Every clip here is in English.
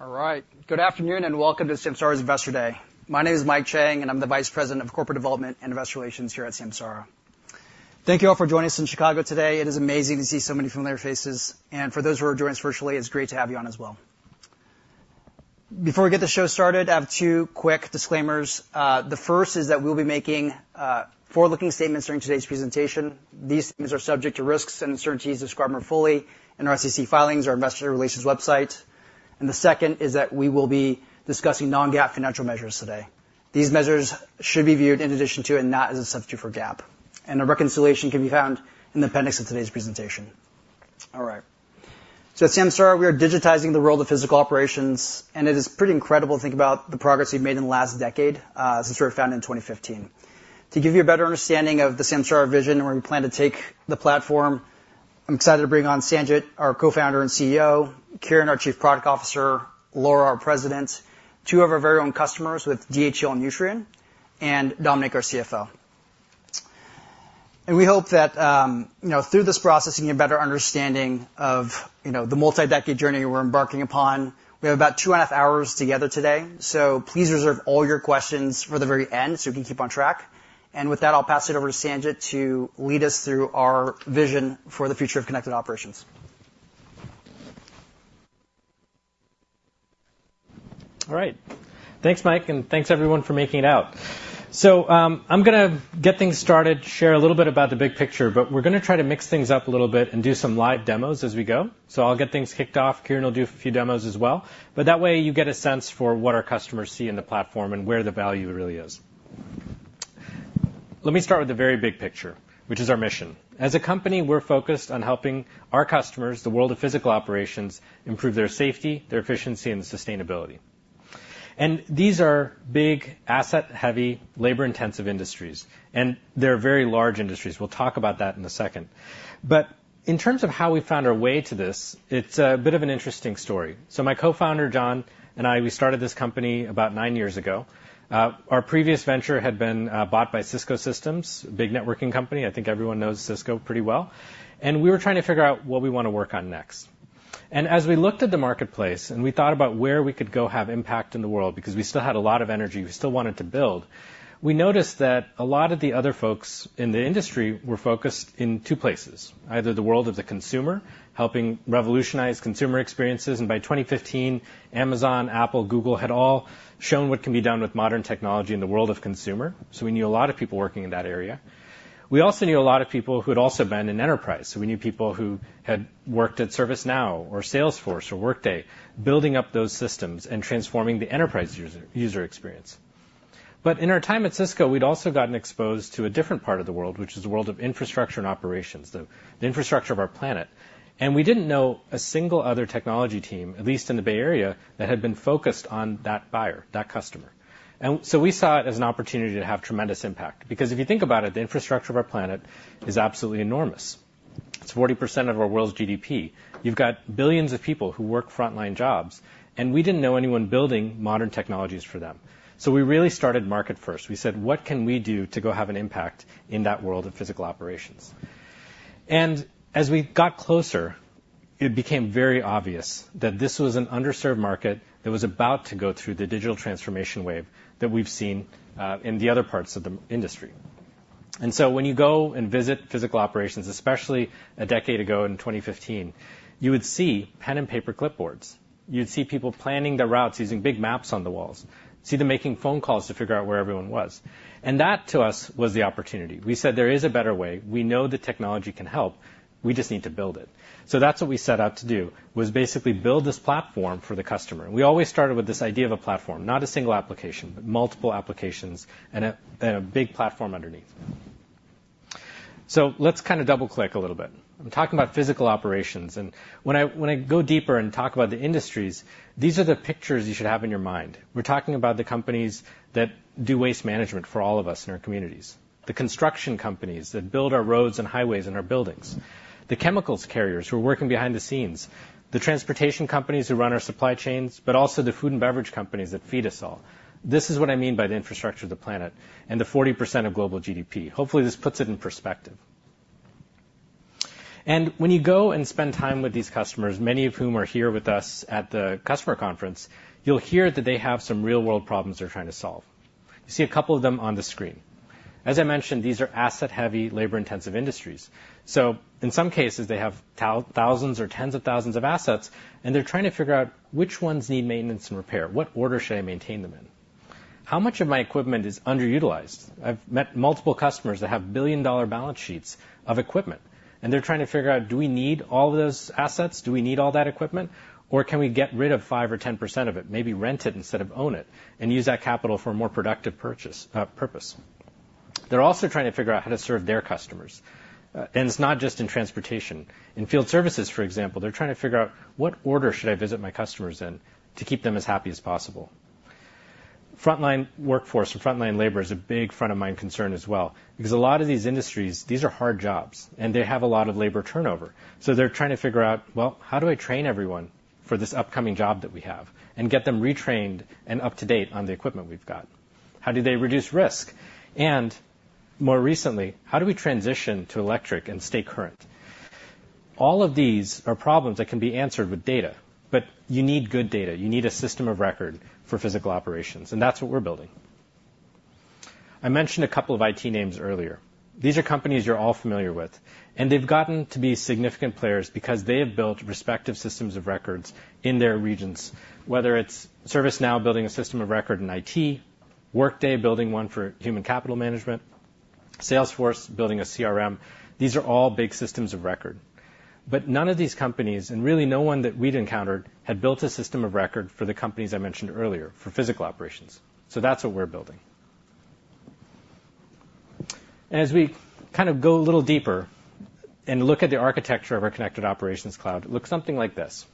All right. Good afternoon and welcome to Samsara's Investor Day. My name is Mike Chang, and I'm the Vice President of Corporate Development and Investor Relations here at Samsara. Thank you all for joining us in Chicago today. It is amazing to see so many familiar faces. And for those who are joining us virtually, it's great to have you on as well. Before we get the show started, I have two quick disclaimers. The first is that we'll be making forward-looking statements during today's presentation. These statements are subject to risks and uncertainties described more fully in our SEC filings, our Investor Relations website. And the second is that we will be discussing non-GAAP financial measures today. These measures should be viewed in addition to and not as a substitute for GAAP. And a reconciliation can be found in the appendix of today's presentation. All right. So at Samsara, we are digitizing the world of physical operations, and it is pretty incredible to think about the progress we've made in the last decade since we were founded in 2015. To give you a better understanding of the Samsara vision and where we plan to take the platform, I'm excited to bring on Sanjit, our co-founder and CEO, Kiren, our Chief Product Officer, Lara, our President, two of our very own customers with DHL Nutrien, and Dominic, our CFO. We hope that through this process, you can get a better understanding of the multi-decade journey we're embarking upon. We have about 2.5 hours together today, so please reserve all your questions for the very end so we can keep on track. With that, I'll pass it over to Sanjit to lead us through our vision for the future of connected operations. All right. Thanks, Mike, and thanks, everyone, for making it out. I'm going to get things started, share a little bit about the big picture, but we're going to try to mix things up a little bit and do some live demos as we go. I'll get things kicked off. Kiren will do a few demos as well. But that way, you get a sense for what our customers see in the platform and where the value really is. Let me start with the very big picture, which is our mission. As a company, we're focused on helping our customers, the world of physical operations, improve their safety, their efficiency, and sustainability. These are big, asset-heavy, labor-intensive industries, and they're very large industries. We'll talk about that in a second. But in terms of how we found our way to this, it's a bit of an interesting story. So my co-founder, John, and I, we started this company about nine years ago. Our previous venture had been bought by Cisco Systems, a big networking company. I think everyone knows Cisco pretty well. We were trying to figure out what we want to work on next. As we looked at the marketplace and we thought about where we could go have impact in the world because we still had a lot of energy, we still wanted to build, we noticed that a lot of the other folks in the industry were focused in two places: either the world of the consumer, helping revolutionize consumer experiences. By 2015, Amazon, Apple, Google had all shown what can be done with modern technology in the world of consumer. So we knew a lot of people working in that area. We also knew a lot of people who had also been in enterprise. So we knew people who had worked at ServiceNow or Salesforce or Workday, building up those systems and transforming the enterprise user experience. But in our time at Cisco, we'd also gotten exposed to a different part of the world, which is the world of infrastructure and operations, the infrastructure of our planet. And we didn't know a single other technology team, at least in the Bay Area, that had been focused on that buyer, that customer. And so we saw it as an opportunity to have tremendous impact. Because if you think about it, the infrastructure of our planet is absolutely enormous. It's 40% of our world's GDP. You've got billions of people who work frontline jobs, and we didn't know anyone building modern technologies for them. So we really started market first. We said, "What can we do to go have an impact in that world of physical operations?" And as we got closer, it became very obvious that this was an underserved market that was about to go through the digital transformation wave that we've seen in the other parts of the industry. And so when you go and visit physical operations, especially a decade ago in 2015, you would see pen-and-paper clipboards. You'd see people planning their routes using big maps on the walls, see them making phone calls to figure out where everyone was. And that, to us, was the opportunity. We said, "There is a better way. We know the technology can help. We just need to build it." So that's what we set out to do, was basically build this platform for the customer. We always started with this idea of a platform, not a single application, but multiple applications and a big platform underneath. So let's kind of double-click a little bit. I'm talking about physical operations. When I go deeper and talk about the industries, these are the pictures you should have in your mind. We're talking about the companies that do waste management for all of us in our communities, the construction companies that build our roads and highways and our buildings, the chemicals carriers who are working behind the scenes, the transportation companies who run our supply chains, but also the food and beverage companies that feed us all. This is what I mean by the infrastructure of the planet and the 40% of global GDP. Hopefully, this puts it in perspective. When you go and spend time with these customers, many of whom are here with us at the customer conference, you'll hear that they have some real-world problems they're trying to solve. You see a couple of them on the screen. As I mentioned, these are asset-heavy, labor-intensive industries. In some cases, they have thousands or tens of thousands of assets, and they're trying to figure out which ones need maintenance and repair. What order should I maintain them in? How much of my equipment is underutilized? I've met multiple customers that have billion-dollar balance sheets of equipment, and they're trying to figure out, do we need all of those assets? Do we need all that equipment? Or can we get rid of 5% or 10% of it, maybe rent it instead of own it, and use that capital for a more productive purpose? They're also trying to figure out how to serve their customers. And it's not just in transportation. In field services, for example, they're trying to figure out, what order should I visit my customers in to keep them as happy as possible? Frontline workforce and frontline labor is a big front-of-mind concern as well. Because a lot of these industries, these are hard jobs, and they have a lot of labor turnover. So they're trying to figure out, well, how do I train everyone for this upcoming job that we have and get them retrained and up-to-date on the equipment we've got? How do they reduce risk? And more recently, how do we transition to electric and stay current? All of these are problems that can be answered with data, but you need good data. You need a system of record for physical operations, and that's what we're building. I mentioned a couple of IT names earlier. These are companies you're all familiar with, and they've gotten to be significant players because they have built respective systems of records in their regions, whether it's ServiceNow building a system of record in IT, Workday building one for human capital management, Salesforce building a CRM. These are all big systems of record. But none of these companies, and really no one that we'd encountered, had built a system of record for the companies I mentioned earlier for physical operations. So that's what we're building. As we kind of go a little deeper and look at the architecture of our connected operations cloud, it looks something like this.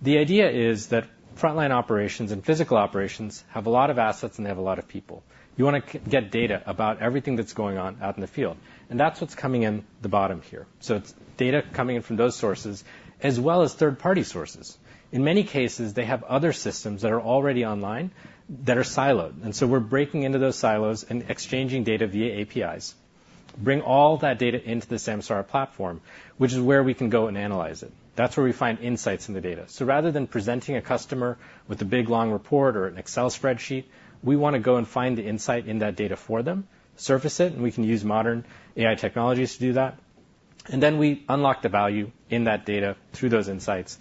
The idea is that frontline operations and physical operations have a lot of assets, and they have a lot of people. You want to get data about everything that's going on out in the field. That's what's coming in the bottom here. It's data coming in from those sources as well as third-party sources. In many cases, they have other systems that are already online that are siloed. We're breaking into those silos and exchanging data via APIs, bring all that data into the Samsara platform, which is where we can go and analyze it. That's where we find insights in the data. Rather than presenting a customer with a big, long report or an Excel spreadsheet, we want to go and find the insight in that data for them, surface it, and we can use modern AI technologies to do that. We unlock the value in that data through those insights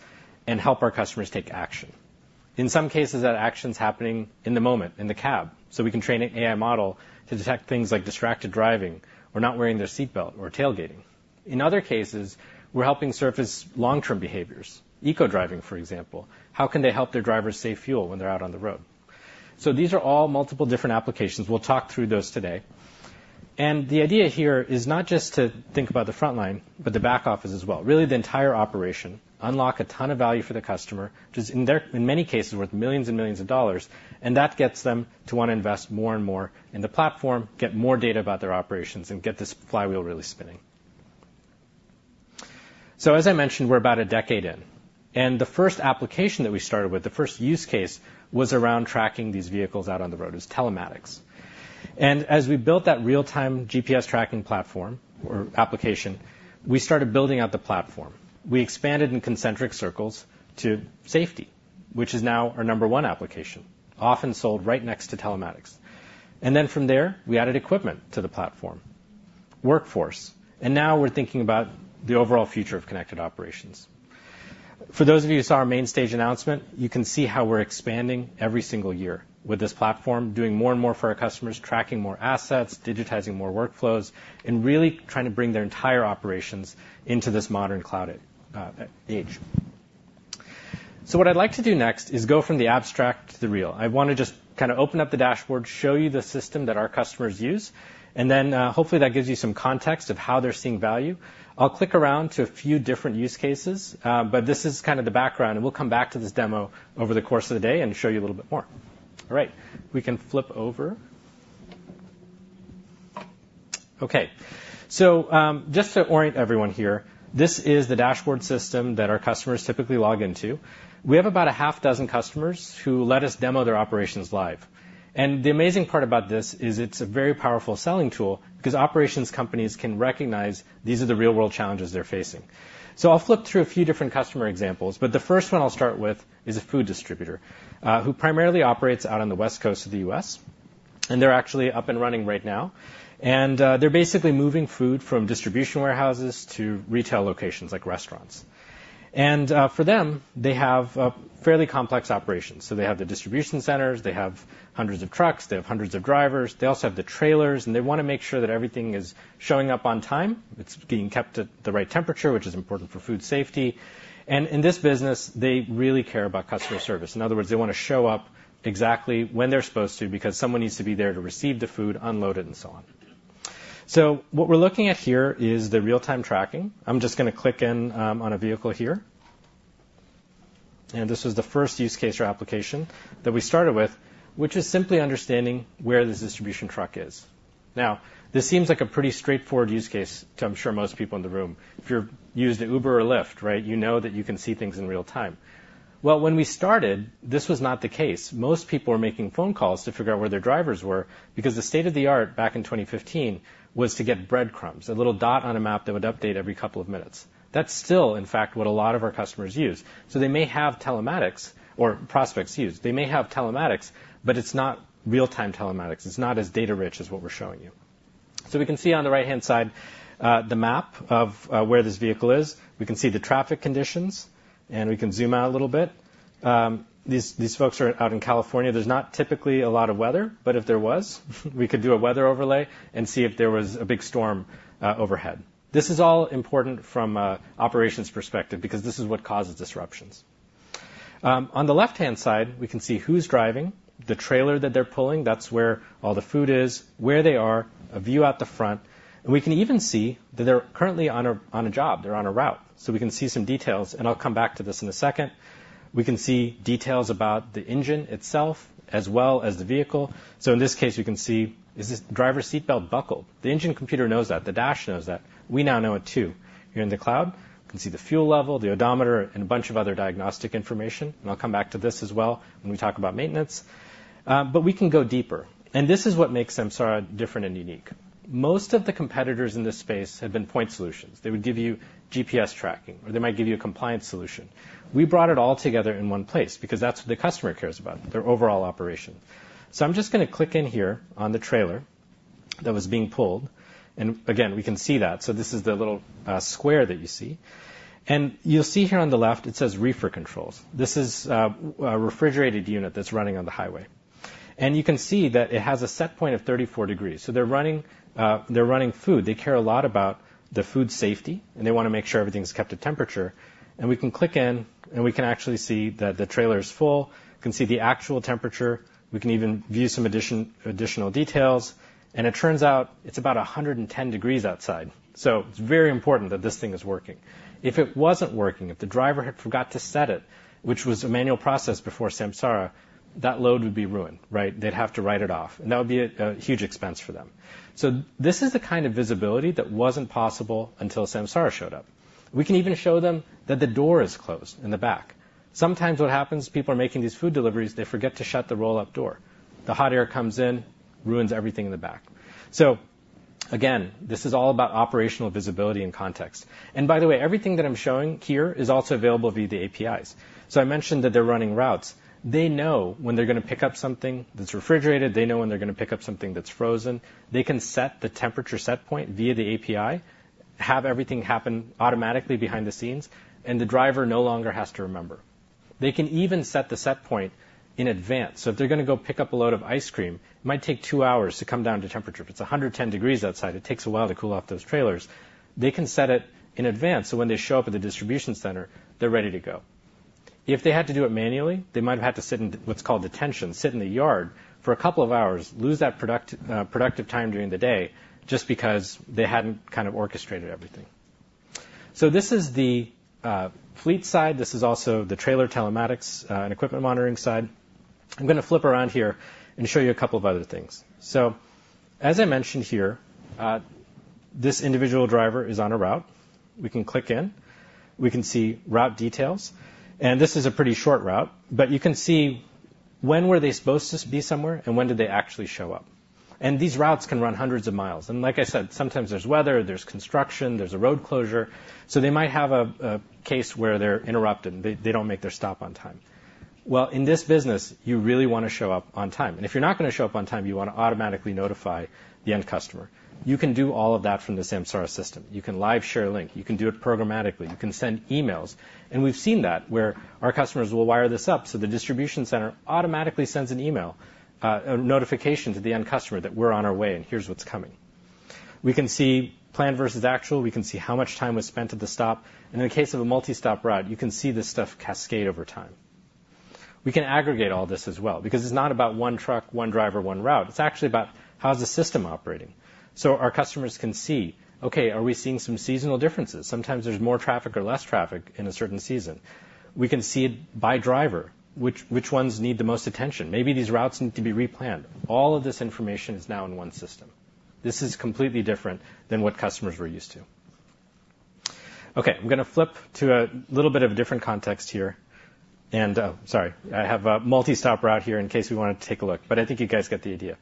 and help our customers take action. In some cases, that action's happening in the moment, in the cab. We can train an AI model to detect things like distracted driving or not wearing their seat belt or tailgating. In other cases, we're helping surface long-term behaviors, eco-driving, for example. How can they help their drivers save fuel when they're out on the road? These are all multiple different applications. We'll talk through those today. The idea here is not just to think about the frontline, but the back office as well. Really, the entire operation, unlock a ton of value for the customer, which is, in many cases, worth millions and millions of dollars. And that gets them to want to invest more and more in the platform, get more data about their operations, and get this flywheel really spinning. So as I mentioned, we're about a decade in. And the first application that we started with, the first use case, was around tracking these vehicles out on the road as telematics. And as we built that real-time GPS tracking platform or application, we started building out the platform. We expanded in concentric circles to safety, which is now our number one application, often sold right next to telematics. And then from there, we added equipment to the platform, workforce. And now we're thinking about the overall future of connected operations. For those of you who saw our main stage announcement, you can see how we're expanding every single year with this platform, doing more and more for our customers, tracking more assets, digitizing more workflows, and really trying to bring their entire operations into this modern cloud age. So what I'd like to do next is go from the abstract to the real. I want to just kind of open up the dashboard, show you the system that our customers use, and then hopefully that gives you some context of how they're seeing value. I'll click around to a few different use cases, but this is kind of the background. We'll come back to this demo over the course of the day and show you a little bit more. All right. We can flip over. Okay. Just to orient everyone here, this is the dashboard system that our customers typically log into. We have about a half dozen customers who let us demo their operations live. The amazing part about this is it's a very powerful selling tool because operations companies can recognize these are the real-world challenges they're facing. I'll flip through a few different customer examples. The first one I'll start with is a food distributor who primarily operates out on the West Coast of the U.S. They're actually up and running right now. They're basically moving food from distribution warehouses to retail locations like restaurants. For them, they have fairly complex operations. They have the distribution centers. They have hundreds of trucks. They have hundreds of drivers. They also have the trailers. They want to make sure that everything is showing up on time. It's being kept at the right temperature, which is important for food safety. In this business, they really care about customer service. In other words, they want to show up exactly when they're supposed to because someone needs to be there to receive the food, unload it, and so on. What we're looking at here is the real-time tracking. I'm just going to click in on a vehicle here. This was the first use case or application that we started with, which is simply understanding where this distribution truck is. Now, this seems like a pretty straightforward use case to, I'm sure, most people in the room. If you've used an Uber or Lyft, right, you know that you can see things in real time. Well, when we started, this was not the case. Most people were making phone calls to figure out where their drivers were because the state of the art back in 2015 was to get breadcrumbs, a little dot on a map that would update every couple of minutes. That's still, in fact, what a lot of our customers use. So they may have telematics or prospects use. They may have telematics, but it's not real-time telematics. It's not as data-rich as what we're showing you. So we can see on the right-hand side the map of where this vehicle is. We can see the traffic conditions, and we can zoom out a little bit. These folks are out in California. There's not typically a lot of weather, but if there was, we could do a weather overlay and see if there was a big storm overhead. This is all important from an operations perspective because this is what causes disruptions. On the left-hand side, we can see who's driving, the trailer that they're pulling. That's where all the food is, where they are, a view out the front. We can even see that they're currently on a job. They're on a route. So we can see some details. I'll come back to this in a second. We can see details about the engine itself as well as the vehicle. So in this case, we can see, is this driver's seat belt buckled? The engine computer knows that. The dash knows that. We now know it too. You're in the cloud. You can see the fuel level, the odometer, and a bunch of other diagnostic information. I'll come back to this as well when we talk about maintenance. But we can go deeper. This is what makes Samsara different and unique. Most of the competitors in this space have been point solutions. They would give you GPS tracking, or they might give you a compliance solution. We brought it all together in one place because that's what the customer cares about, their overall operation. I'm just going to click in here on the trailer that was being pulled. Again, we can see that. This is the little square that you see. You'll see here on the left, it says reefer controls. This is a refrigerated unit that's running on the highway. You can see that it has a set point of 34 degrees. They're running food. They care a lot about the food safety, and they want to make sure everything's kept at temperature. We can click in, and we can actually see that the trailer is full. We can see the actual temperature. We can even view some additional details. It turns out it's about 110 degrees outside. So it's very important that this thing is working. If it wasn't working, if the driver had forgotten to set it, which was a manual process before Samsara, that load would be ruined, right? They'd have to write it off. That would be a huge expense for them. So this is the kind of visibility that wasn't possible until Samsara showed up. We can even show them that the door is closed in the back. Sometimes what happens, people are making these food deliveries, they forget to shut the roll-up door. The hot air comes in, ruins everything in the back. So again, this is all about operational visibility and context. By the way, everything that I'm showing here is also available via the APIs. I mentioned that they're running routes. They know when they're going to pick up something that's refrigerated. They know when they're going to pick up something that's frozen. They can set the temperature set point via the API, have everything happen automatically behind the scenes, and the driver no longer has to remember. They can even set the set point in advance. So if they're going to go pick up a load of ice cream, it might take two hours to come down to temperature. If it's 110 degrees outside, it takes a while to cool off those trailers. They can set it in advance so when they show up at the distribution center, they're ready to go. If they had to do it manually, they might have had to sit in what's called detention, sit in the yard for a couple of hours, lose that productive time during the day just because they hadn't kind of orchestrated everything. This is the fleet side. This is also the trailer telematics and equipment monitoring side. I'm going to flip around here and show you a couple of other things. As I mentioned here, this individual driver is on a route. We can click in. We can see route details. This is a pretty short route, but you can see when they were supposed to be somewhere and when they actually showed up. These routes can run hundreds of miles. Like I said, sometimes there's weather, there's construction, there's a road closure. They might have a case where they're interrupted. They don't make their stop on time. Well, in this business, you really want to show up on time. And if you're not going to show up on time, you want to automatically notify the end customer. You can do all of that from the Samsara system. You can live share a link. You can do it programmatically. You can send emails. And we've seen that where our customers will wire this up. So the distribution center automatically sends an email, a notification to the end customer that we're on our way and here's what's coming. We can see plan versus actual. We can see how much time was spent at the stop. And in the case of a multi-stop route, you can see this stuff cascade over time. We can aggregate all this as well because it's not about one truck, one driver, one route. It's actually about how's the system operating. Our customers can see, okay, are we seeing some seasonal differences? Sometimes there's more traffic or less traffic in a certain season. We can see it by driver, which ones need the most attention. Maybe these routes need to be replanned. All of this information is now in one system. This is completely different than what customers were used to. Okay. I'm going to flip to a little bit of a different context here. Sorry, I have a multi-stop route here in case we want to take a look. I think you guys get the idea.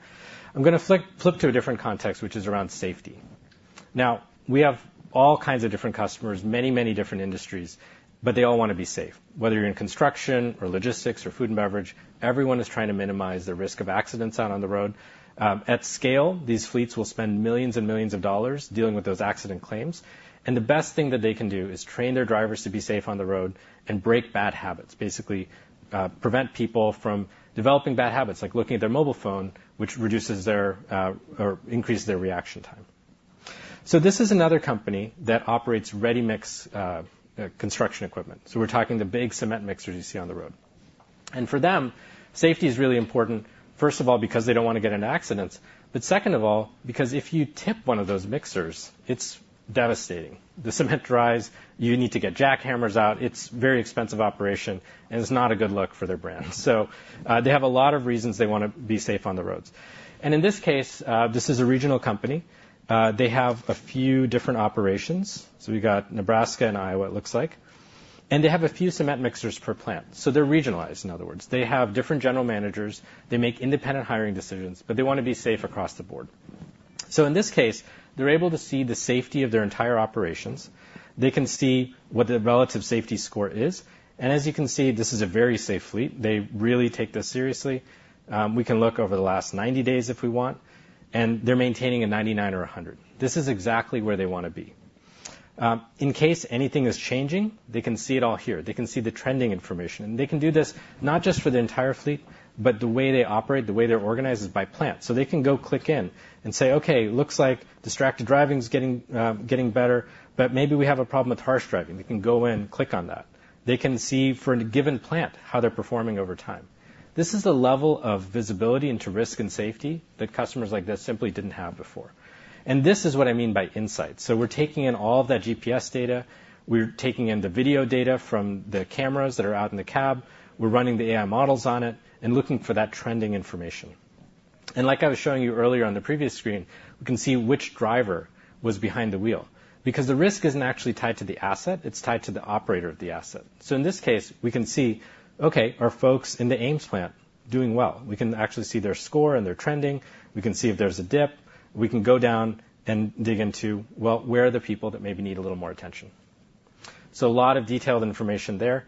I'm going to flip to a different context, which is around safety. Now, we have all kinds of different customers, many, many different industries, but they all want to be safe. Whether you're in construction or logistics or food and beverage, everyone is trying to minimize the risk of accidents out on the road. At scale, these fleets will spend $millions and millions dealing with those accident claims. The best thing that they can do is train their drivers to be safe on the road and break bad habits, basically prevent people from developing bad habits, like looking at their mobile phone, which reduces their or increases their reaction time. This is another company that operates ready-mix construction equipment. We're talking the big cement mixers you see on the road. For them, safety is really important, first of all, because they don't want to get into accidents, but second of all, because if you tip one of those mixers, it's devastating. The cement dries. You need to get jackhammers out. It's a very expensive operation, and it's not a good look for their brand. So they have a lot of reasons they want to be safe on the roads. And in this case, this is a regional company. They have a few different operations. So we've got Nebraska and Iowa, it looks like. And they have a few cement mixers per plant. So they're regionalized, in other words. They have different general managers. They make independent hiring decisions, but they want to be safe across the board. So in this case, they're able to see the safety of their entire operations. They can see what the relative safety score is. And as you can see, this is a very safe fleet. They really take this seriously. We can look over the last 90 days if we want. And they're maintaining a 99 or 100. This is exactly where they want to be. In case anything is changing, they can see it all here. They can see the trending information. They can do this not just for the entire fleet, but the way they operate, the way they're organized is by plant. They can go click in and say, "Okay, looks like distracted driving is getting better, but maybe we have a problem with harsh driving." They can go in, click on that. They can see for a given plant how they're performing over time. This is the level of visibility into risk and safety that customers like this simply didn't have before. This is what I mean by insights. We're taking in all of that GPS data. We're taking in the video data from the cameras that are out in the cab. We're running the AI models on it and looking for that trending information. Like I was showing you earlier on the previous screen, we can see which driver was behind the wheel because the risk isn't actually tied to the asset. It's tied to the operator of the asset. So in this case, we can see, okay, are folks in the Ames plant doing well? We can actually see their score and their trending. We can see if there's a dip. We can go down and dig into, well, where are the people that maybe need a little more attention? So a lot of detailed information there.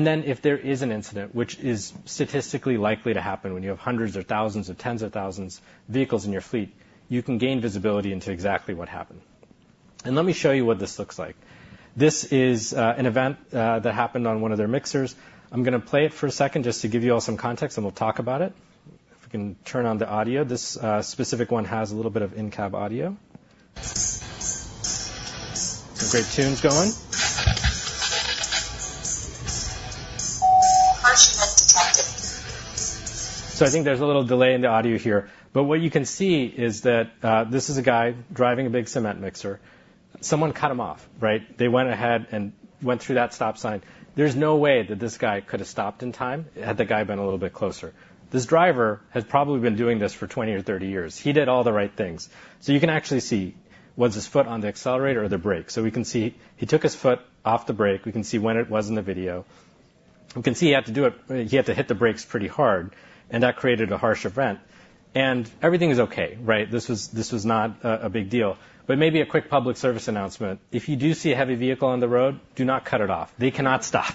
Then if there is an incident, which is statistically likely to happen when you have hundreds or thousands or tens of thousands of vehicles in your fleet, you can gain visibility into exactly what happened. Let me show you what this looks like. This is an event that happened on one of their mixers. I'm going to play it for a second just to give you all some context, and we'll talk about it. If we can turn on the audio, this specific one has a little bit of in-cab audio. Some great tunes going. Harshness detected. So I think there's a little delay in the audio here. But what you can see is that this is a guy driving a big cement mixer. Someone cut him off, right? They went ahead and went through that stop sign. There's no way that this guy could have stopped in time had the guy been a little bit closer. This driver has probably been doing this for 20 or 30 years. He did all the right things. You can actually see, was his foot on the accelerator or the brake? We can see he took his foot off the brake. We can see when it was in the video. We can see he had to do it. He had to hit the brakes pretty hard, and that created a harsh event. Everything is okay, right? This was not a big deal. Maybe a quick public service announcement. If you do see a heavy vehicle on the road, do not cut it off. They cannot stop.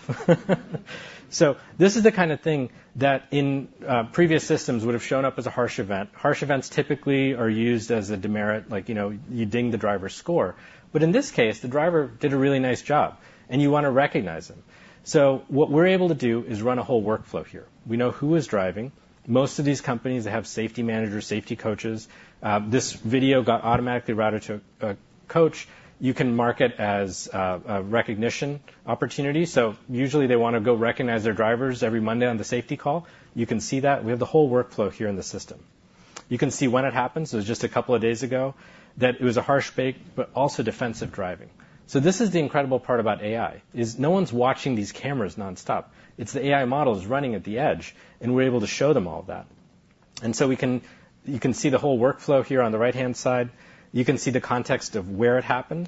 This is the kind of thing that in previous systems would have shown up as a harsh event. Harsh events typically are used as a demerit, like you ding the driver's score. In this case, the driver did a really nice job, and you want to recognize him. So what we're able to do is run a whole workflow here. We know who is driving. Most of these companies, they have safety managers, safety coaches. This video got automatically routed to a coach. You can mark it as a recognition opportunity. So usually, they want to go recognize their drivers every Monday on the safety call. You can see that. We have the whole workflow here in the system. You can see when it happened. So it was just a couple of days ago that it was a harsh, but also defensive driving. So this is the incredible part about AI is no one's watching these cameras nonstop. It's the AI models running at the edge, and we're able to show them all of that. And so you can see the whole workflow here on the right-hand side. You can see the context of where it happened.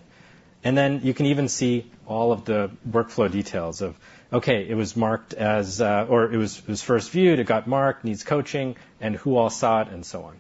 And then you can even see all of the workflow details of, okay, it was marked as, or it was first viewed, it got marked, needs coaching, and who all saw it, and so on.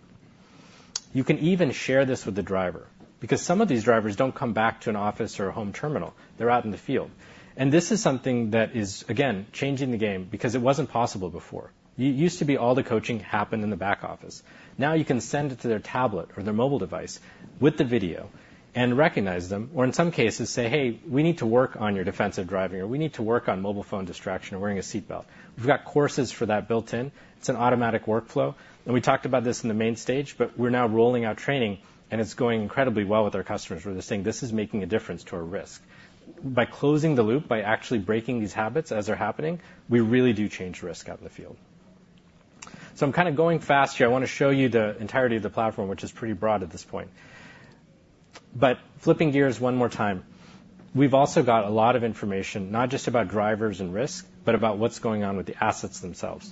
You can even share this with the driver because some of these drivers don't come back to an office or a home terminal. They're out in the field. And this is something that is, again, changing the game because it wasn't possible before. It used to be all the coaching happened in the back office. Now you can send it to their tablet or their mobile device with the video and recognize them, or in some cases, say, "Hey, we need to work on your defensive driving," or, "We need to work on mobile phone distraction or wearing a seatbelt." We've got courses for that built in. It's an automatic workflow. We talked about this in the main stage, but we're now rolling out training, and it's going incredibly well with our customers. We're just saying this is making a difference to our risk. By closing the loop, by actually breaking these habits as they're happening, we really do change risk out in the field. So I'm kind of going fast here. I want to show you the entirety of the platform, which is pretty broad at this point. But flipping gears one more time, we've also got a lot of information, not just about drivers and risk, but about what's going on with the assets themselves.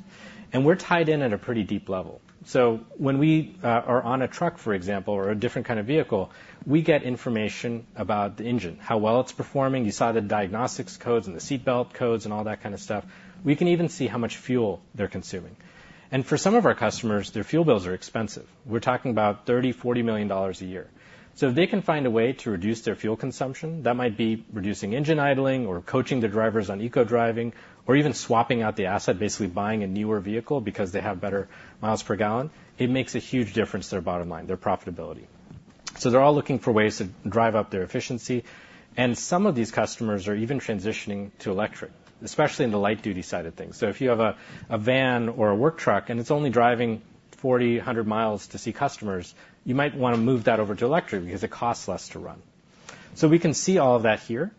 And we're tied in at a pretty deep level. So when we are on a truck, for example, or a different kind of vehicle, we get information about the engine, how well it's performing. You saw the diagnostics codes and the seatbelt codes and all that kind of stuff. We can even see how much fuel they're consuming. And for some of our customers, their fuel bills are expensive. We're talking about $30 million-$40 million a year. So if they can find a way to reduce their fuel consumption, that might be reducing engine idling or coaching the drivers on eco-driving or even swapping out the asset, basically buying a newer vehicle because they have better miles per gallon, it makes a huge difference to their bottom line, their profitability. So they're all looking for ways to drive up their efficiency. And some of these customers are even transitioning to electric, especially in the light-duty side of things. So if you have a van or a work truck and it's only driving 40-100 miles to see customers, you might want to move that over to electric because it costs less to run. So we can see all of that here.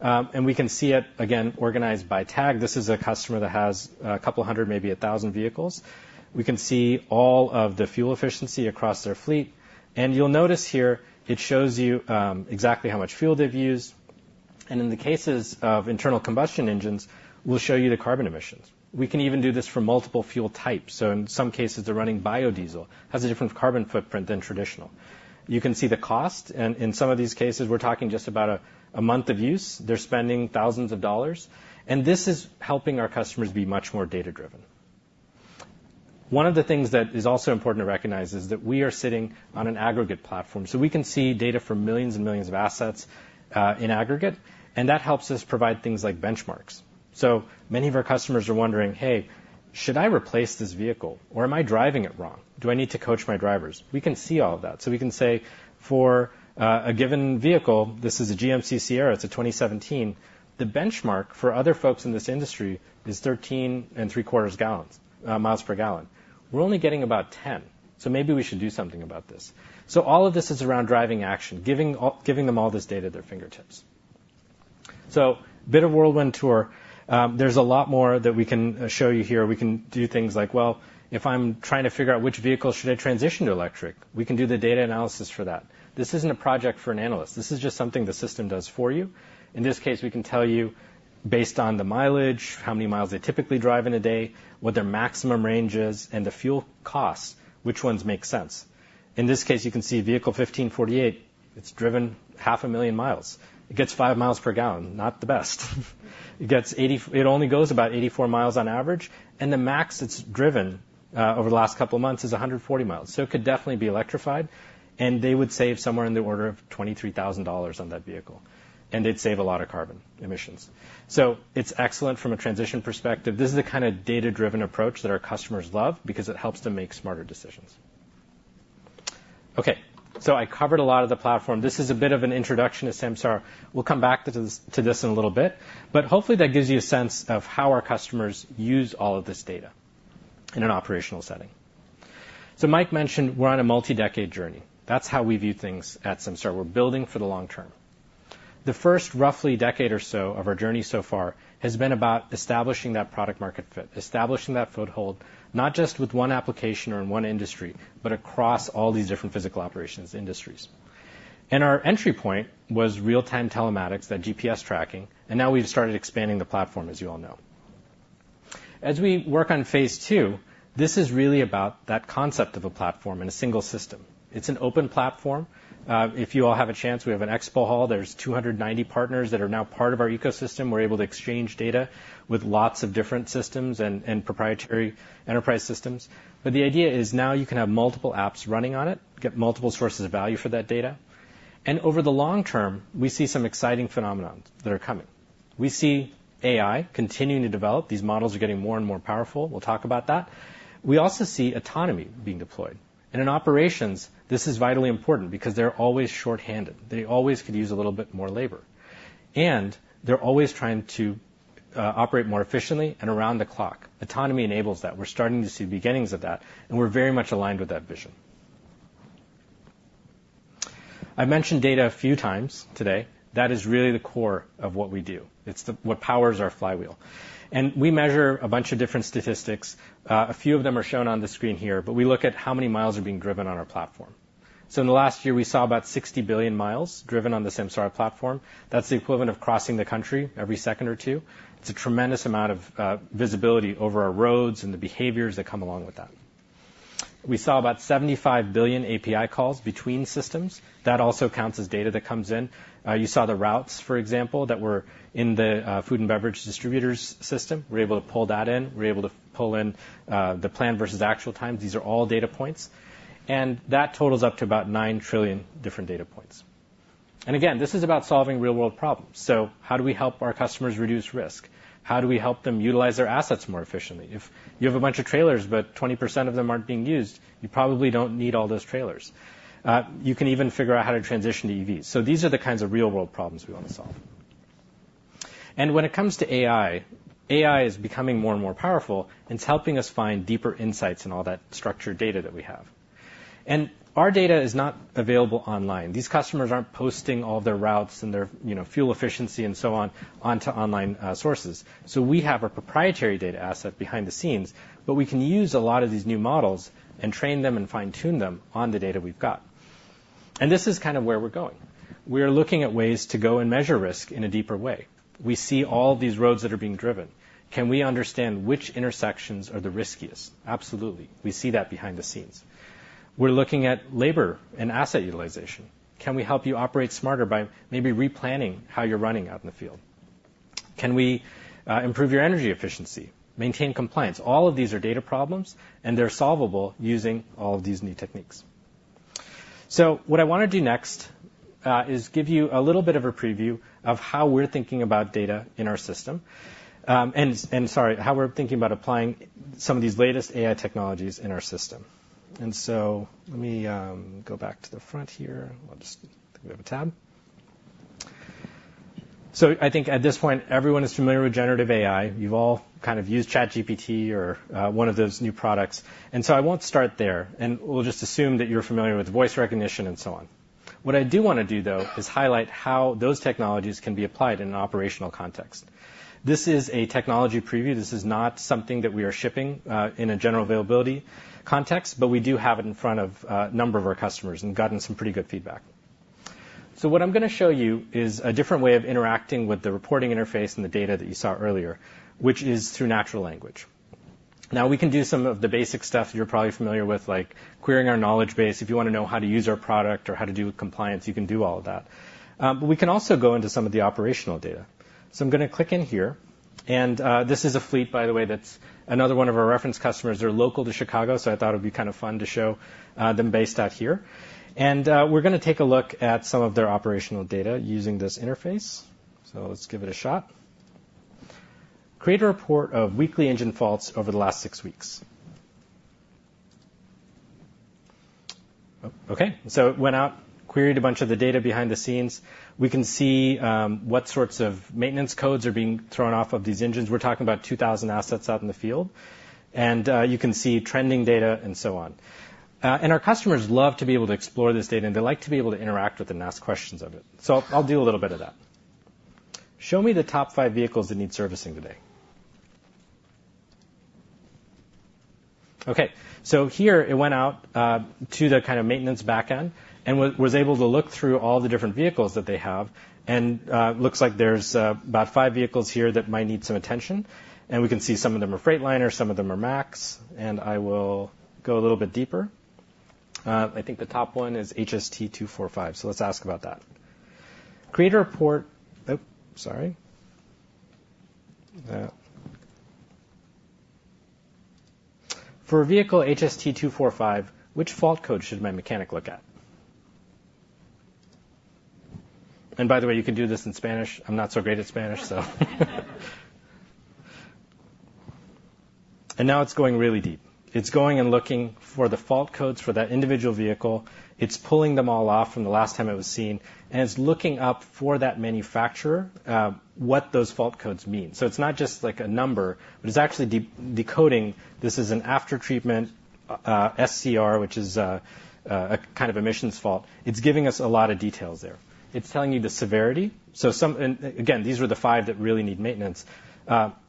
And we can see it, again, organized by tag. This is a customer that has a couple hundred, maybe 1,000 vehicles. We can see all of the fuel efficiency across their fleet. And you'll notice here it shows you exactly how much fuel they've used. And in the cases of internal combustion engines, we'll show you the carbon emissions. We can even do this for multiple fuel types. So in some cases, they're running biodiesel, has a different carbon footprint than traditional. You can see the cost. And in some of these cases, we're talking just about a month of use. They're spending thousands of dollars. This is helping our customers be much more data-driven. One of the things that is also important to recognize is that we are sitting on an aggregate platform. We can see data for millions and millions of assets in aggregate. That helps us provide things like benchmarks. Many of our customers are wondering, "Hey, should I replace this vehicle or am I driving it wrong? Do I need to coach my drivers?" We can see all of that. We can say for a given vehicle, this is a GMC Sierra. It's a 2017. The benchmark for other folks in this industry is 13.75 miles per gallon. We're only getting about 10. Maybe we should do something about this. All of this is around driving action, giving them all this data at their fingertips. So bit of a whirlwind tour. There's a lot more that we can show you here. We can do things like, well, if I'm trying to figure out which vehicle should I transition to electric, we can do the data analysis for that. This isn't a project for an analyst. This is just something the system does for you. In this case, we can tell you based on the mileage, how many miles they typically drive in a day, what their maximum range is, and the fuel costs, which ones make sense. In this case, you can see vehicle 1548, it's driven 500,000 miles. It gets 5 miles per gallon, not the best. It only goes about 84 miles on average. And the max it's driven over the last couple of months is 140 miles. So it could definitely be electrified. They would save somewhere in the order of $23,000 on that vehicle. They'd save a lot of carbon emissions. So it's excellent from a transition perspective. This is the kind of data-driven approach that our customers love because it helps them make smarter decisions. Okay. So I covered a lot of the platform. This is a bit of an introduction to Samsara. We'll come back to this in a little bit. But hopefully, that gives you a sense of how our customers use all of this data in an operational setting. So Mike mentioned we're on a multi-decade journey. That's how we view things at Samsara. We're building for the long term. The first roughly decade or so of our journey so far has been about establishing that product-market fit, establishing that foothold, not just with one application or in one industry, but across all these different physical operations, industries. Our entry point was real-time telematics, that GPS tracking. Now we've started expanding the platform, as you all know. As we work on phase two, this is really about that concept of a platform in a single system. It's an open platform. If you all have a chance, we have an expo hall. There's 290 partners that are now part of our ecosystem. We're able to exchange data with lots of different systems and proprietary enterprise systems. But the idea is now you can have multiple apps running on it, get multiple sources of value for that data. Over the long term, we see some exciting phenomena that are coming. We see AI continuing to develop. These models are getting more and more powerful. We'll talk about that. We also see autonomy being deployed. In operations, this is vitally important because they're always shorthanded. They always could use a little bit more labor. They're always trying to operate more efficiently and around the clock. Autonomy enables that. We're starting to see the beginnings of that. We're very much aligned with that vision. I've mentioned data a few times today. That is really the core of what we do. It's what powers our flywheel. We measure a bunch of different statistics. A few of them are shown on the screen here, but we look at how many miles are being driven on our platform. In the last year, we saw about 60 billion miles driven on the Samsara platform. That's the equivalent of crossing the country every second or two. It's a tremendous amount of visibility over our roads and the behaviors that come along with that. We saw about 75 billion API calls between systems. That also counts as data that comes in. You saw the routes, for example, that were in the food and beverage distributors system. We're able to pull that in. We're able to pull in the plan versus actual times. These are all data points. And that totals up to about 9 trillion different data points. And again, this is about solving real-world problems. How do we help our customers reduce risk? How do we help them utilize their assets more efficiently? If you have a bunch of trailers, but 20% of them aren't being used, you probably don't need all those trailers. You can even figure out how to transition to EVs. So these are the kinds of real-world problems we want to solve. And when it comes to AI, AI is becoming more and more powerful. It's helping us find deeper insights in all that structured data that we have. And our data is not available online. These customers aren't posting all of their routes and their fuel efficiency and so on onto online sources. So we have a proprietary data asset behind the scenes, but we can use a lot of these new models and train them and fine-tune them on the data we've got. And this is kind of where we're going. We are looking at ways to go and measure risk in a deeper way. We see all these roads that are being driven. Can we understand which intersections are the riskiest? Absolutely. We see that behind the scenes. We're looking at labor and asset utilization. Can we help you operate smarter by maybe replanning how you're running out in the field? Can we improve your energy efficiency, maintain compliance? All of these are data problems, and they're solvable using all of these new techniques. So what I want to do next is give you a little bit of a preview of how we're thinking about data in our system. And sorry, how we're thinking about applying some of these latest AI technologies in our system. And so let me go back to the front here. I'll just think we have a tab. So I think at this point, everyone is familiar with generative AI. You've all kind of used ChatGPT or one of those new products. And so I won't start there. And we'll just assume that you're familiar with voice recognition and so on. What I do want to do, though, is highlight how those technologies can be applied in an operational context. This is a technology preview. This is not something that we are shipping in a general availability context, but we do have it in front of a number of our customers and gotten some pretty good feedback. So what I'm going to show you is a different way of interacting with the reporting interface and the data that you saw earlier, which is through natural language. Now, we can do some of the basic stuff you're probably familiar with, like querying our knowledge base. If you want to know how to use our product or how to do compliance, you can do all of that. But we can also go into some of the operational data. I'm going to click in here. This is a fleet, by the way, that's another one of our reference customers. They're local to Chicago, so I thought it would be kind of fun to show them based out here. We're going to take a look at some of their operational data using this interface. Let's give it a shot. Create a report of weekly engine faults over the last six weeks. Okay. It went out, queried a bunch of the data behind the scenes. We can see what sorts of maintenance codes are being thrown off of these engines. We're talking about 2,000 assets out in the field. And you can see trending data and so on. And our customers love to be able to explore this data, and they like to be able to interact with it and ask questions of it. So I'll do a little bit of that. Show me the top five vehicles that need servicing today. Okay. So here, it went out to the kind of maintenance backend and was able to look through all the different vehicles that they have. And it looks like there's about five vehicles here that might need some attention. And we can see some of them are Freightliner, some of them are Max. And I will go a little bit deeper. I think the top one is HST 245. So let's ask about that. Create a report. Oh, sorry. For a vehicle HST 245, which fault code should my mechanic look at? And by the way, you can do this in Spanish. I'm not so great at Spanish, so. Now it's going really deep. It's going and looking for the fault codes for that individual vehicle. It's pulling them all off from the last time it was seen. And it's looking up for that manufacturer what those fault codes mean. So it's not just like a number, but it's actually decoding. This is an aftertreatment SCR, which is a kind of emissions fault. It's giving us a lot of details there. It's telling you the severity. So again, these were the five that really need maintenance.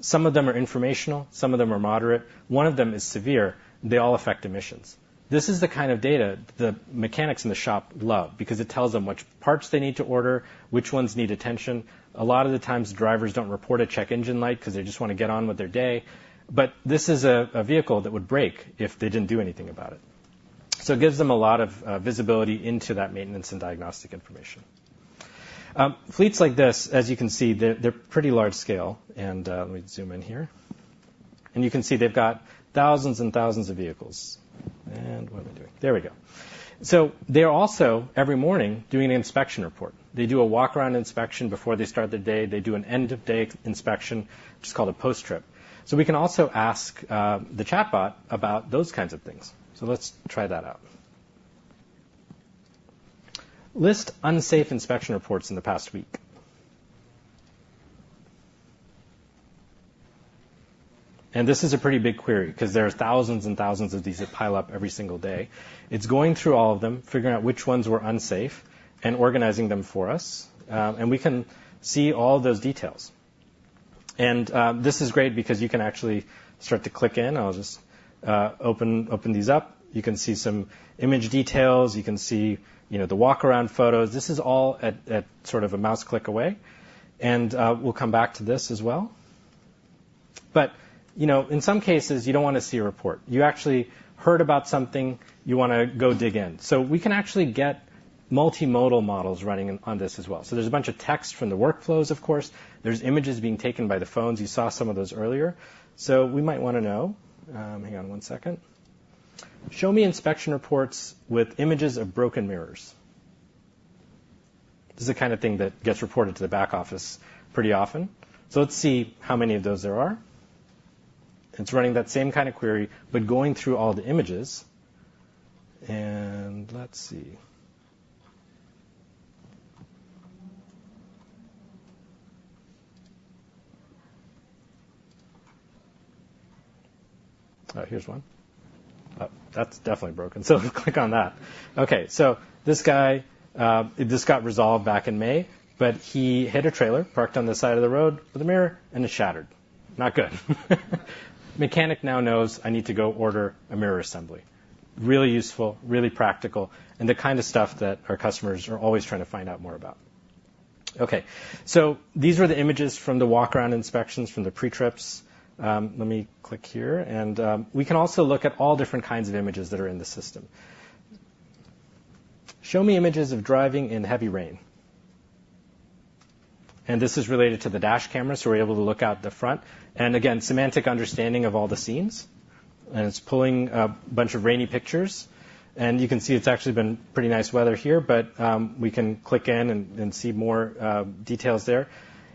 Some of them are informational. Some of them are moderate. One of them is severe. They all affect emissions. This is the kind of data the mechanics in the shop love because it tells them which parts they need to order, which ones need attention. A lot of the times, drivers don't report a check engine light because they just want to get on with their day. But this is a vehicle that would break if they didn't do anything about it. So it gives them a lot of visibility into that maintenance and diagnostic information. Fleets like this, as you can see, they're pretty large scale. And let me zoom in here. And you can see they've got thousands and thousands of vehicles. And what am I doing? There we go. So they're also every morning doing an inspection report. They do a walk-around inspection before they start the day. They do an end-of-day inspection, just called a post-trip. So we can also ask the chatbot about those kinds of things. So let's try that out. List unsafe inspection reports in the past week. This is a pretty big query because there are thousands and thousands of these that pile up every single day. It's going through all of them, figuring out which ones were unsafe, and organizing them for us. We can see all of those details. This is great because you can actually start to click in. I'll just open these up. You can see some image details. You can see the walk-around photos. This is all at sort of a mouse click away. We'll come back to this as well. But in some cases, you don't want to see a report. You actually heard about something. You want to go dig in. We can actually get multimodal models running on this as well. There's a bunch of text from the workflows, of course. There's images being taken by the phones. You saw some of those earlier. So we might want to know. Hang on one second. Show me inspection reports with images of broken mirrors. This is the kind of thing that gets reported to the back office pretty often. So let's see how many of those there are. It's running that same kind of query, but going through all the images. And let's see. Here's one. That's definitely broken. So click on that. Okay. So this guy, this got resolved back in May, but he hit a trailer parked on the side of the road with a mirror, and it shattered. Not good. Mechanic now knows I need to go order a mirror assembly. Really useful, really practical, and the kind of stuff that our customers are always trying to find out more about. Okay. So these were the images from the walk-around inspections, from the pre-trips. Let me click here. And we can also look at all different kinds of images that are in the system. Show me images of driving in heavy rain. And this is related to the dash camera, so we're able to look out the front. And again, semantic understanding of all the scenes. And it's pulling a bunch of rainy pictures. And you can see it's actually been pretty nice weather here, but we can click in and see more details there.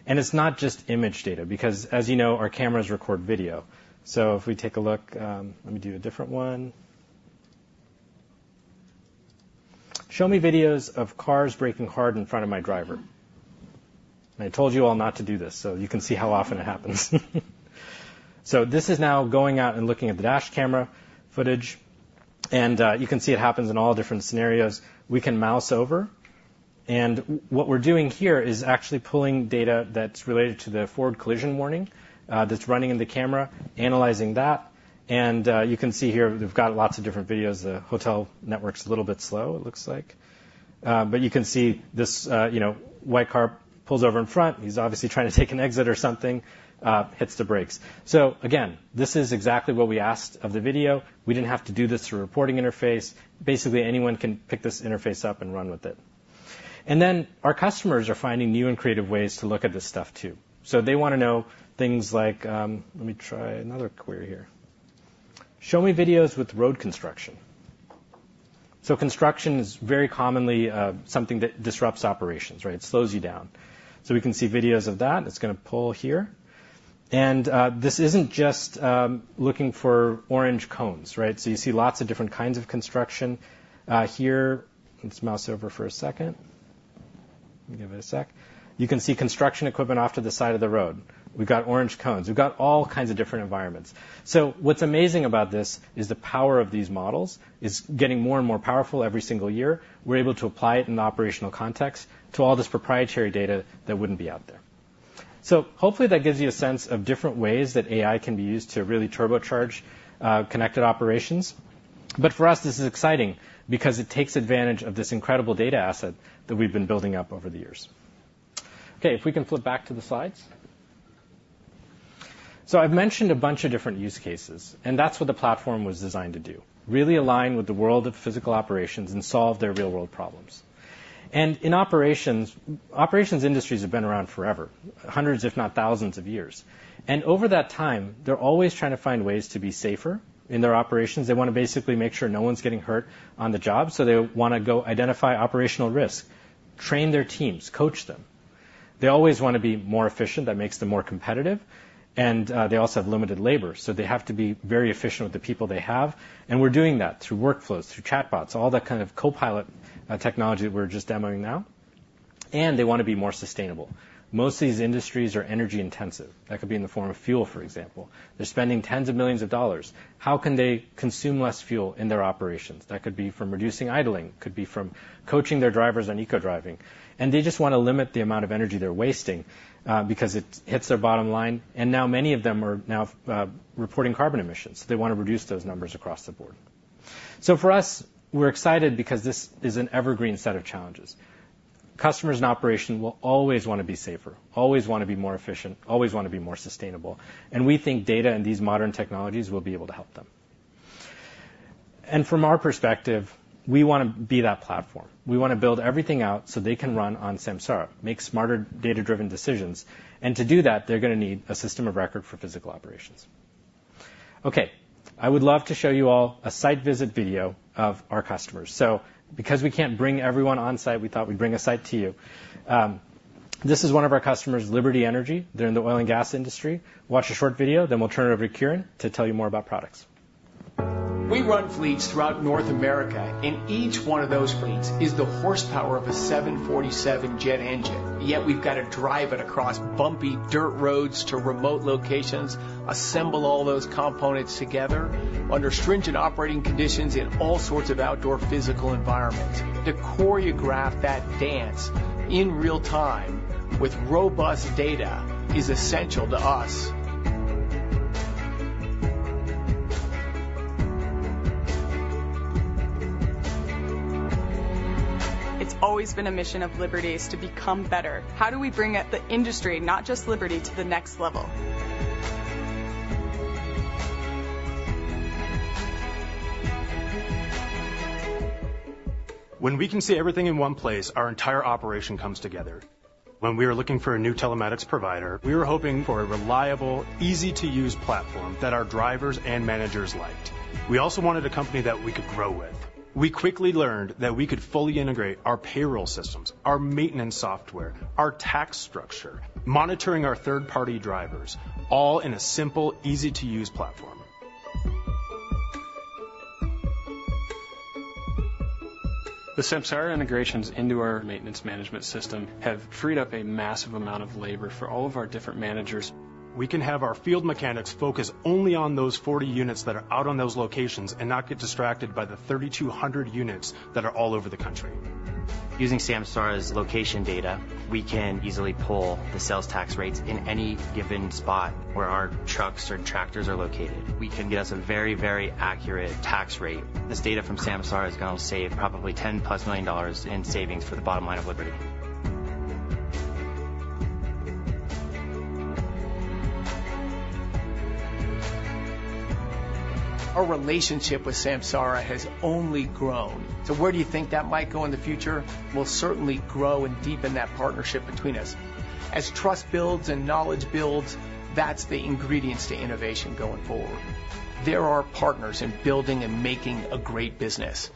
And it's not just image data because, as you know, our cameras record video. So if we take a look, let me do a different one. Show me videos of cars braking hard in front of my driver. I told you all not to do this, so you can see how often it happens. So this is now going out and looking at the dash camera footage. And you can see it happens in all different scenarios. We can mouse over. And what we're doing here is actually pulling data that's related to the Ford collision warning that's running in the camera, analyzing that. And you can see here we've got lots of different videos. The hotel network's a little bit slow, it looks like. But you can see this white car pulls over in front. He's obviously trying to take an exit or something, hits the brakes. So again, this is exactly what we asked of the video. We didn't have to do this through a reporting interface. Basically, anyone can pick this interface up and run with it. And then our customers are finding new and creative ways to look at this stuff too. So they want to know things like, let me try another query here. Show me videos with road construction. So construction is very commonly something that disrupts operations, right? It slows you down. So we can see videos of that. It's going to pull here. And this isn't just looking for orange cones, right? So you see lots of different kinds of construction here. Let's mouse over for a second. Let me give it a sec. You can see construction equipment off to the side of the road. We've got orange cones. We've got all kinds of different environments. So what's amazing about this is the power of these models is getting more and more powerful every single year. We're able to apply it in the operational context to all this proprietary data that wouldn't be out there. So hopefully that gives you a sense of different ways that AI can be used to really turbocharge connected operations. But for us, this is exciting because it takes advantage of this incredible data asset that we've been building up over the years. Okay. If we can flip back to the slides. So I've mentioned a bunch of different use cases, and that's what the platform was designed to do. Really align with the world of physical operations and solve their real-world problems. And in operations, operations industries have been around forever, hundreds, if not thousands of years. And over that time, they're always trying to find ways to be safer in their operations. They want to basically make sure no one's getting hurt on the job. So they want to go identify operational risk, train their teams, coach them. They always want to be more efficient. That makes them more competitive. And they also have limited labor, so they have to be very efficient with the people they have. We're doing that through workflows, through chatbots, all that kind of copilot technology that we're just demoing now. They want to be more sustainable. Most of these industries are energy intensive. That could be in the form of fuel, for example. They're spending $tens of millions. How can they consume less fuel in their operations? That could be from reducing idling, could be from coaching their drivers on eco-driving. They just want to limit the amount of energy they're wasting because it hits their bottom line. Now many of them are reporting carbon emissions. They want to reduce those numbers across the board. For us, we're excited because this is an evergreen set of challenges. Customers in operation will always want to be safer, always want to be more efficient, always want to be more sustainable. We think data and these modern technologies will be able to help them. From our perspective, we want to be that platform. We want to build everything out so they can run on Samsara, make smarter data-driven decisions. To do that, they're going to need a system of record for physical operations. Okay. I would love to show you all a site visit video of our customers. So because we can't bring everyone on site, we thought we'd bring a site to you. This is one of our customers, Liberty Energy. They're in the oil and gas industry. Watch a short video, then we'll turn it over to Kiren to tell you more about products. We run fleets throughout North America, and each one of those fleets is the horsepower of a 747 jet engine. Yet we've got to drive it across bumpy dirt roads to remote locations, assemble all those components together under stringent operating conditions in all sorts of outdoor physical environments. To choreograph that dance in real time with robust data is essential to us. It's always been a mission of Liberty's to become better. How do we bring the industry, not just Liberty, to the next level? When we can see everything in one place, our entire operation comes together. When we were looking for a new telematics provider, we were hoping for a reliable, easy-to-use platform that our drivers and managers liked. We also wanted a company that we could grow with. We quickly learned that we could fully integrate our payroll systems, our maintenance software, our tax structure, monitoring our third-party drivers, all in a simple, easy-to-use platform. The Samsara integrations into our maintenance management system have freed up a massive amount of labor for all of our different managers. We can have our field mechanics focus only on those 40 units that are out on those locations and not get distracted by the 3,200 units that are all over the country. Using Samsara's location data, we can easily pull the sales tax rates in any given spot where our trucks or tractors are located. We can get us a very, very accurate tax rate. This data from Samsara is going to save probably $10+ million in savings for the bottom line of Liberty. Our relationship with Samsara has only grown. So where do you think that might go in the future? We'll certainly grow and deepen that partnership between us. As trust builds and knowledge builds, that's the ingredients to innovation going forward. There are partners in building and making a great business.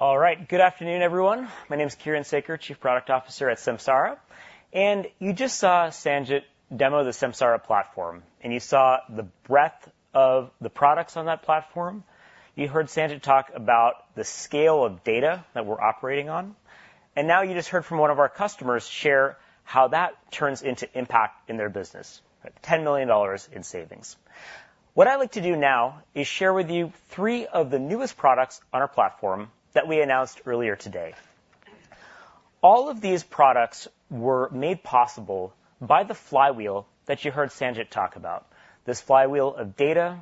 All right. Good afternoon, everyone. My name is Kiren Sekar, Chief Product Officer at Samsara. And you just saw Sanjit demo the Samsara platform, and you saw the breadth of the products on that platform. You heard Sanjit talk about the scale of data that we're operating on. And now you just heard from one of our customers share how that turns into impact in their business: $10 million in savings. What I'd like to do now is share with you three of the newest products on our platform that we announced earlier today. All of these products were made possible by the flywheel that you heard Sanjit talk about, this flywheel of data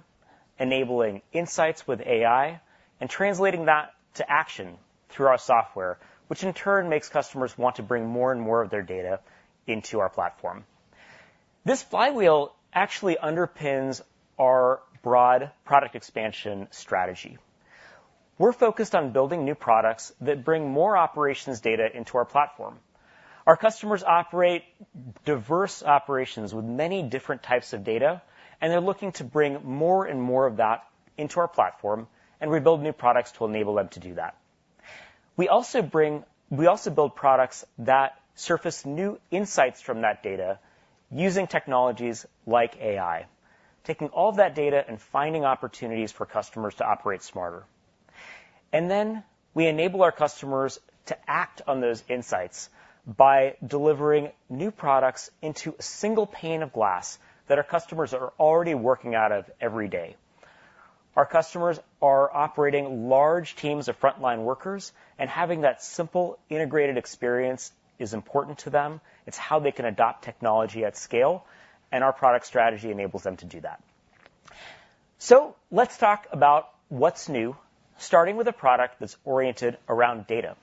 enabling insights with AI and translating that to action through our software, which in turn makes customers want to bring more and more of their data into our platform. This flywheel actually underpins our broad product expansion strategy. We're focused on building new products that bring more operations data into our platform. Our customers operate diverse operations with many different types of data, and they're looking to bring more and more of that into our platform and rebuild new products to enable them to do that. We also build products that surface new insights from that data using technologies like AI, taking all of that data and finding opportunities for customers to operate smarter. Then we enable our customers to act on those insights by delivering new products into a single pane of glass that our customers are already working out of every day. Our customers are operating large teams of frontline workers, and having that simple integrated experience is important to them. It's how they can adopt technology at scale, and our product strategy enables them to do that. So let's talk about what's new, starting with a product that's oriented around data.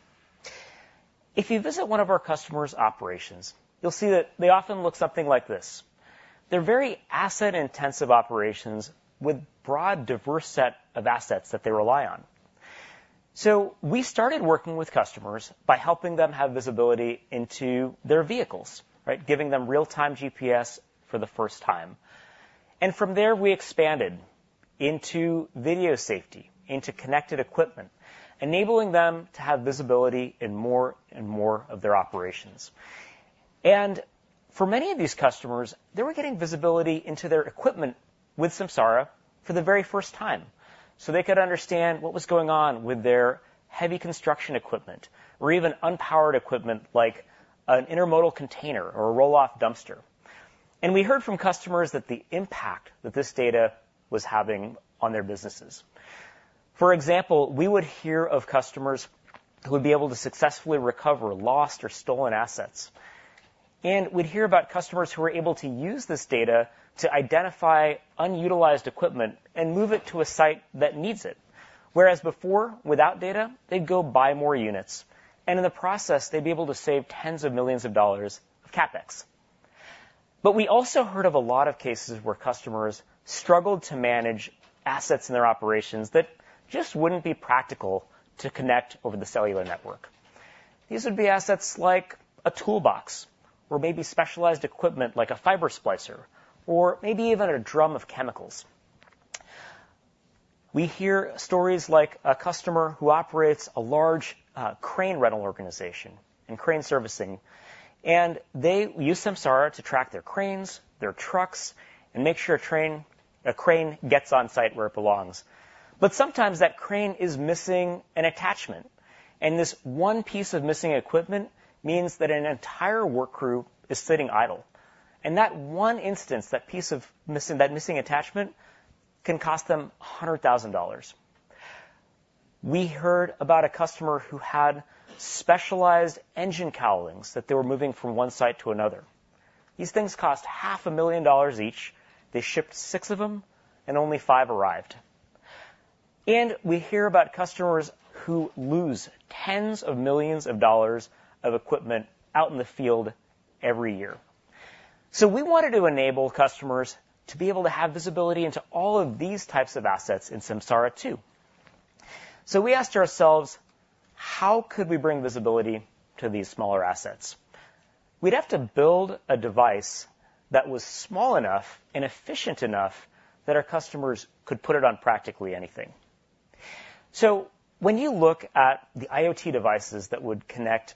If you visit one of our customers' operations, you'll see that they often look something like this. They're very asset-intensive operations with a broad, diverse set of assets that they rely on. So we started working with customers by helping them have visibility into their vehicles, giving them real-time GPS for the first time. And from there, we expanded into video safety, into connected equipment, enabling them to have visibility in more and more of their operations. And for many of these customers, they were getting visibility into their equipment with Samsara for the very first time so they could understand what was going on with their heavy construction equipment or even unpowered equipment like an intermodal container or a roll-off dumpster. And we heard from customers that the impact that this data was having on their businesses. For example, we would hear of customers who would be able to successfully recover lost or stolen assets. And we'd hear about customers who were able to use this data to identify unutilized equipment and move it to a site that needs it. Whereas before, without data, they'd go buy more units. In the process, they'd be able to save $tens of millions of CapEx. But we also heard of a lot of cases where customers struggled to manage assets in their operations that just wouldn't be practical to connect over the cellular network. These would be assets like a toolbox or maybe specialized equipment like a fiber splicer or maybe even a drum of chemicals. We hear stories like a customer who operates a large crane rental organization and crane servicing, and they use Samsara to track their cranes, their trucks, and make sure a crane gets on site where it belongs. But sometimes that crane is missing an attachment, and this one piece of missing equipment means that an entire work crew is sitting idle. That one instance, that piece of missing attachment can cost them $100,000. We heard about a customer who had specialized engine cowlings that they were moving from one site to another. These things cost $500,000 each. They shipped six of them, and only five arrived. We hear about customers who lose $tens of millions of dollars of equipment out in the field every year. We wanted to enable customers to be able to have visibility into all of these types of assets in Samsara too. We asked ourselves, how could we bring visibility to these smaller assets? We'd have to build a device that was small enough and efficient enough that our customers could put it on practically anything. So when you look at the IoT devices that would connect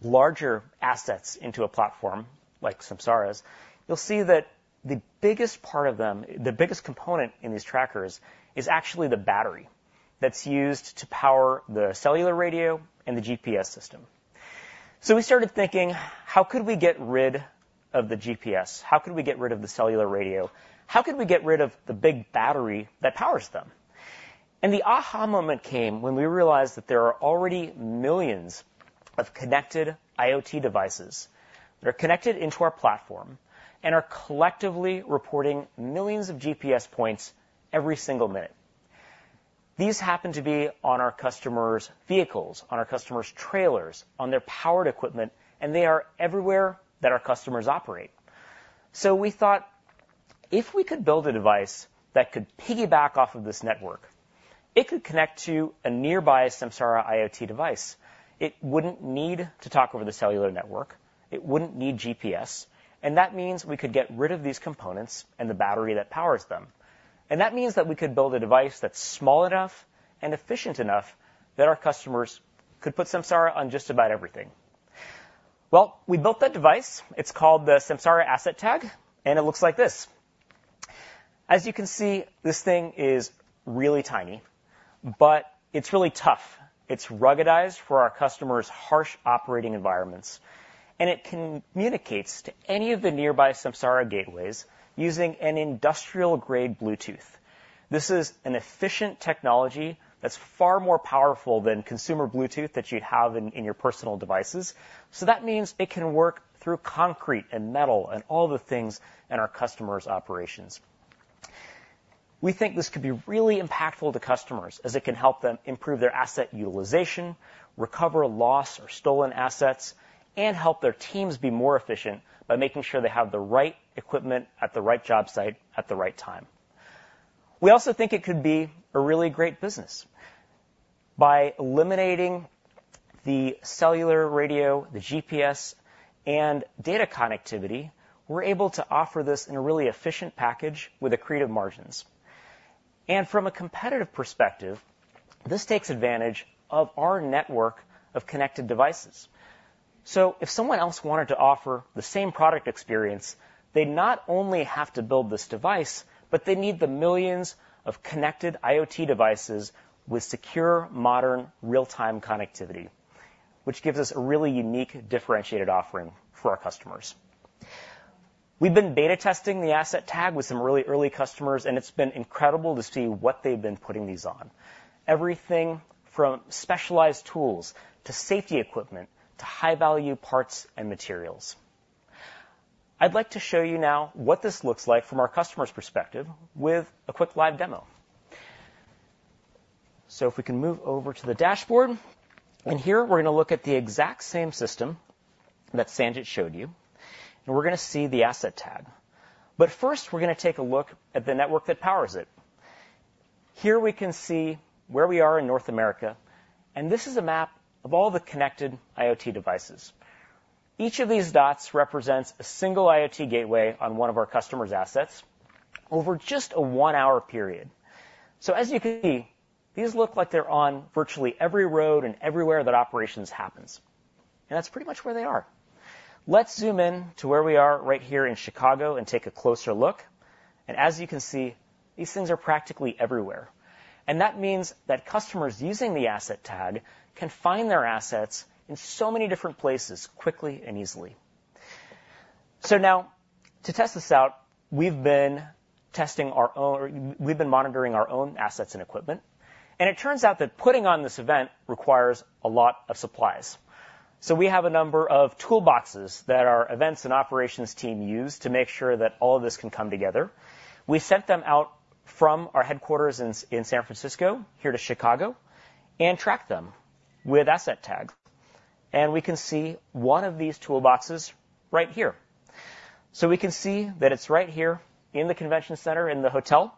larger assets into a platform like Samsara's, you'll see that the biggest part of them, the biggest component in these trackers, is actually the battery that's used to power the cellular radio and the GPS system. So we started thinking, how could we get rid of the GPS? How could we get rid of the cellular radio? How could we get rid of the big battery that powers them? And the aha moment came when we realized that there are already millions of connected IoT devices that are connected into our platform and are collectively reporting millions of GPS points every single minute. These happen to be on our customers' vehicles, on our customers' trailers, on their powered equipment, and they are everywhere that our customers operate. So we thought, if we could build a device that could piggyback off of this network, it could connect to a nearby Samsara IoT device. It wouldn't need to talk over the cellular network. It wouldn't need GPS. And that means we could get rid of these components and the battery that powers them. And that means that we could build a device that's small enough and efficient enough that our customers could put Samsara on just about everything. Well, we built that device. It's called the Samsara Asset Tag, and it looks like this. As you can see, this thing is really tiny, but it's really tough. It's ruggedized for our customers' harsh operating environments, and it communicates to any of the nearby Samsara gateways using an industrial-grade Bluetooth. This is an efficient technology that's far more powerful than consumer Bluetooth that you'd have in your personal devices. So that means it can work through concrete and metal and all the things in our customers' operations. We think this could be really impactful to customers as it can help them improve their asset utilization, recover lost or stolen assets, and help their teams be more efficient by making sure they have the right equipment at the right job site at the right time. We also think it could be a really great business. By eliminating the cellular radio, the GPS, and data connectivity, we're able to offer this in a really efficient package with great margins. From a competitive perspective, this takes advantage of our network of connected devices. So if someone else wanted to offer the same product experience, they'd not only have to build this device, but they'd need the millions of connected IoT devices with secure, modern, real-time connectivity, which gives us a really unique differentiated offering for our customers. We've been beta testing the Asset Tag with some really early customers, and it's been incredible to see what they've been putting these on, everything from specialized tools to safety equipment to high-value parts and materials. I'd like to show you now what this looks like from our customer's perspective with a quick live demo. So if we can move over to the dashboard. And here, we're going to look at the exact same system that Sanjit showed you, and we're going to see the Asset Tag. But first, we're going to take a look at the network that powers it. Here we can see where we are in North America, and this is a map of all the connected IoT devices. Each of these dots represents a single IoT gateway on one of our customers' assets over just a one-hour period. So as you can see, these look like they're on virtually every road and everywhere that operations happens. And that's pretty much where they are. Let's zoom in to where we are right here in Chicago and take a closer look. And as you can see, these things are practically everywhere. And that means that customers using the Asset Tag can find their assets in so many different places quickly and easily. So now, to test this out, we've been testing our own or we've been monitoring our own assets and equipment. And it turns out that putting on this event requires a lot of supplies. So we have a number of toolboxes that our events and operations team use to make sure that all of this can come together. We sent them out from our headquarters in San Francisco here to Chicago and tracked them with Asset Tag. And we can see one of these toolboxes right here. So we can see that it's right here in the convention center in the hotel.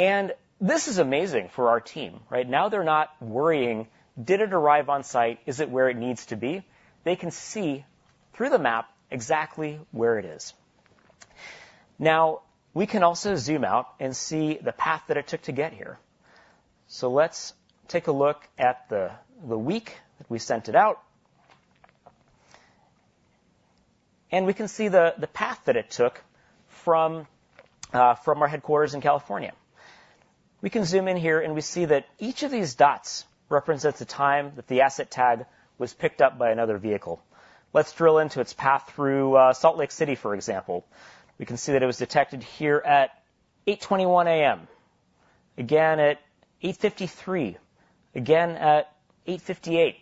And this is amazing for our team. Now they're not worrying, did it arrive on site? Is it where it needs to be? They can see through the map exactly where it is. Now, we can also zoom out and see the path that it took to get here. So let's take a look at the week that we sent it out. And we can see the path that it took from our headquarters in California. We can zoom in here, and we see that each of these dots represents a time that the Asset Tag was picked up by another vehicle. Let's drill into its path through Salt Lake City, for example. We can see that it was detected here at 8:21 A.M., again at 8:53 A.M., again at 8:58 A.M.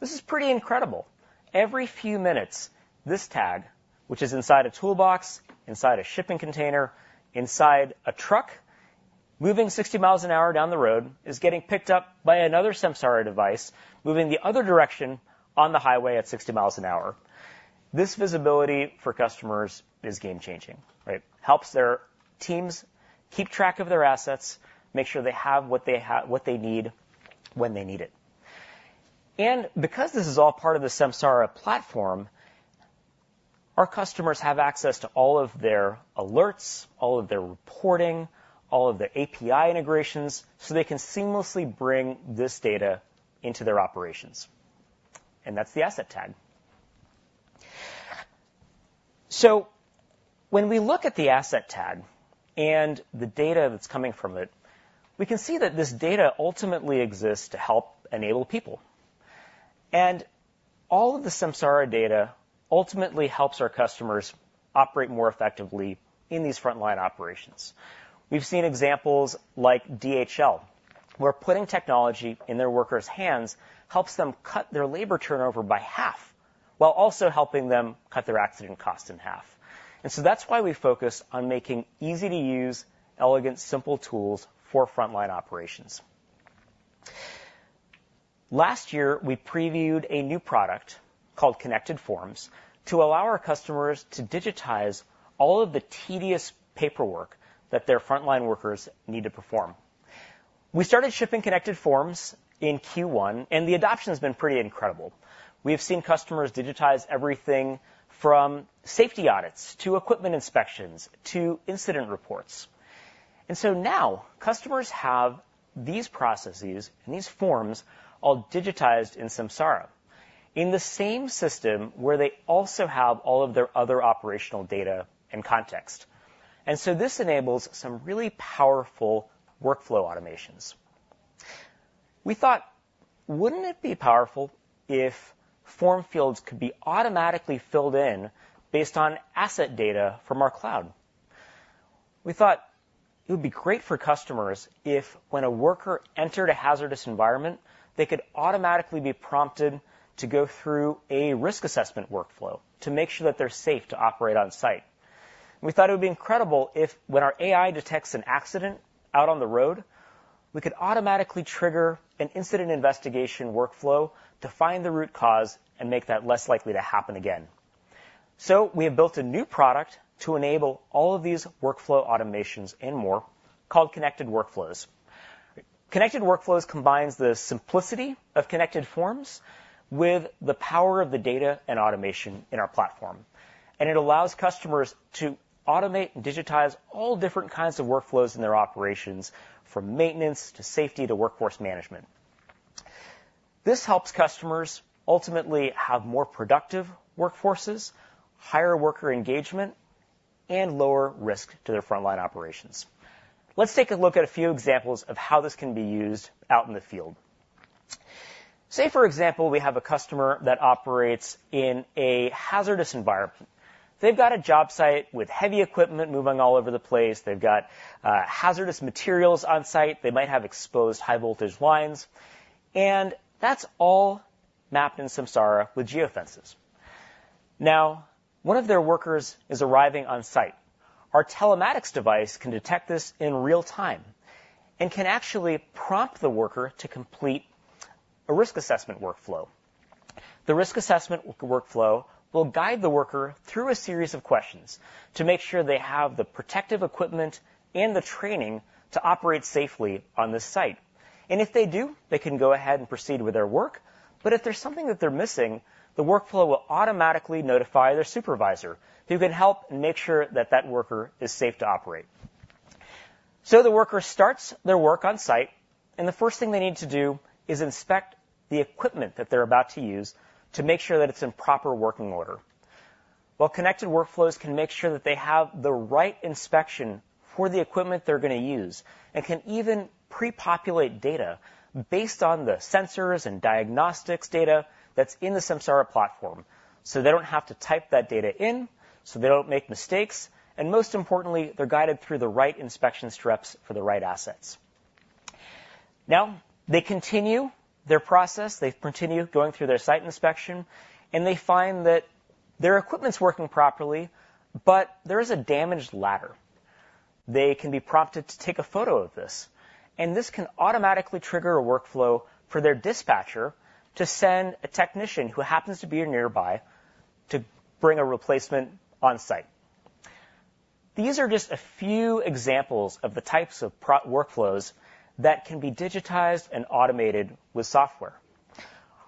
This is pretty incredible. Every few minutes, this tag, which is inside a toolbox, inside a shipping container, inside a truck moving 60 miles an hour down the road, is getting picked up by another Samsara device moving the other direction on the highway at 60 miles an hour. This visibility for customers is game-changing. It helps their teams keep track of their assets, make sure they have what they need when they need it. Because this is all part of the Samsara platform, our customers have access to all of their alerts, all of their reporting, all of their API integrations, so they can seamlessly bring this data into their operations. That's the Asset Tag. When we look at the Asset Tag and the data that's coming from it, we can see that this data ultimately exists to help enable people. All of the Samsara data ultimately helps our customers operate more effectively in these frontline operations. We've seen examples like DHL, where putting technology in their workers' hands helps them cut their labor turnover by half while also helping them cut their accident costs in half. So that's why we focus on making easy-to-use, elegant, simple tools for frontline operations. Last year, we previewed a new product called Connected Forms to allow our customers to digitize all of the tedious paperwork that their frontline workers need to perform. We started shipping Connected Forms in Q1, and the adoption has been pretty incredible. We have seen customers digitize everything from safety audits to equipment inspections to incident reports. Now customers have these processes and these forms all digitized in Samsara in the same system where they also have all of their other operational data and context. This enables some really powerful workflow automations. We thought, wouldn't it be powerful if form fields could be automatically filled in based on asset data from our cloud? We thought it would be great for customers if when a worker entered a hazardous environment, they could automatically be prompted to go through a risk assessment workflow to make sure that they're safe to operate on site. We thought it would be incredible if when our AI detects an accident out on the road, we could automatically trigger an incident investigation workflow to find the root cause and make that less likely to happen again. So we have built a new product to enable all of these workflow automations and more called Connected Workflows. Connected Workflows combines the simplicity of Connected Forms with the power of the data and automation in our platform. And it allows customers to automate and digitize all different kinds of workflows in their operations, from maintenance to safety to workforce management. This helps customers ultimately have more productive workforces, higher worker engagement, and lower risk to their frontline operations. Let's take a look at a few examples of how this can be used out in the field. Say, for example, we have a customer that operates in a hazardous environment. They've got a job site with heavy equipment moving all over the place. They've got hazardous materials on site. They might have exposed high-voltage lines. And that's all mapped in Samsara with geofences. Now, one of their workers is arriving on site. Our telematics device can detect this in real time and can actually prompt the worker to complete a risk assessment workflow. The risk assessment workflow will guide the worker through a series of questions to make sure they have the protective equipment and the training to operate safely on this site. If they do, they can go ahead and proceed with their work. But if there's something that they're missing, the workflow will automatically notify their supervisor who can help and make sure that that worker is safe to operate. The worker starts their work on site, and the first thing they need to do is inspect the equipment that they're about to use to make sure that it's in proper working order. Well, Connected Workflows can make sure that they have the right inspection for the equipment they're going to use and can even pre-populate data based on the sensors and diagnostics data that's in the Samsara platform so they don't have to type that data in, so they don't make mistakes. And most importantly, they're guided through the right inspection steps for the right assets. Now, they continue their process. They continue going through their site inspection, and they find that their equipment's working properly, but there is a damaged ladder. They can be prompted to take a photo of this. This can automatically trigger a workflow for their dispatcher to send a technician who happens to be nearby to bring a replacement on site. These are just a few examples of the types of workflows that can be digitized and automated with software.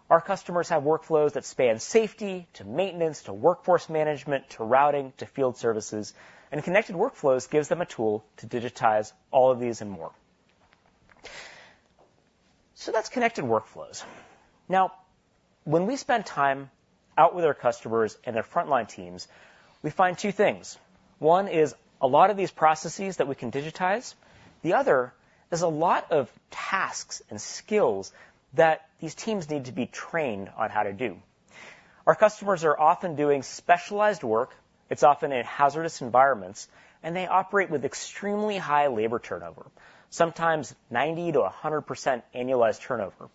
Our customers have workflows that span safety to maintenance to workforce management to routing to field services. Connected Workflows gives them a tool to digitize all of these and more. That's Connected Workflows. Now, when we spend time out with our customers and their frontline teams, we find two things. One is a lot of these processes that we can digitize. The other is a lot of tasks and skills that these teams need to be trained on how to do. Our customers are often doing specialized work. It's often in hazardous environments, and they operate with extremely high labor turnover, sometimes 90%-100% annualized turnover.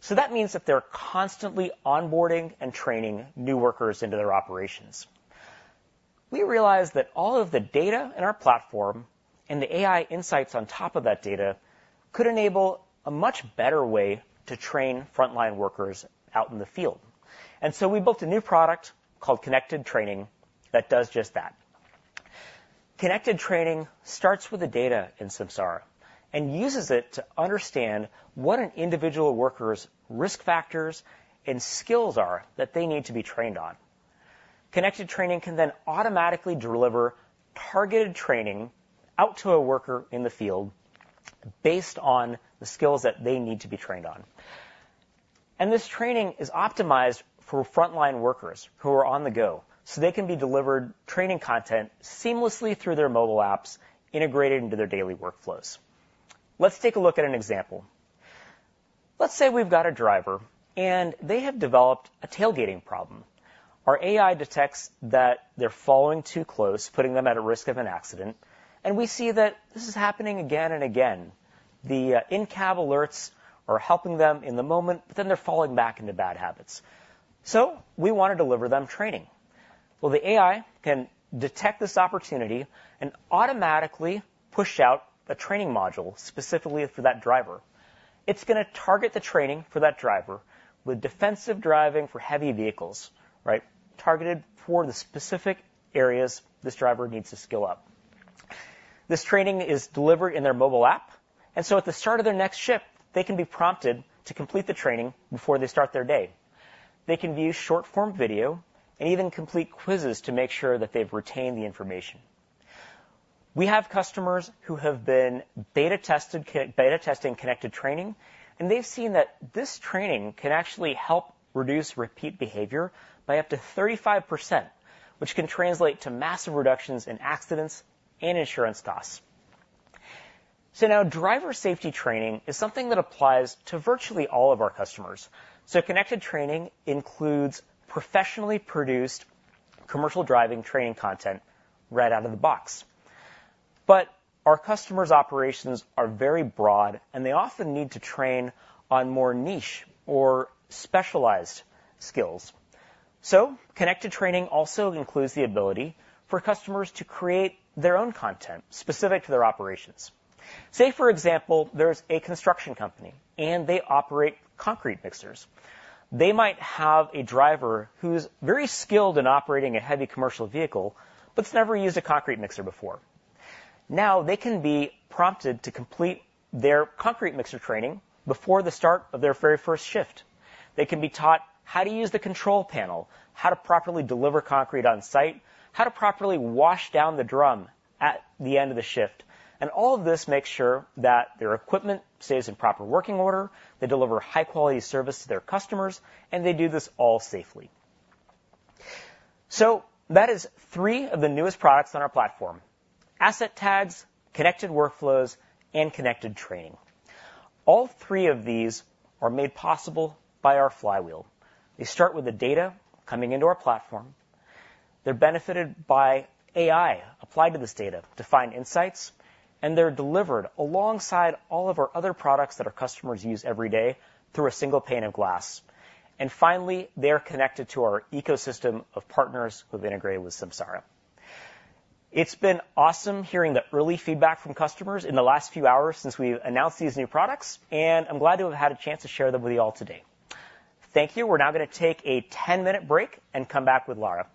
So that means that they're constantly onboarding and training new workers into their operations. We realize that all of the data in our platform and the AI insights on top of that data could enable a much better way to train frontline workers out in the field. And so we built a new product called Connected Training that does just that. Connected Training starts with the data in Samsara and uses it to understand what an individual worker's risk factors and skills are that they need to be trained on. Connected Training can then automatically deliver targeted training out to a worker in the field based on the skills that they need to be trained on. This training is optimized for frontline workers who are on the go, so they can be delivered training content seamlessly through their mobile apps integrated into their daily workflows. Let's take a look at an example. Let's say we've got a driver, and they have developed a tailgating problem. Our AI detects that they're falling too close, putting them at a risk of an accident. We see that this is happening again and again. The in-cab alerts are helping them in the moment, but then they're falling back into bad habits. We want to deliver them training. Well, the AI can detect this opportunity and automatically push out a training module specifically for that driver. It's going to target the training for that driver with defensive driving for heavy vehicles, targeted for the specific areas this driver needs to skill up. This training is delivered in their mobile app. And so at the start of their next shift, they can be prompted to complete the training before they start their day. They can view short-form video and even complete quizzes to make sure that they've retained the information. We have customers who have been beta testing Connected Training, and they've seen that this training can actually help reduce repeat behavior by up to 35%, which can translate to massive reductions in accidents and insurance costs. So now driver safety training is something that applies to virtually all of our customers. So Connected Training includes professionally produced commercial driving training content right out of the box. But our customers' operations are very broad, and they often need to train on more niche or specialized skills. So Connected Training also includes the ability for customers to create their own content specific to their operations. Say, for example, there's a construction company, and they operate concrete mixers. They might have a driver who's very skilled in operating a heavy commercial vehicle, but has never used a concrete mixer before. Now, they can be prompted to complete their concrete mixer training before the start of their very first shift. They can be taught how to use the control panel, how to properly deliver concrete on site, how to properly wash down the drum at the end of the shift. And all of this makes sure that their equipment stays in proper working order, they deliver high-quality service to their customers, and they do this all safely. So that is three of the newest products on our platform: Asset Tags, Connected Workflows, and Connected Training. All three of these are made possible by our flywheel. They start with the data coming into our platform. They're benefited by AI applied to this data to find insights, and they're delivered alongside all of our other products that our customers use every day through a single pane of glass. And finally, they're connected to our ecosystem of partners who have integrated with Samsara. It's been awesome hearing the early feedback from customers in the last few hours since we've announced these new products, and I'm glad to have had a chance to share them with you all today. Thank you. We're now going to take a 10-minute break and come back with Lara.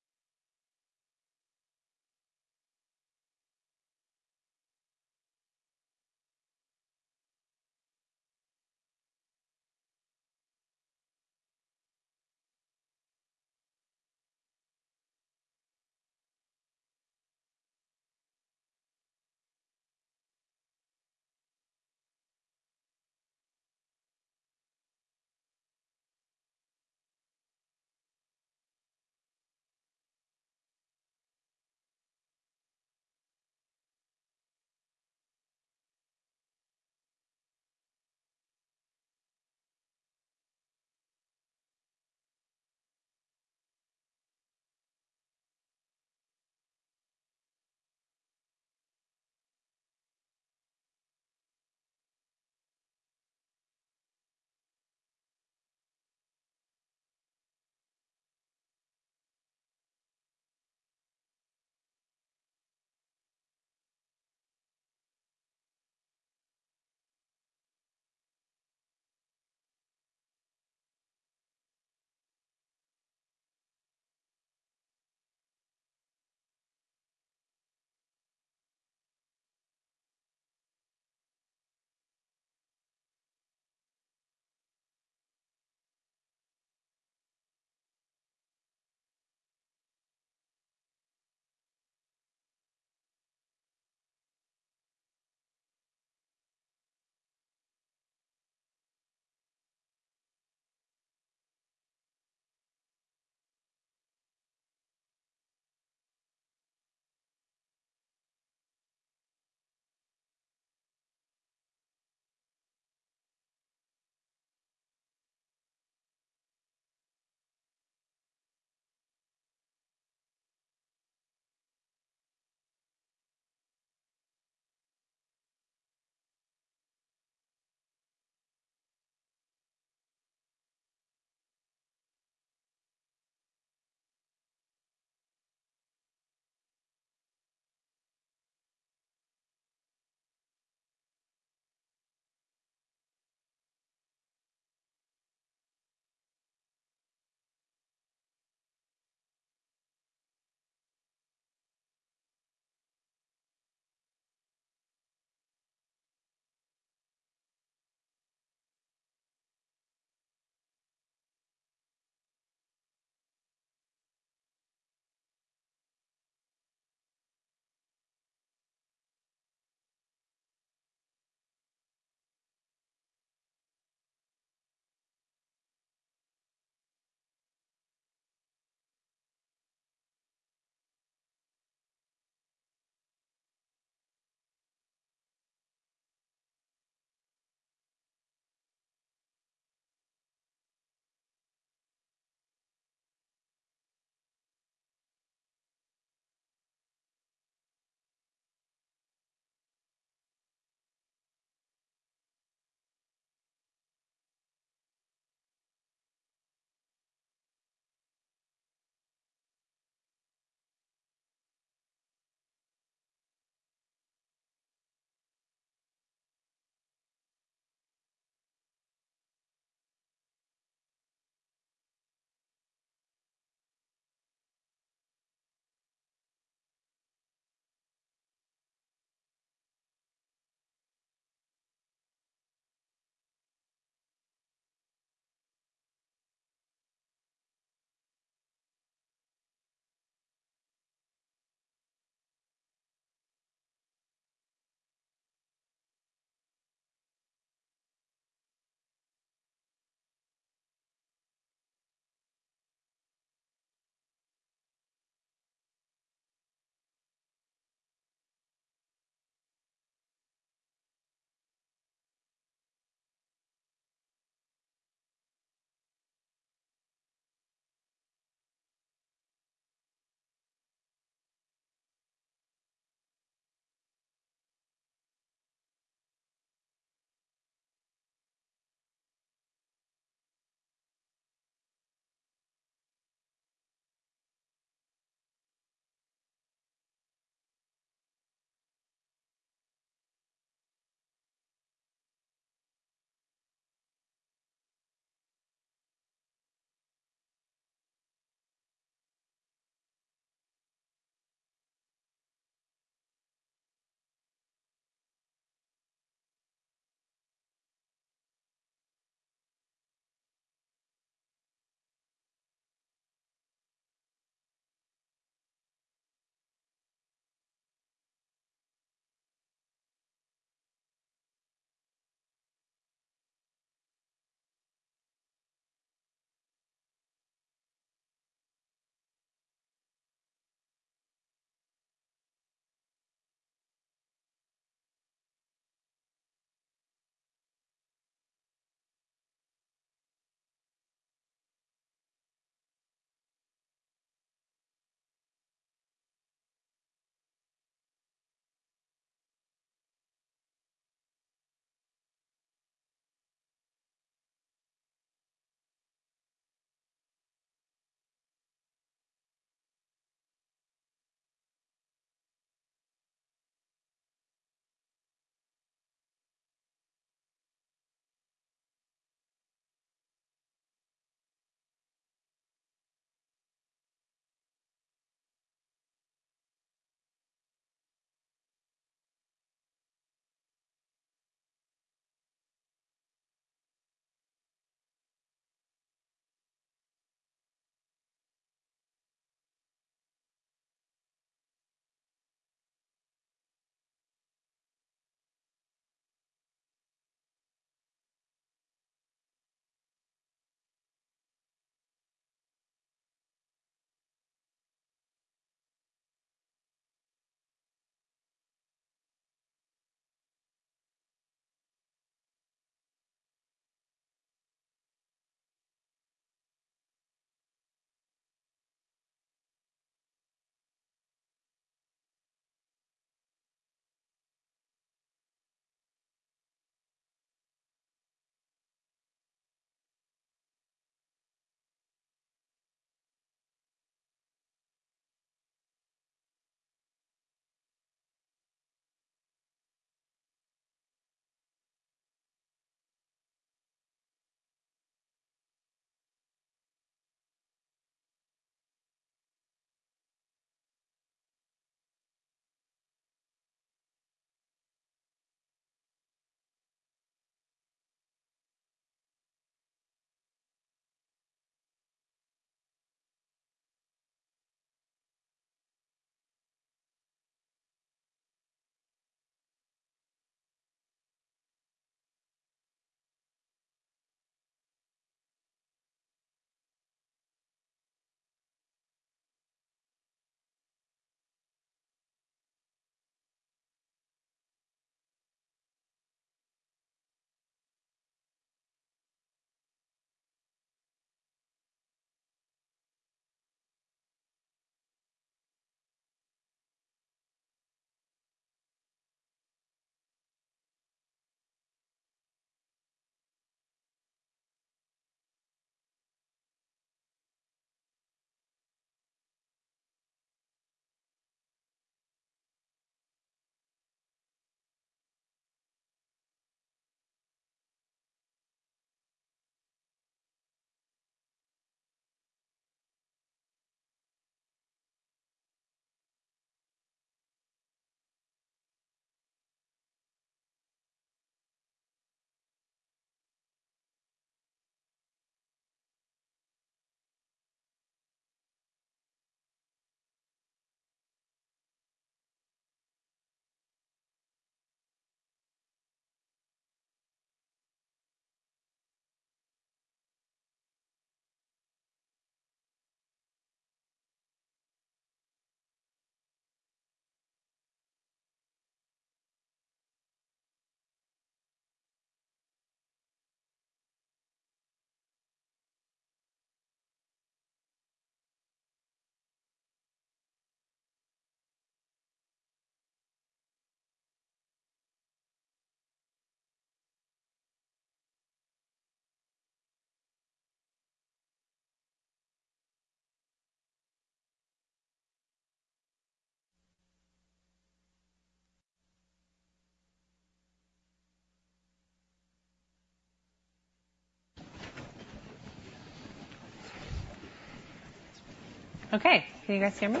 Okay. Can you guys hear me?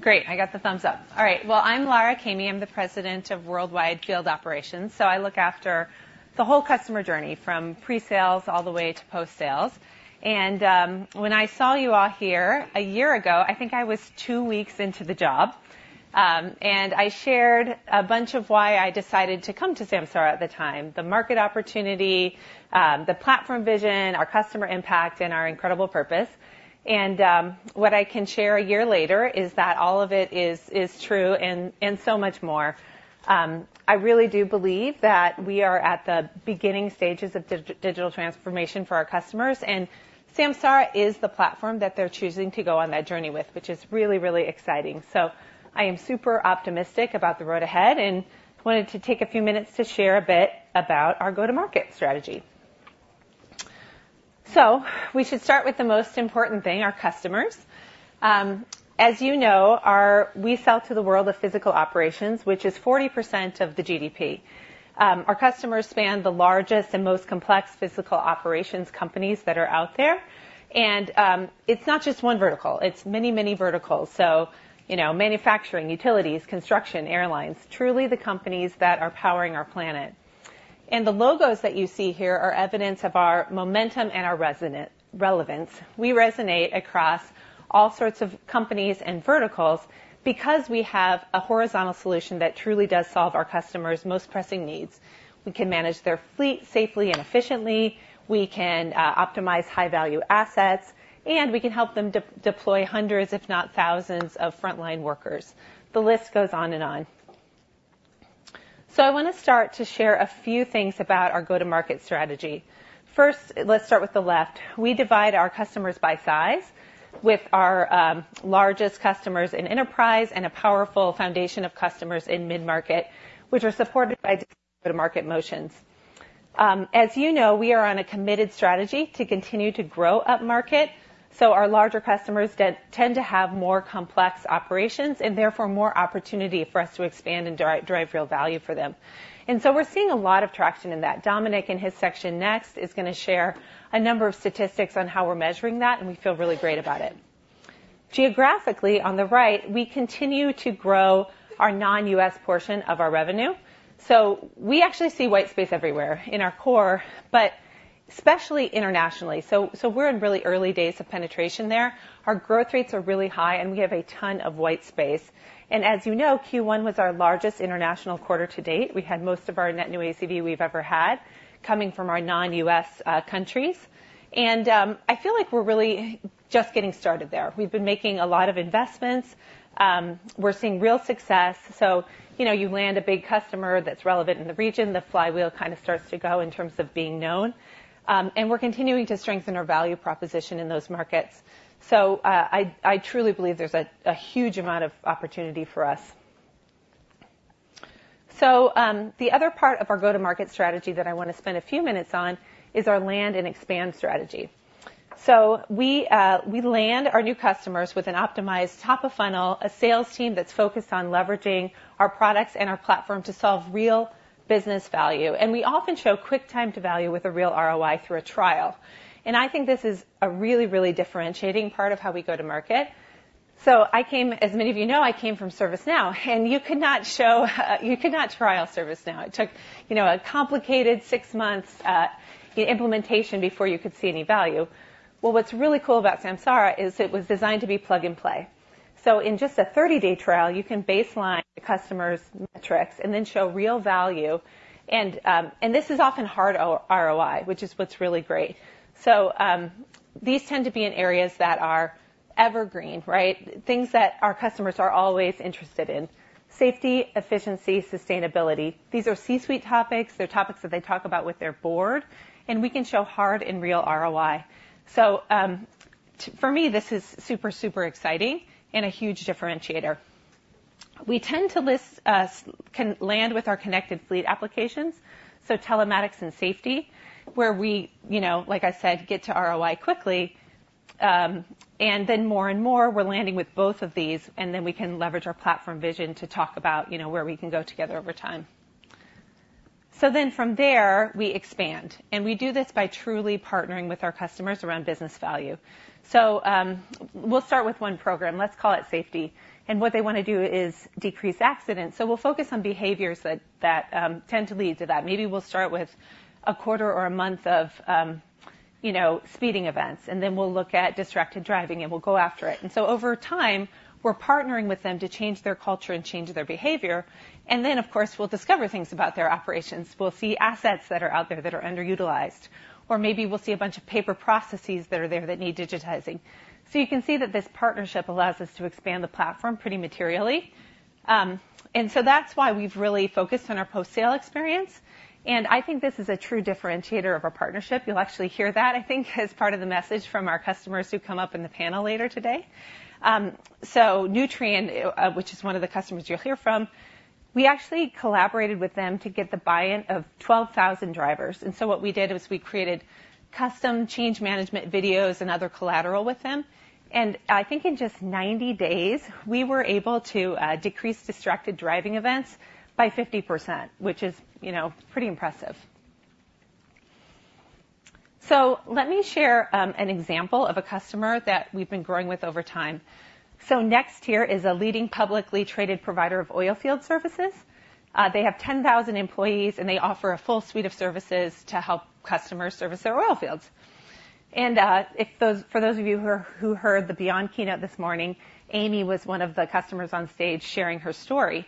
Great. I got the thumbs up. All right. Well, I'm Lara Caimi. I'm the President of Worldwide Field Operations. So I look after the whole customer journey from presales all the way to post-sales. And when I saw you all here a year ago, I think I was two weeks into the job. And I shared a bunch of why I decided to come to Samsara at the time: the market opportunity, the platform vision, our customer impact, and our incredible purpose. And what I can share a year later is that all of it is true and so much more. I really do believe that we are at the beginning stages of digital transformation for our customers. And Samsara is the platform that they're choosing to go on that journey with, which is really, really exciting. I am super optimistic about the road ahead and wanted to take a few minutes to share a bit about our go-to-market strategy. We should start with the most important thing: our customers. As you know, we sell to the world of physical operations, which is 40% of the GDP. Our customers span the largest and most complex physical operations companies that are out there. It's not just one vertical. It's many, many verticals. Manufacturing, utilities, construction, airlines - truly the companies that are powering our planet. The logos that you see here are evidence of our momentum and our relevance. We resonate across all sorts of companies and verticals because we have a horizontal solution that truly does solve our customers' most pressing needs. We can manage their fleet safely and efficiently. We can optimize high-value assets, and we can help them deploy hundreds, if not thousands, of frontline workers. The list goes on and on. So I want to start to share a few things about our go-to-market strategy. First, let's start with the left. We divide our customers by size with our largest customers in enterprise and a powerful foundation of customers in mid-market, which are supported by go-to-market motions. As you know, we are on a committed strategy to continue to grow up-market. So our larger customers tend to have more complex operations and therefore more opportunity for us to expand and drive real value for them. And so we're seeing a lot of traction in that. Dominic, in his section next, is going to share a number of statistics on how we're measuring that, and we feel really great about it. Geographically, on the right, we continue to grow our non-US portion of our revenue. So we actually see white space everywhere in our core, but especially internationally. So we're in really early days of penetration there. Our growth rates are really high, and we have a ton of white space. And as you know, Q1 was our largest international quarter to date. We had most of our net new ACV we've ever had coming from our non-US countries. And I feel like we're really just getting started there. We've been making a lot of investments. We're seeing real success. So you land a big customer that's relevant in the region, the flywheel kind of starts to go in terms of being known. And we're continuing to strengthen our value proposition in those markets. So I truly believe there's a huge amount of opportunity for us. So the other part of our go-to-market strategy that I want to spend a few minutes on is our land and expand strategy. So we land our new customers with an optimized top-of-funnel, a sales team that's focused on leveraging our products and our platform to solve real business value. And we often show quick time to value with a real ROI through a trial. And I think this is a really, really differentiating part of how we go to market. So as many of you know, I came from ServiceNow, and you could not show you could not trial ServiceNow. It took a complicated 6-month implementation before you could see any value. Well, what's really cool about Samsara is it was designed to be plug-and-play. So in just a 30-day trial, you can baseline customers' metrics and then show real value. And this is often hard ROI, which is what's really great. So these tend to be in areas that are evergreen, right? Things that our customers are always interested in: safety, efficiency, sustainability. These are C-suite topics. They're topics that they talk about with their board. And we can show hard and real ROI. So for me, this is super, super exciting and a huge differentiator. We tend to land with our connected fleet applications, so telematics and safety, where we, like I said, get to ROI quickly. And then more and more, we're landing with both of these, and then we can leverage our platform vision to talk about where we can go together over time. So then from there, we expand. And we do this by truly partnering with our customers around business value. So we'll start with one program. Let's call it safety. What they want to do is decrease accidents. So we'll focus on behaviors that tend to lead to that. Maybe we'll start with a quarter or a month of speeding events, and then we'll look at distracted driving, and we'll go after it. And so over time, we're partnering with them to change their culture and change their behavior. And then, of course, we'll discover things about their operations. We'll see assets that are out there that are underutilized. Or maybe we'll see a bunch of paper processes that are there that need digitizing. So you can see that this partnership allows us to expand the platform pretty materially. And so that's why we've really focused on our post-sale experience. And I think this is a true differentiator of our partnership. You'll actually hear that, I think, as part of the message from our customers who come up in the panel later today. So Nutrien, which is one of the customers you'll hear from, we actually collaborated with them to get the buy-in of 12,000 drivers. And so what we did was we created custom change management videos and other collateral with them. And I think in just 90 days, we were able to decrease distracted driving events by 50%, which is pretty impressive. So let me share an example of a customer that we've been growing with over time. So NexTier is a leading publicly traded provider of oilfield services. They have 10,000 employees, and they offer a full suite of services to help customers service their oilfields. For those of you who heard the Beyond Keynote this morning, Amy was one of the customers on stage sharing her story.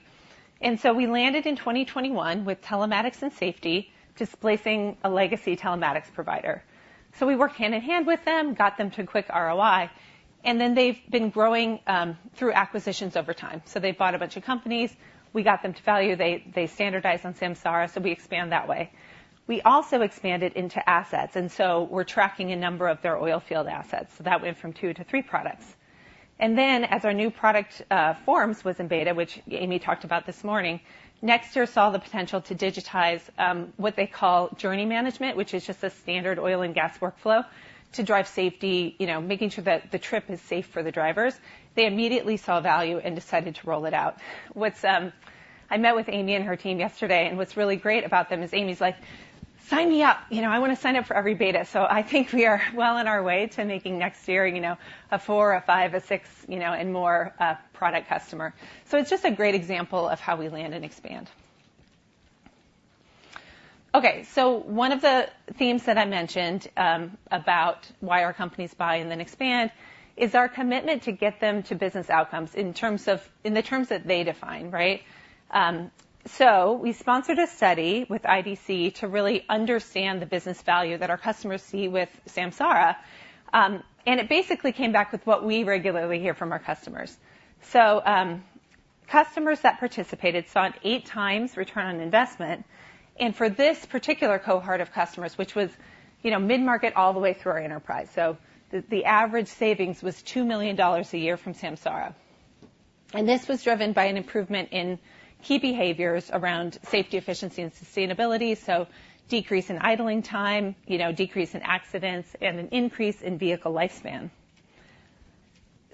We landed in 2021 with telematics and safety displacing a legacy telematics provider. We worked hand in hand with them, got them to quick ROI, and then they've been growing through acquisitions over time. They bought a bunch of companies. We got them to value. They standardized on Samsara, so we expand that way. We also expanded into assets. We're tracking a number of their oil field assets. That went from 2 to 3 products. Then as our new product forms was in beta, which Amy talked about this morning, NexTier saw the potential to digitize what they call journey management, which is just a standard oil and gas workflow to drive safety, making sure that the trip is safe for the drivers. They immediately saw value and decided to roll it out. I met with Amy and her team yesterday, and what's really great about them is Amy's like, "Sign me up. I want to sign up for every beta." So I think we are well on our way to making NexTier a 4, a 5, a 6, and more product customer. So it's just a great example of how we land and expand. Okay. So one of the themes that I mentioned about why our companies buy and then expand is our commitment to get them to business outcomes in the terms that they define, right? So we sponsored a study with IDC to really understand the business value that our customers see with Samsara. And it basically came back with what we regularly hear from our customers. So customers that participated saw an 8x return on investment. And for this particular cohort of customers, which was mid-market all the way through our enterprise, so the average savings was $2 million a year from Samsara. And this was driven by an improvement in key behaviors around safety, efficiency, and sustainability. So decrease in idling time, decrease in accidents, and an increase in vehicle lifespan.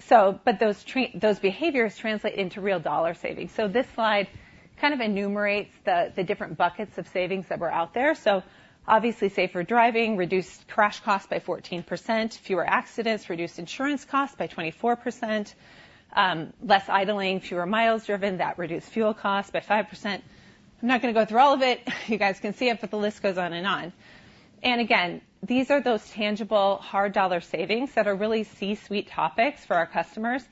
But those behaviors translate into real dollar savings. This slide kind of enumerates the different buckets of savings that were out there. Obviously, safer driving, reduced crash costs by 14%, fewer accidents, reduced insurance costs by 24%, less idling, fewer miles driven, that reduced fuel costs by 5%. I'm not going to go through all of it. You guys can see it, but the list goes on and on. Again, these are those tangible, hard dollar savings that are really C-suite topics for our customers,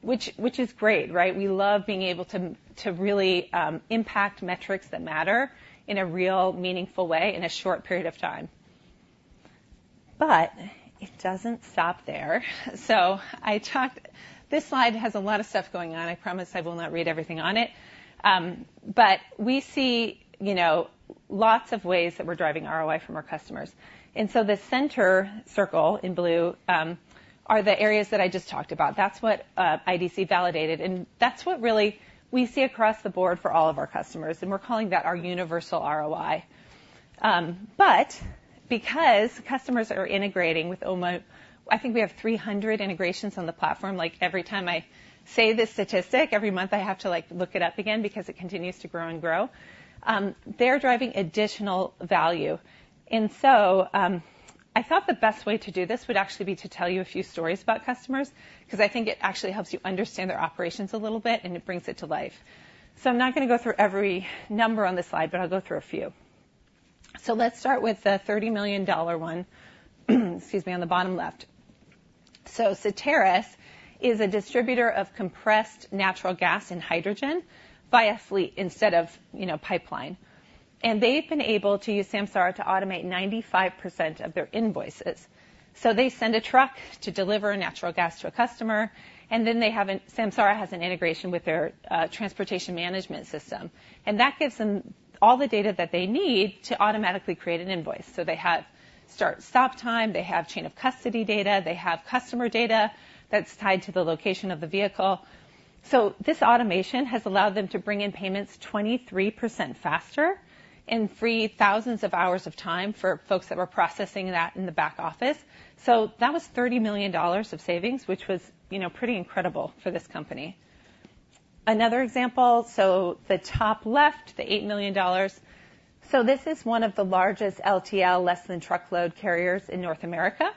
which is great, right? We love being able to really impact metrics that matter in a real meaningful way in a short period of time. It doesn't stop there. This slide has a lot of stuff going on. I promise I will not read everything on it. We see lots of ways that we're driving ROI from our customers. The center circle in blue are the areas that I just talked about. That's what IDC validated. That's what really we see across the board for all of our customers. We're calling that our universal ROI. But because customers are integrating with OMO, I think we have 300 integrations on the platform. Every time I say this statistic, every month I have to look it up again because it continues to grow and grow. They're driving additional value. I thought the best way to do this would actually be to tell you a few stories about customers because I think it actually helps you understand their operations a little bit, and it brings it to life. I'm not going to go through every number on this slide, but I'll go through a few. So let's start with the $30 million one, excuse me, on the bottom left. Certarus is a distributor of compressed natural gas and hydrogen via fleet instead of pipeline. And they've been able to use Samsara to automate 95% of their invoices. They send a truck to deliver natural gas to a customer, and then Samsara has an integration with their transportation management system. And that gives them all the data that they need to automatically create an invoice. They have start-stop time. They have chain-of-custody data. They have customer data that's tied to the location of the vehicle. This automation has allowed them to bring in payments 23% faster and free thousands of hours of time for folks that were processing that in the back office. That was $30 million of savings, which was pretty incredible for this company. Another example, so the top left, the $8 million. So this is one of the largest LTL, less-than-truckload carriers in North America.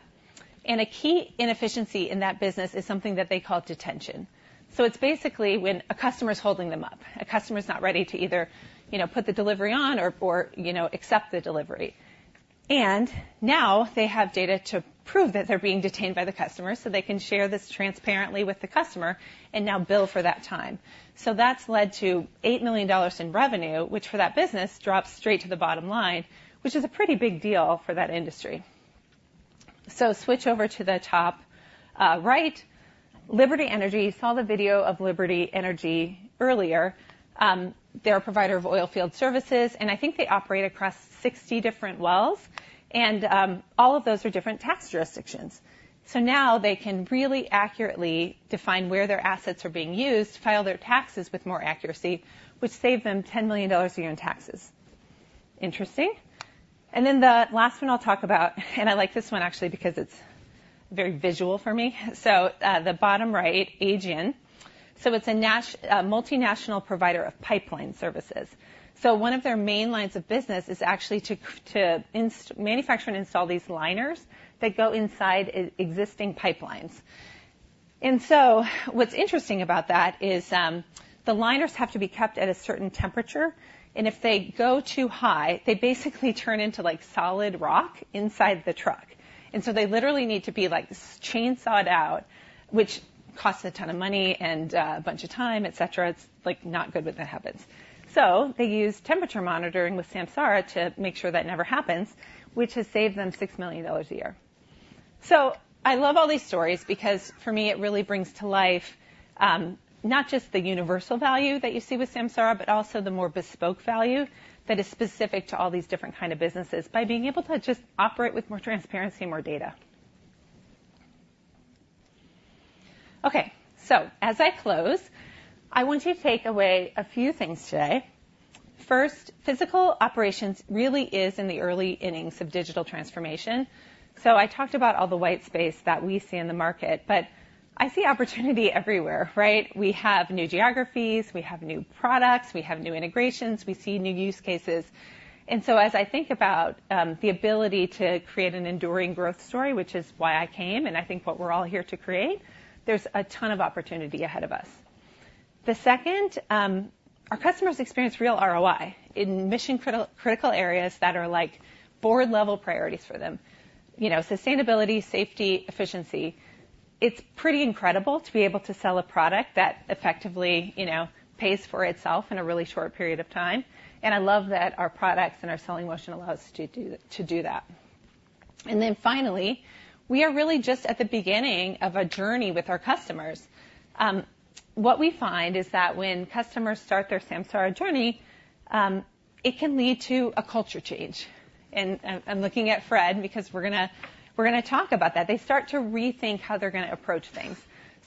And a key inefficiency in that business is something that they call detention. So it's basically when a customer's holding them up. A customer's not ready to either put the delivery on or accept the delivery. And now they have data to prove that they're being detained by the customer, so they can share this transparently with the customer and now bill for that time. So that's led to $8 million in revenue, which for that business drops straight to the bottom line, which is a pretty big deal for that industry. So switch over to the top right. Liberty Energy. You saw the video of Liberty Energy earlier. They're a provider of oil field services, and I think they operate across 60 different wells. All of those are different tax jurisdictions. So now they can really accurately define where their assets are being used, file their taxes with more accuracy, which saved them $10 million a year in taxes. Interesting. And then the last one I'll talk about, and I like this one actually because it's very visual for me. So the bottom right, Aegion. So it's a multinational provider of pipeline services. So one of their main lines of business is actually to manufacture and install these liners that go inside existing pipelines. And so what's interesting about that is the liners have to be kept at a certain temperature. And if they go too high, they basically turn into solid rock inside the truck. And so they literally need to be chain-sawed out, which costs a ton of money and a bunch of time, etc. It's not good when that happens. So they use temperature monitoring with Samsara to make sure that never happens, which has saved them $6 million a year. So I love all these stories because for me, it really brings to life not just the universal value that you see with Samsara, but also the more bespoke value that is specific to all these different kinds of businesses by being able to just operate with more transparency and more data. Okay. So as I close, I want you to take away a few things today. First, physical operations really is in the early innings of digital transformation. So I talked about all the white space that we see in the market, but I see opportunity everywhere, right? We have new geographies. We have new products. We have new integrations. We see new use cases. So as I think about the ability to create an enduring growth story, which is why I came, and I think what we're all here to create, there's a ton of opportunity ahead of us. The second, our customers experience real ROI in mission-critical areas that are board-level priorities for them: sustainability, safety, efficiency. It's pretty incredible to be able to sell a product that effectively pays for itself in a really short period of time. And I love that our products and our selling motion allow us to do that. And then finally, we are really just at the beginning of a journey with our customers. What we find is that when customers start their Samsara journey, it can lead to a culture change. And I'm looking at Fred because we're going to talk about that. They start to rethink how they're going to approach things.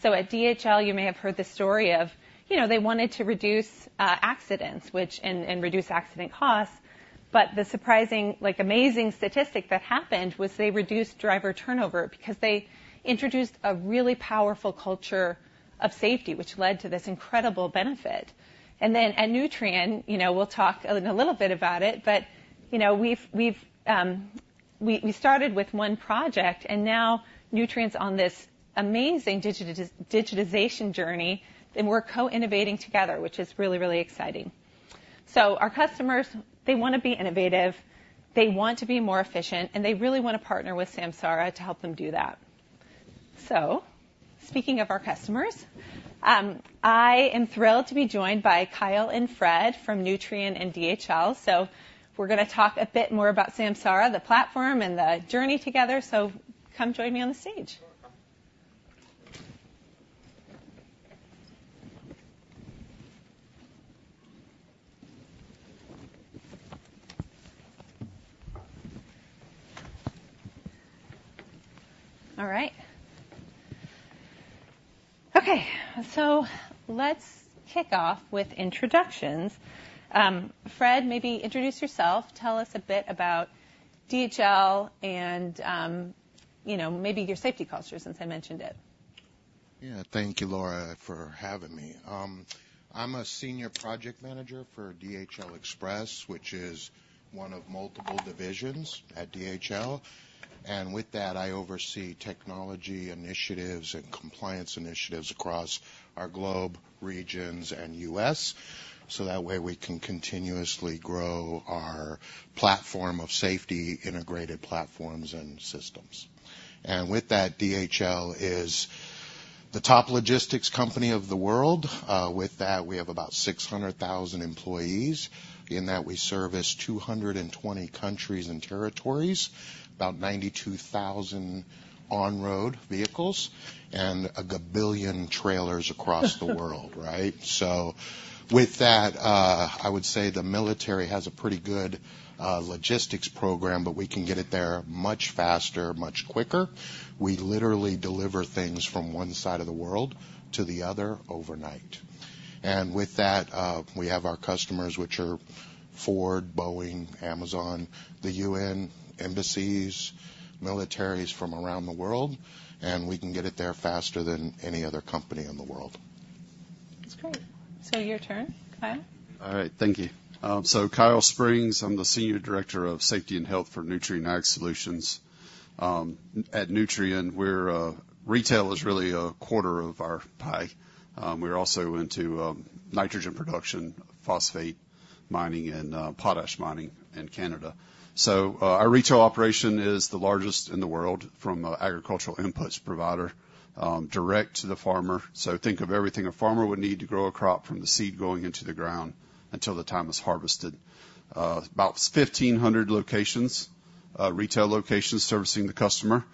So at DHL, you may have heard the story of they wanted to reduce accidents and reduce accident costs. But the surprising, amazing statistic that happened was they reduced driver turnover because they introduced a really powerful culture of safety, which led to this incredible benefit. And then at Nutrien, we'll talk a little bit about it, but we started with one project, and now Nutrien's on this amazing digitization journey, and we're co-innovating together, which is really, really exciting. So our customers, they want to be innovative. They want to be more efficient, and they really want to partner with Samsara to help them do that. So speaking of our customers, I am thrilled to be joined by Kyle and Fred from Nutrien and DHL. So we're going to talk a bit more about Samsara, the platform, and the journey together. So come join me on the stage. All right. Okay. So let's kick off with introductions. Fred, maybe introduce yourself. Tell us a bit about DHL and maybe your safety culture since I mentioned it. Yeah. Thank you, Lara, for having me. I'm a senior project manager for DHL Express, which is one of multiple divisions at DHL. And with that, I oversee technology initiatives and compliance initiatives across our globe, regions, and U.S., so that way we can continuously grow our platform of safety-integrated platforms and systems. And with that, DHL is the top logistics company of the world. With that, we have about 600,000 employees. In that, we service 220 countries and territories, about 92,000 on-road vehicles, and a gabillion trailers across the world, right? So with that, I would say the military has a pretty good logistics program, but we can get it there much faster, much quicker. We literally deliver things from one side of the world to the other overnight. And with that, we have our customers, which are Ford, Boeing, Amazon, the UN, embassies, militaries from around the world, and we can get it there faster than any other company in the world. That's great. So your turn, Kyle. All right. Thank you. So Kyle Springs, I'm the senior director of safety and health for Nutrien Ag Solutions. At Nutrien, retail is really a quarter of our pie. We're also into nitrogen production, phosphate mining, and potash mining in Canada. So our retail operation is the largest in the world from an agricultural inputs provider direct to the farmer. So think of everything a farmer would need to grow a crop from the seed going into the ground until the time it's harvested. About 1,500 locations, retail locations servicing the customer.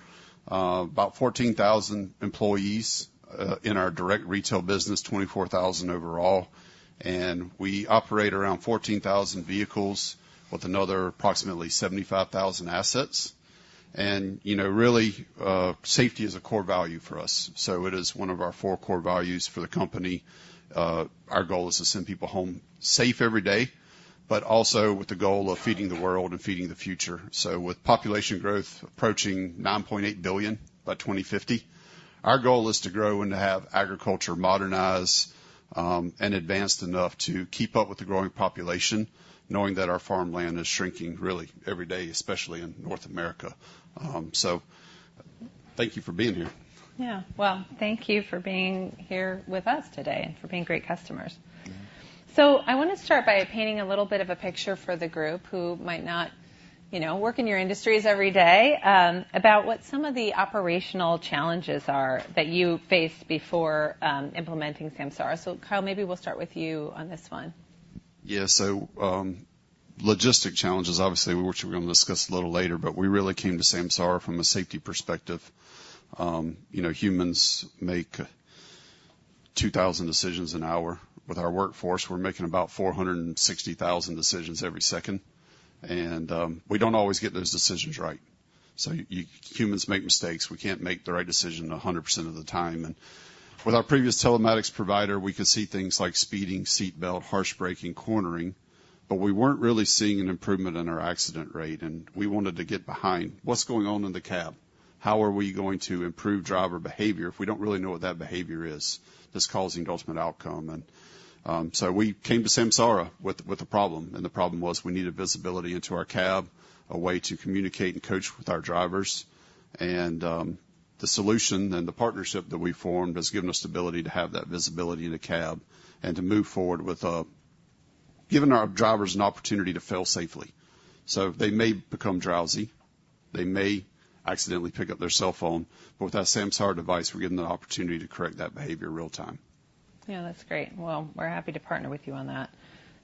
About 14,000 employees in our direct retail business, 24,000 overall. We operate around 14,000 vehicles with another approximately 75,000 assets. Really, safety is a core value for us. It is one of our four core values for the company. Our goal is to send people home safe every day, but also with the goal of feeding the world and feeding the future. With population growth approaching 9.8 billion by 2050, our goal is to grow and to have agriculture modernized and advanced enough to keep up with the growing population, knowing that our farmland is shrinking really every day, especially in North America. Thank you for being here. Yeah. Well, thank you for being here with us today and for being great customers. So I want to start by painting a little bit of a picture for the group who might not work in your industries every day about what some of the operational challenges are that you faced before implementing Samsara. So Kyle, maybe we'll start with you on this one. Yeah. So logistics challenges, obviously, which we're going to discuss a little later, but we really came to Samsara from a safety perspective. Humans make 2,000 decisions an hour. With our workforce, we're making about 460,000 decisions every second. And we don't always get those decisions right. So humans make mistakes. We can't make the right decision 100% of the time. And with our previous telematics provider, we could see things like speeding, seatbelt, harsh braking, cornering, but we weren't really seeing an improvement in our accident rate. And we wanted to get behind what's going on in the cab. How are we going to improve driver behavior if we don't really know what that behavior is that's causing the ultimate outcome? So we came to Samsara with a problem. The problem was we needed visibility into our cab, a way to communicate and coach with our drivers. The solution and the partnership that we formed has given us the ability to have that visibility in the cab and to move forward with giving our drivers an opportunity to fail safely. So they may become drowsy. They may accidentally pick up their cell phone. But with that Samsara device, we're given the opportunity to correct that behavior real-time. Yeah. That's great. Well, we're happy to partner with you on that.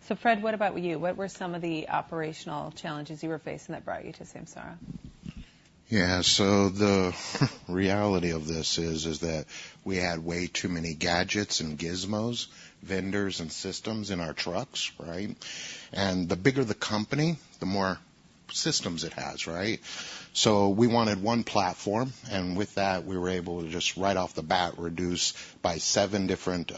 So Fred, what about you? What were some of the operational challenges you were facing that brought you to Samsara? Yeah. So the reality of this is that we had way too many gadgets and gizmos vendors and systems in our trucks, right? And the bigger the company, the more systems it has, right? So we wanted one platform. And with that, we were able to just right off the bat reduce by 7 different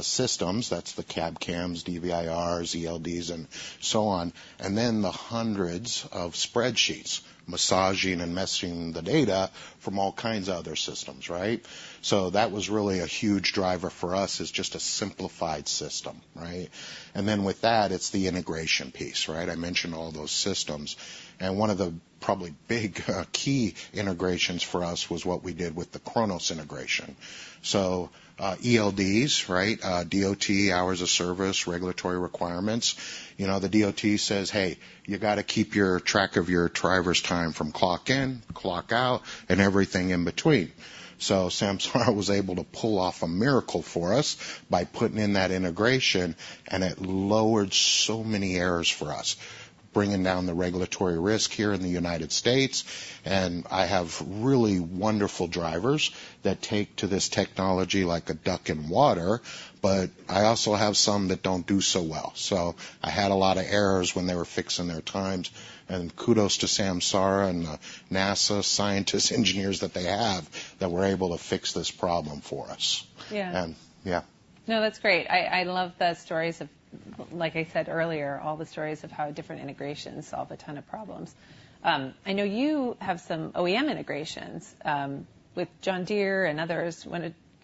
systems. That's the cab cams, DVIRs, ELDs, and so on. And then the hundreds of spreadsheets, massaging and messaging the data from all kinds of other systems, right? So that was really a huge driver for us is just a simplified system, right? And then with that, it's the integration piece, right? I mentioned all those systems. And one of the probably big key integrations for us was what we did with the Kronos integration. So ELDs, right? DOT, hours of service, regulatory requirements. The DOT says, "Hey, you got to keep track of your driver's time from clock in, clock out, and everything in between." So Samsara was able to pull off a miracle for us by putting in that integration, and it lowered so many errors for us, bringing down the regulatory risk here in the United States. And I have really wonderful drivers that take to this technology like a duck in water, but I also have some that don't do so well. So I had a lot of errors when they were fixing their times. And kudos to Samsara and the NASA scientists, engineers that they have that were able to fix this problem for us. Yeah. Yeah. No, that's great. I love the stories of, like I said earlier, all the stories of how different integrations solve a ton of problems. I know you have some OEM integrations with John Deere and others.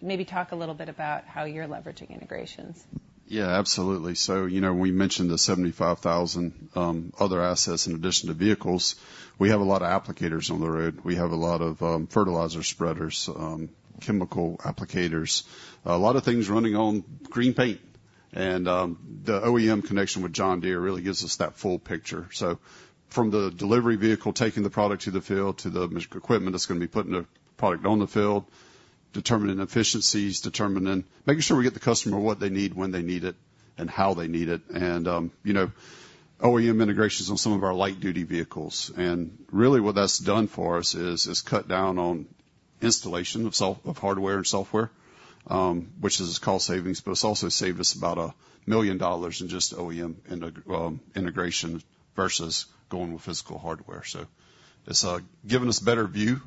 Maybe talk a little bit about how you're leveraging integrations. Yeah. Absolutely. So we mentioned the 75,000 other assets in addition to vehicles. We have a lot of applicators on the road. We have a lot of fertilizer spreaders, chemical applicators, a lot of things running on green paint. And the OEM connection with John Deere really gives us that full picture. So from the delivery vehicle taking the product to the field to the equipment that's going to be putting the product on the field, determining efficiencies, making sure we get the customer what they need, when they need it, and how they need it. And OEM integrations on some of our light-duty vehicles. And really what that's done for us is cut down on installation of hardware and software, which is cost savings, but it's also saved us about $1 million in just OEM integration versus going with physical hardware. So it's given us a better view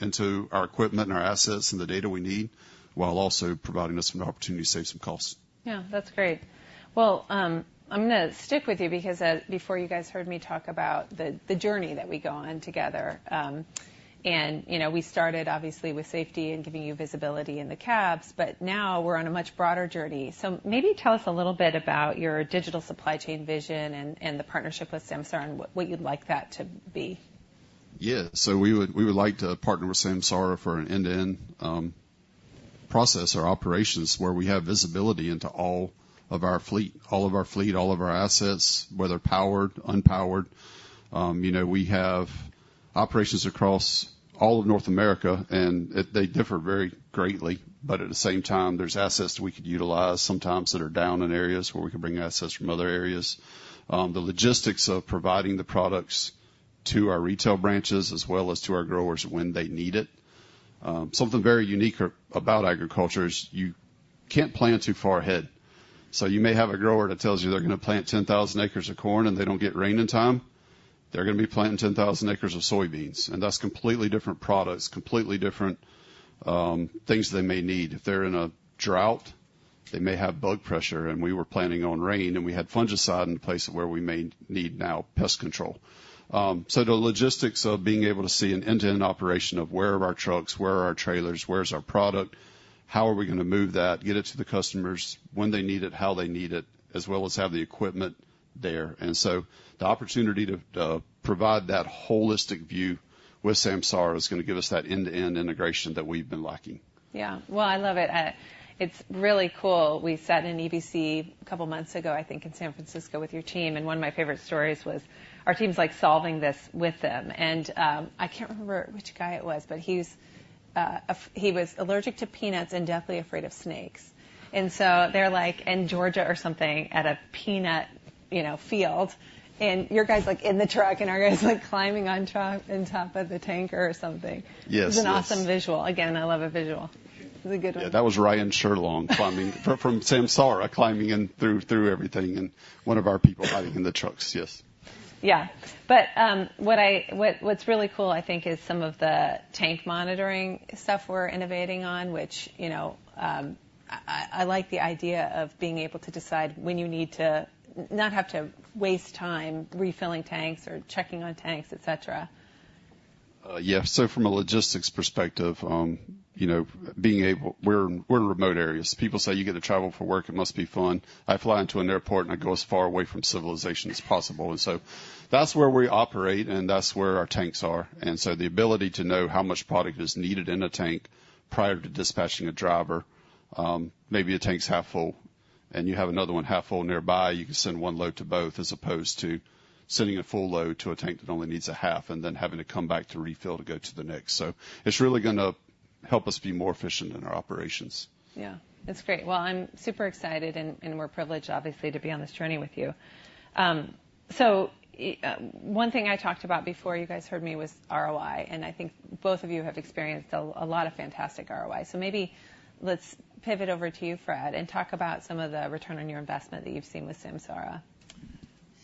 into our equipment and our assets and the data we need while also providing us an opportunity to save some costs. Yeah. That's great. Well, I'm going to stick with you because before you guys heard me talk about the journey that we go on together. We started, obviously, with safety and giving you visibility in the cabs, but now we're on a much broader journey. So maybe tell us a little bit about your digital supply chain vision and the partnership with Samsara and what you'd like that to be. Yeah. So we would like to partner with Samsara for an end-to-end process or operations where we have visibility into all of our fleet, all of our fleet, all of our fleet, all of our assets, whether powered, unpowered. We have operations across all of North America, and they differ very greatly. But at the same time, there's assets we could utilize sometimes that are down in areas where we could bring assets from other areas. The logistics of providing the products to our retail branches as well as to our growers when they need it. Something very unique about agriculture is you can't plan too far ahead. So you may have a grower that tells you they're going to plant 10,000 acres of corn and they don't get rain in time. They're going to be planting 10,000 acres of soybeans. And that's completely different products, completely different things they may need. If they're in a drought, they may have bug pressure. And we were planning on rain, and we had fungicide in place where we may need now pest control. So the logistics of being able to see an end-to-end operation of where are our trucks, where are our trailers, where's our product, how are we going to move that, get it to the customers when they need it, how they need it, as well as have the equipment there. And so the opportunity to provide that holistic view with Samsara is going to give us that end-to-end integration that we've been lacking. Yeah. Well, I love it. It's really cool. We sat in EBC a couple of months ago, I think, in San Francisco with your team. And one of my favorite stories was our team's solving this with them. And I can't remember which guy it was, but he was allergic to peanuts and deathly afraid of snakes. And so they're in Georgia or something at a peanut field. And your guy's in the truck and our guy's climbing on top of the tanker or something. Yes yes. It was an awesome visual. Again, I love a visual. It was a good one. Yeah. That was Ryan Sherlong from Samsara climbing in through everything and one of our people hiding in the trucks. Yes. Yeah. But what's really cool, I think, is some of the tank monitoring stuff we're innovating on, which I like the idea of being able to decide when you need to not have to waste time refilling tanks or checking on tanks, etc. Yeah. So from a logistics perspective, being able—we're in remote areas. People say, "You get to travel for work. It must be fun." I fly into an airport and I go as far away from civilization as possible. That's where we operate and that's where our tanks are. The ability to know how much product is needed in a tank prior to dispatching a driver, maybe a tank's half full and you have another one half full nearby, you can send one load to both as opposed to sending a full load to a tank that only needs a half and then having to come back to refill to go to the next. So it's really going to help us be more efficient in our operations. Yeah. That's great. Well, I'm super excited and we're privileged, obviously, to be on this journey with you. One thing I talked about before you guys heard me was ROI. And I think both of you have experienced a lot of fantastic ROI. So maybe let's pivot over to you, Fred, and talk about some of the return on your investment that you've seen with Samsara.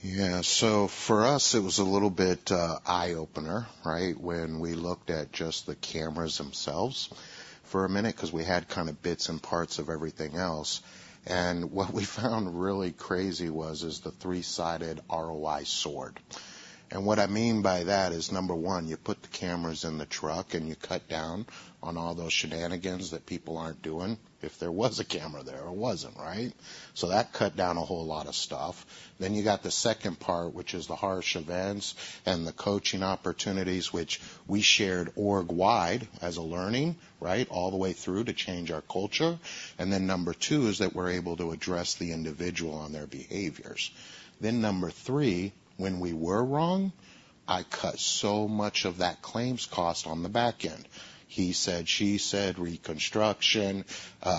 Yeah. So for us, it was a little bit eye-opener, right, when we looked at just the cameras themselves for a minute because we had kind of bits and parts of everything else. And what we found really crazy was the three-sided ROI sword. And what I mean by that is, number one, you put the cameras in the truck and you cut down on all those shenanigans that people aren't doing if there was a camera there or wasn't, right? So that cut down a whole lot of stuff. Then you got the second part, which is the harsh events and the coaching opportunities, which we shared org-wide as a learning, right, all the way through to change our culture. Then number 2 is that we're able to address the individual on their behaviors. Then number 3, when we were wrong, I cut so much of that claims cost on the back end. He said, she said, reconstruction,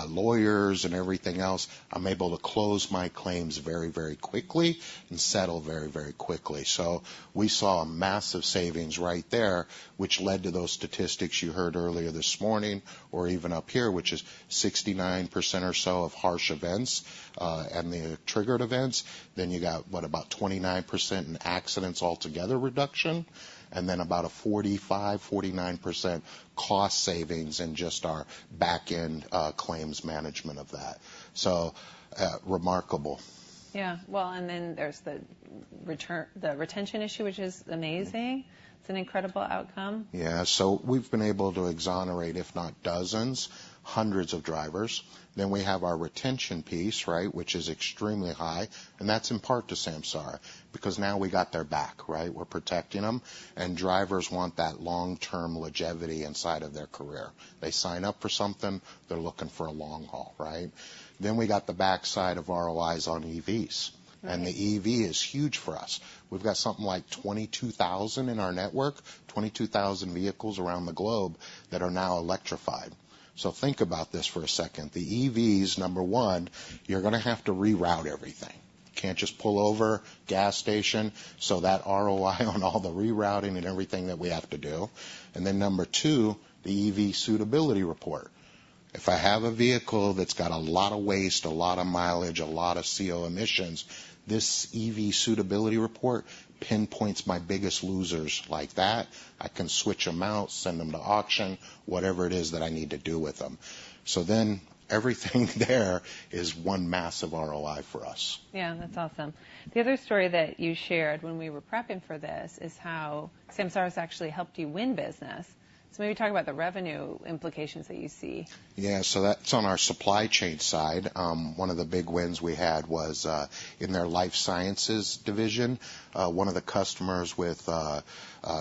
lawyers, and everything else. I'm able to close my claims very, very quickly and settle very, very quickly. So we saw a massive savings right there, which led to those statistics you heard earlier this morning or even up here, which is 69% or so of harsh events and the triggered events. Then you got, what, about 29% in accidents altogether reduction and then about a 45%-49% cost savings in just our back-end claims management of that. So remarkable. Yeah. Well, and then there's the retention issue, which is amazing. It's an incredible outcome. Yeah. So we've been able to exonerate, if not dozens, hundreds of drivers. Then we have our retention piece, right, which is extremely high. And that's in part to Samsara because now we got their back, right? We're protecting them. And drivers want that long-term longevity inside of their career. They sign up for something. They're looking for a long haul, right? Then we got the backside of ROIs on EVs. And the EV is huge for us. We've got something like 22,000 in our network, 22,000 vehicles around the globe that are now electrified. So think about this for a second. The EVs, number one, you're going to have to reroute everything. Can't just pull over, gas station. So that ROI on all the rerouting and everything that we have to do. Then number two, the EV suitability report. If I have a vehicle that's got a lot of waste, a lot of mileage, a lot of CO emissions, this EV suitability report pinpoints my biggest losers like that. I can switch them out, send them to auction, whatever it is that I need to do with them. So then everything there is one massive ROI for us. Yeah. That's awesome. The other story that you shared when we were prepping for this is how Samsara has actually helped you win business. So maybe talk about the revenue implications that you see. Yeah. So that's on our supply chain side. One of the big wins we had was in their life sciences division. One of the customers with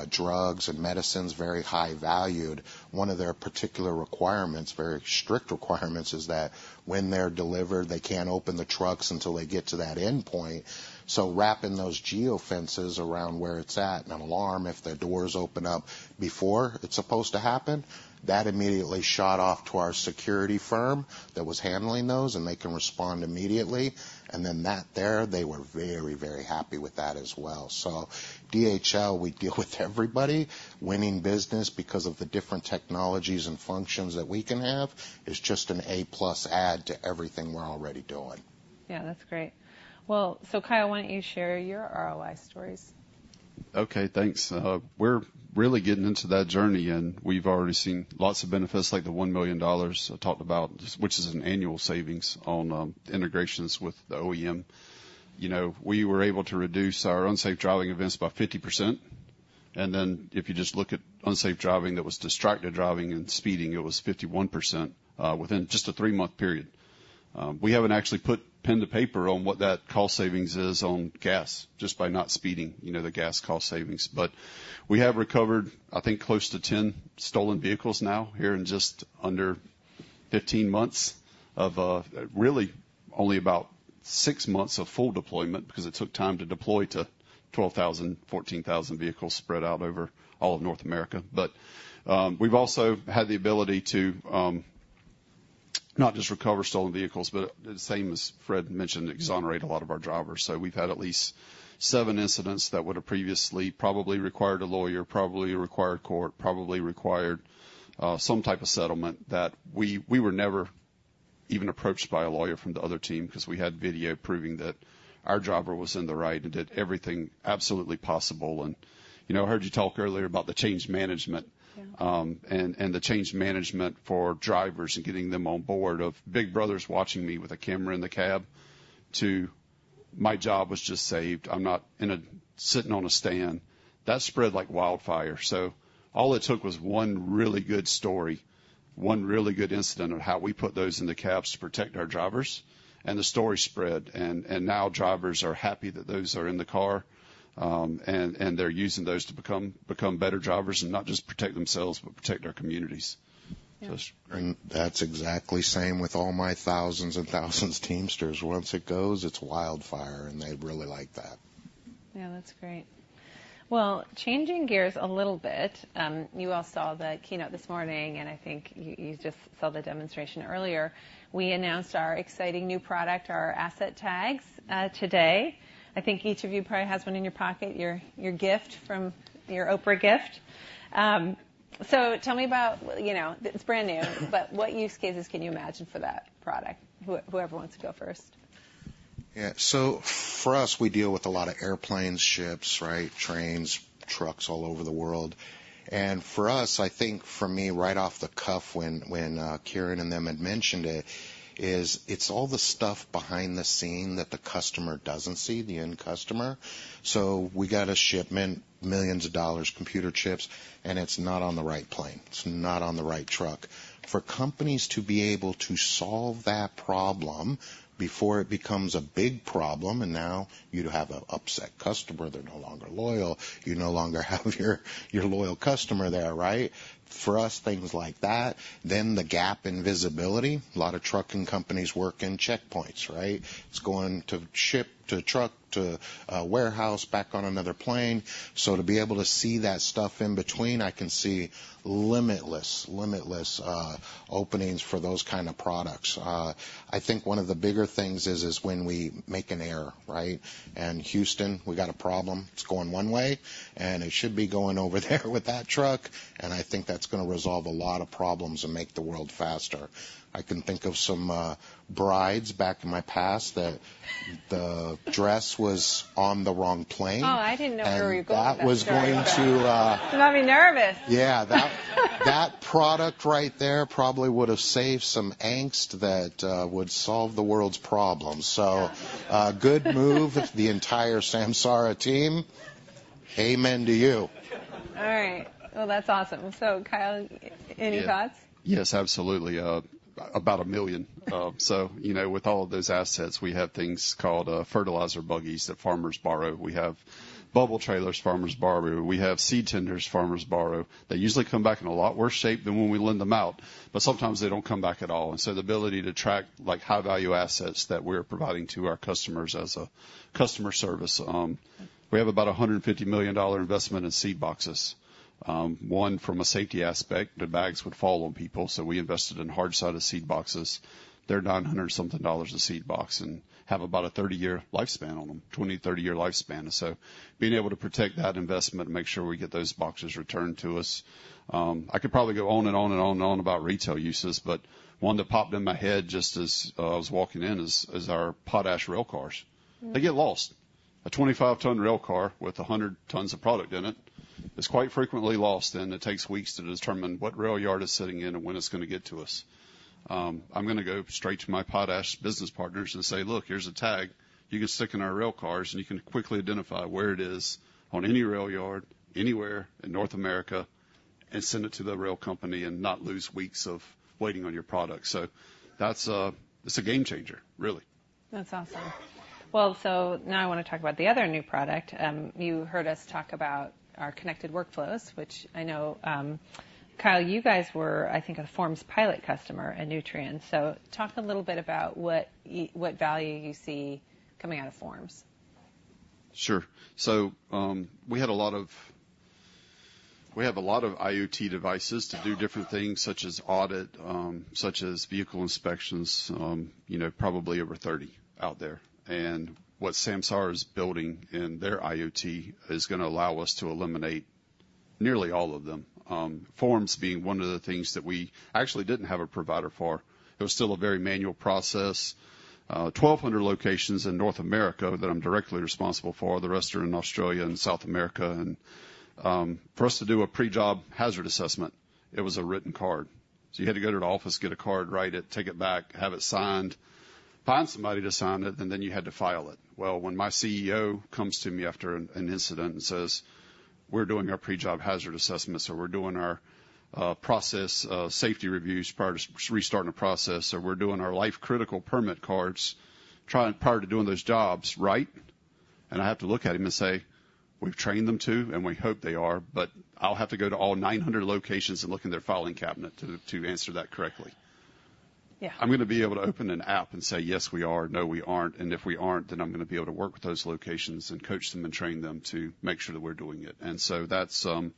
drugs and medicines, very high-valued. One of their particular requirements, very strict requirements, is that when they're delivered, they can't open the trucks until they get to that end point. So wrapping those geofences around where it's at and an alarm if the doors open up before it's supposed to happen, that immediately shot off to our security firm that was handling those, and they can respond immediately. And then that there, they were very, very happy with that as well. So DHL, we deal with everybody. Winning business because of the different technologies and functions that we can have is just an A-plus add to everything we're already doing. Yeah. That's great. Well, so Kyle, why don't you share your ROI stories? Okay. Thanks. We're really getting into that journey, and we've already seen lots of benefits like the $1 million I talked about, which is an annual savings on integrations with the OEM. We were able to reduce our unsafe driving events by 50%. And then if you just look at unsafe driving that was distracted driving and speeding, it was 51% within just a 3-month period. We haven't actually put pen to paper on what that cost savings is on gas just by not speeding the gas cost savings. But we have recovered, I think, close to 10 stolen vehicles now here in just under 15 months of really only about 6 months of full deployment because it took time to deploy to 12,000, 14,000 vehicles spread out over all of North America. But we've also had the ability to not just recover stolen vehicles, but the same as Fred mentioned, exonerate a lot of our drivers. So we've had at least seven incidents that would have previously probably required a lawyer, probably required court, probably required some type of settlement that we were never even approached by a lawyer from the other team because we had video proving that our driver was in the right and did everything absolutely possible. And I heard you talk earlier about the change management and the change management for drivers and getting them on board of big brothers watching me with a camera in the cab to my job was just saved. I'm not sitting on a stand. That spread like wildfire. So all it took was one really good story, one really good incident of how we put those in the cabs to protect our drivers. And the story spread. And now drivers are happy that those are in the car, and they're using those to become better drivers and not just protect themselves, but protect our communities. That's exactly same with all my thousands and thousands of Teamsters. Once it goes, it's wildfire, and they really like that. Yeah. That's great. Well, changing gears a little bit. You all saw the keynote this morning, and I think you just saw the demonstration earlier. We announced our exciting new product, our asset tags today. I think each of you probably has one in your pocket, your gift from your Oprah gift. So tell me about it's brand new, but what use cases can you imagine for that product? Whoever wants to go first. Yeah. So for us, we deal with a lot of airplanes, ships, right, trains, trucks all over the world. And for us, I think for me, right off the cuff when Kiren and them had mentioned it, is it's all the stuff behind the scenes that the customer doesn't see, the end customer. So we got a shipment, $ millions, computer chips, and it's not on the right plane. It's not on the right truck. For companies to be able to solve that problem before it becomes a big problem, and now you have an upset customer, they're no longer loyal, you no longer have your loyal customer there, right? For us, things like that, then the gap in visibility, a lot of trucking companies work in checkpoints, right? It's going to ship to truck to warehouse back on another plane. So to be able to see that stuff in between, I can see limitless, limitless openings for those kinds of products. I think one of the bigger things is when we make an error, right? And Houston, we got a problem. It's going one way, and it should be going over there with that truck. And I think that's going to resolve a lot of problems and make the world faster. I can think of some brides back in my past that the dress was on the wrong plane. Oh, I didn't know where you're going with that. That was going to. You got me nervous. Yeah. That product right there probably would have saved some angst that would solve the world's problems. So good move, the entire Samsara team. Amen to you. All right. Well, that's awesome. So Kyle, any thoughts? Yes, absolutely. About a million. So with all of those assets, we have things called fertilizer buggies that farmers borrow. We have bubble trailers farmers borrow. We have seed tenders farmers borrow. They usually come back in a lot worse shape than when we lend them out, but sometimes they don't come back at all. And so the ability to track high-value assets that we're providing to our customers as a customer service. We have about a $150 million investment in seed boxes. One, from a safety aspect, the bags would fall on people. So we invested in hard-sided seed boxes. They're $900-something a seed box and have about a 30-year lifespan on them, 20-30-year lifespan. And so being able to protect that investment and make sure we get those boxes returned to us. I could probably go on and on and on and on about retail uses, but one that popped in my head just as I was walking in is our potash rail cars. They get lost. A 25-ton rail car with 100 tons of product in it is quite frequently lost, and it takes weeks to determine what rail yard is sitting in and when it's going to get to us. I'm going to go straight to my potash business partners and say, "Look, here's a tag. You can stick in our rail cars, and you can quickly identify where it is on any rail yard, anywhere in North America, and send it to the rail company and not lose weeks of waiting on your product." So it's a game changer, really. That's awesome. Well, so now I want to talk about the other new product. You heard us talk about our Connected Workflows, which I know Kyle, you guys were, I think, a Forms pilot customer at Nutrien. So talk a little bit about what value you see coming out of Forms. Sure. So we have a lot of IoT devices to do different things, such as audit, such as vehicle inspections, probably over 30 out there. What Samsara is building in their IoT is going to allow us to eliminate nearly all of them. Forms being one of the things that we actually didn't have a provider for. It was still a very manual process. 1,200 locations in North America that I'm directly responsible for. The rest are in Australia and South America. For us to do a pre-job hazard assessment, it was a written card. So you had to go to the office, get a card, write it, take it back, have it signed, find somebody to sign it, and then you had to file it. Well, when my CEO comes to me after an incident and says, "We're doing our pre-job hazard assessments," or, "We're doing our process safety reviews prior to restarting the process," or, "We're doing our life-critical permit cards prior to doing those jobs," right? And I have to look at him and say, "We've trained them to, and we hope they are, but I'll have to go to all 900 locations and look in their filing cabinet to answer that correctly." I'm going to be able to open an app and say, "Yes, we are. No, we aren't." And if we aren't, then I'm going to be able to work with those locations and coach them and train them to make sure that we're doing it. And so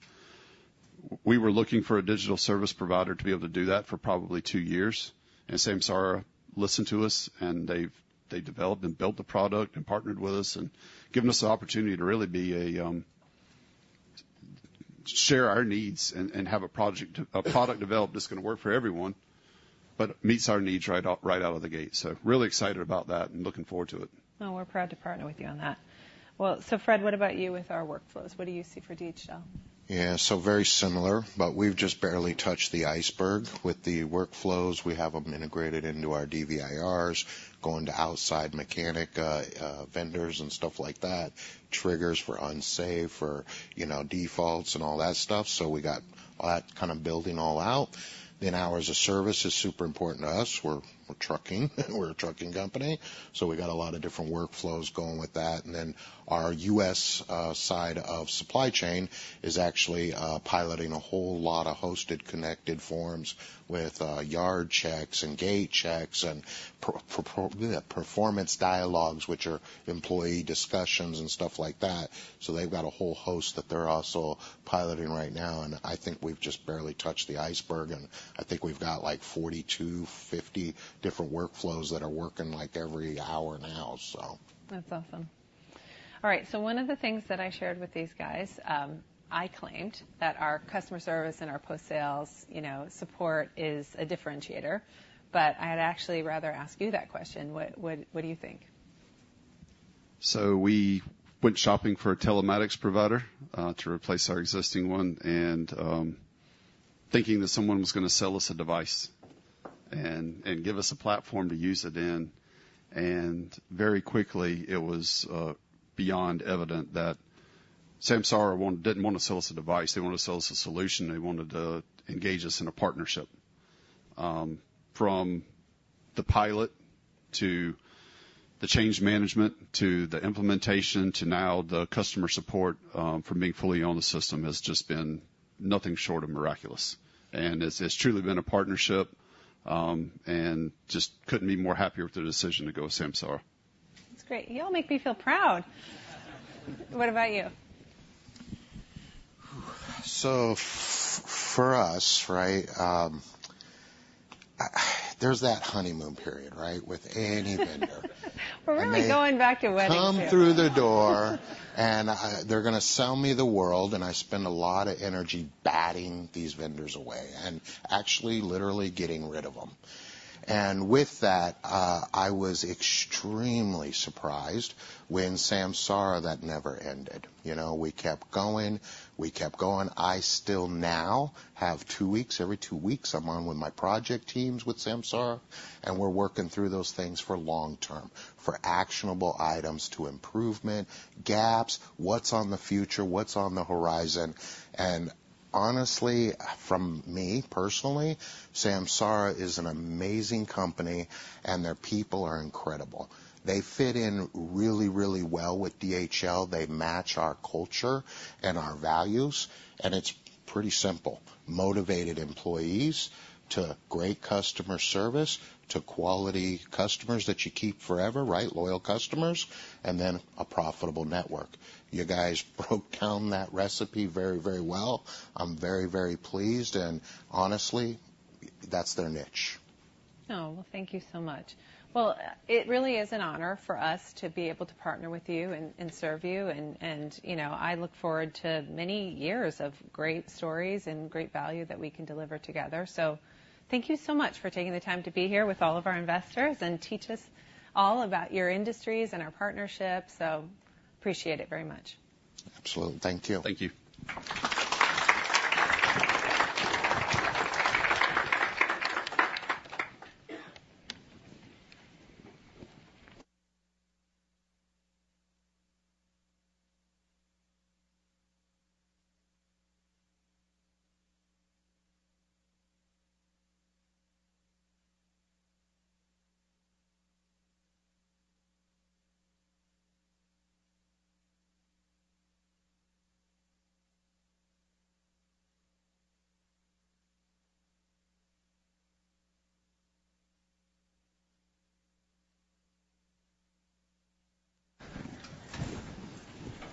we were looking for a digital service provider to be able to do that for probably two years. Samsara listened to us, and they developed and built the product and partnered with us and given us the opportunity to really share our needs and have a product developed that's going to work for everyone but meets our needs right out of the gate. So really excited about that and looking forward to it. Well, we're proud to partner with you on that. Well, so Fred, what about you with our workflows? What do you see for DHL? Yeah. So very similar, but we've just barely touched the iceberg with the workflows. We have them integrated into our DVIRs, going to outside mechanic vendors and stuff like that, triggers for unsafe, for defaults, and all that stuff. So we got that kind of building all out. Then ours is service is super important to us. We're a trucking company. So we got a lot of different workflows going with that. And then our U.S. side of supply chain is actually piloting a whole lot of hosted Connected Forms with yard checks and gate checks and performance dialogues, which are employee discussions and stuff like that. So they've got a whole host that they're also piloting right now. And I think we've just barely touched the iceberg, and I think we've got like 40-50 different workflows that are working like every hour now, so. That's awesome. All right. So one of the things that I shared with these guys, I claimed that our customer service and our post-sales support is a differentiator, but I'd actually rather ask you that question. What do you think? So we went shopping for a telematics provider to replace our existing one and thinking that someone was going to sell us a device and give us a platform to use it in. And very quickly, it was beyond evident that Samsara didn't want to sell us a device. They wanted to sell us a solution. They wanted to engage us in a partnership. From the pilot to the change management to the implementation to now the customer support from being fully on the system has just been nothing short of miraculous. And it's truly been a partnership and just couldn't be more happy with the decision to go with Samsara. That's great. You all make me feel proud. What about you? So for us, right, there's that honeymoon period, right, with any vendor. We're really going back to weddings. Come through the door, and they're going to sell me the world, and I spend a lot of energy batting these vendors away and actually literally getting rid of them. And with that, I was extremely surprised when Samsara that never ended. We kept going. We kept going. I still now have 2 weeks. Every 2 weeks, I'm on with my project teams with Samsara, and we're working through those things for long-term, for actionable items to improvement, gaps, what's on the future, what's on the horizon. And honestly, from me personally, Samsara is an amazing company, and their people are incredible. They fit in really, really well with DHL. They match our culture and our values. And it's pretty simple. Motivated employees to great customer service to quality customers that you keep forever, right, loyal customers, and then a profitable network. You guys broke down that recipe very, very well. I'm very, very pleased. And honestly, that's their niche. Oh, well, thank you so much. Well, it really is an honor for us to be able to partner with you and serve you. And I look forward to many years of great stories and great value that we can deliver together. So thank you so much for taking the time to be here with all of our investors and teach us all about your industries and our partnership. So appreciate it very much. Absolutely. Thank you. Thank you.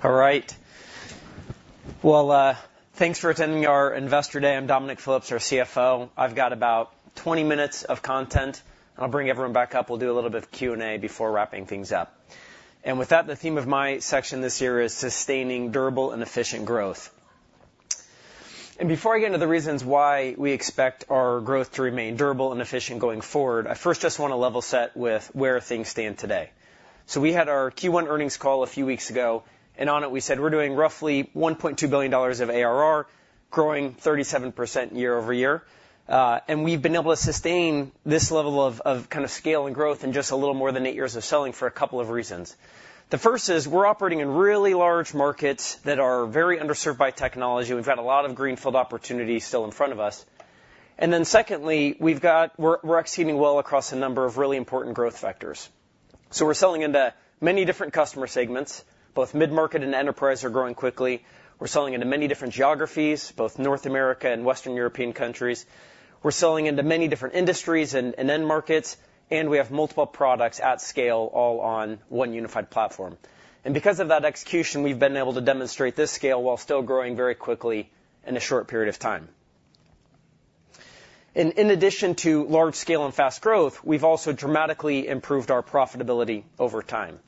All right. Well, thanks for attending our investor day. I'm Dominic Phillips, our CFO. I've got about 20 minutes of content. I'll bring everyone back up. We'll do a little bit of Q&A before wrapping things up. And with that, the theme of my section this year is sustaining durable and efficient growth. Before I get into the reasons why we expect our growth to remain durable and efficient going forward, I first just want to level set with where things stand today. We had our Q1 earnings call a few weeks ago, and on it, we said we're doing roughly $1.2 billion of ARR, growing 37% year-over-year. We've been able to sustain this level of kind of scale and growth in just a little more than eight years of selling for a couple of reasons. The first is we're operating in really large markets that are very underserved by technology. We've got a lot of greenfield opportunities still in front of us. And then secondly, we're exceeding well across a number of really important growth factors. We're selling into many different customer segments. Both mid-market and enterprise are growing quickly. We're selling into many different geographies, both North America and Western European countries. We're selling into many different industries and end markets, and we have multiple products at scale all on one unified platform. And because of that execution, we've been able to demonstrate this scale while still growing very quickly in a short period of time. And in addition to large scale and fast growth, we've also dramatically improved our profitability over time.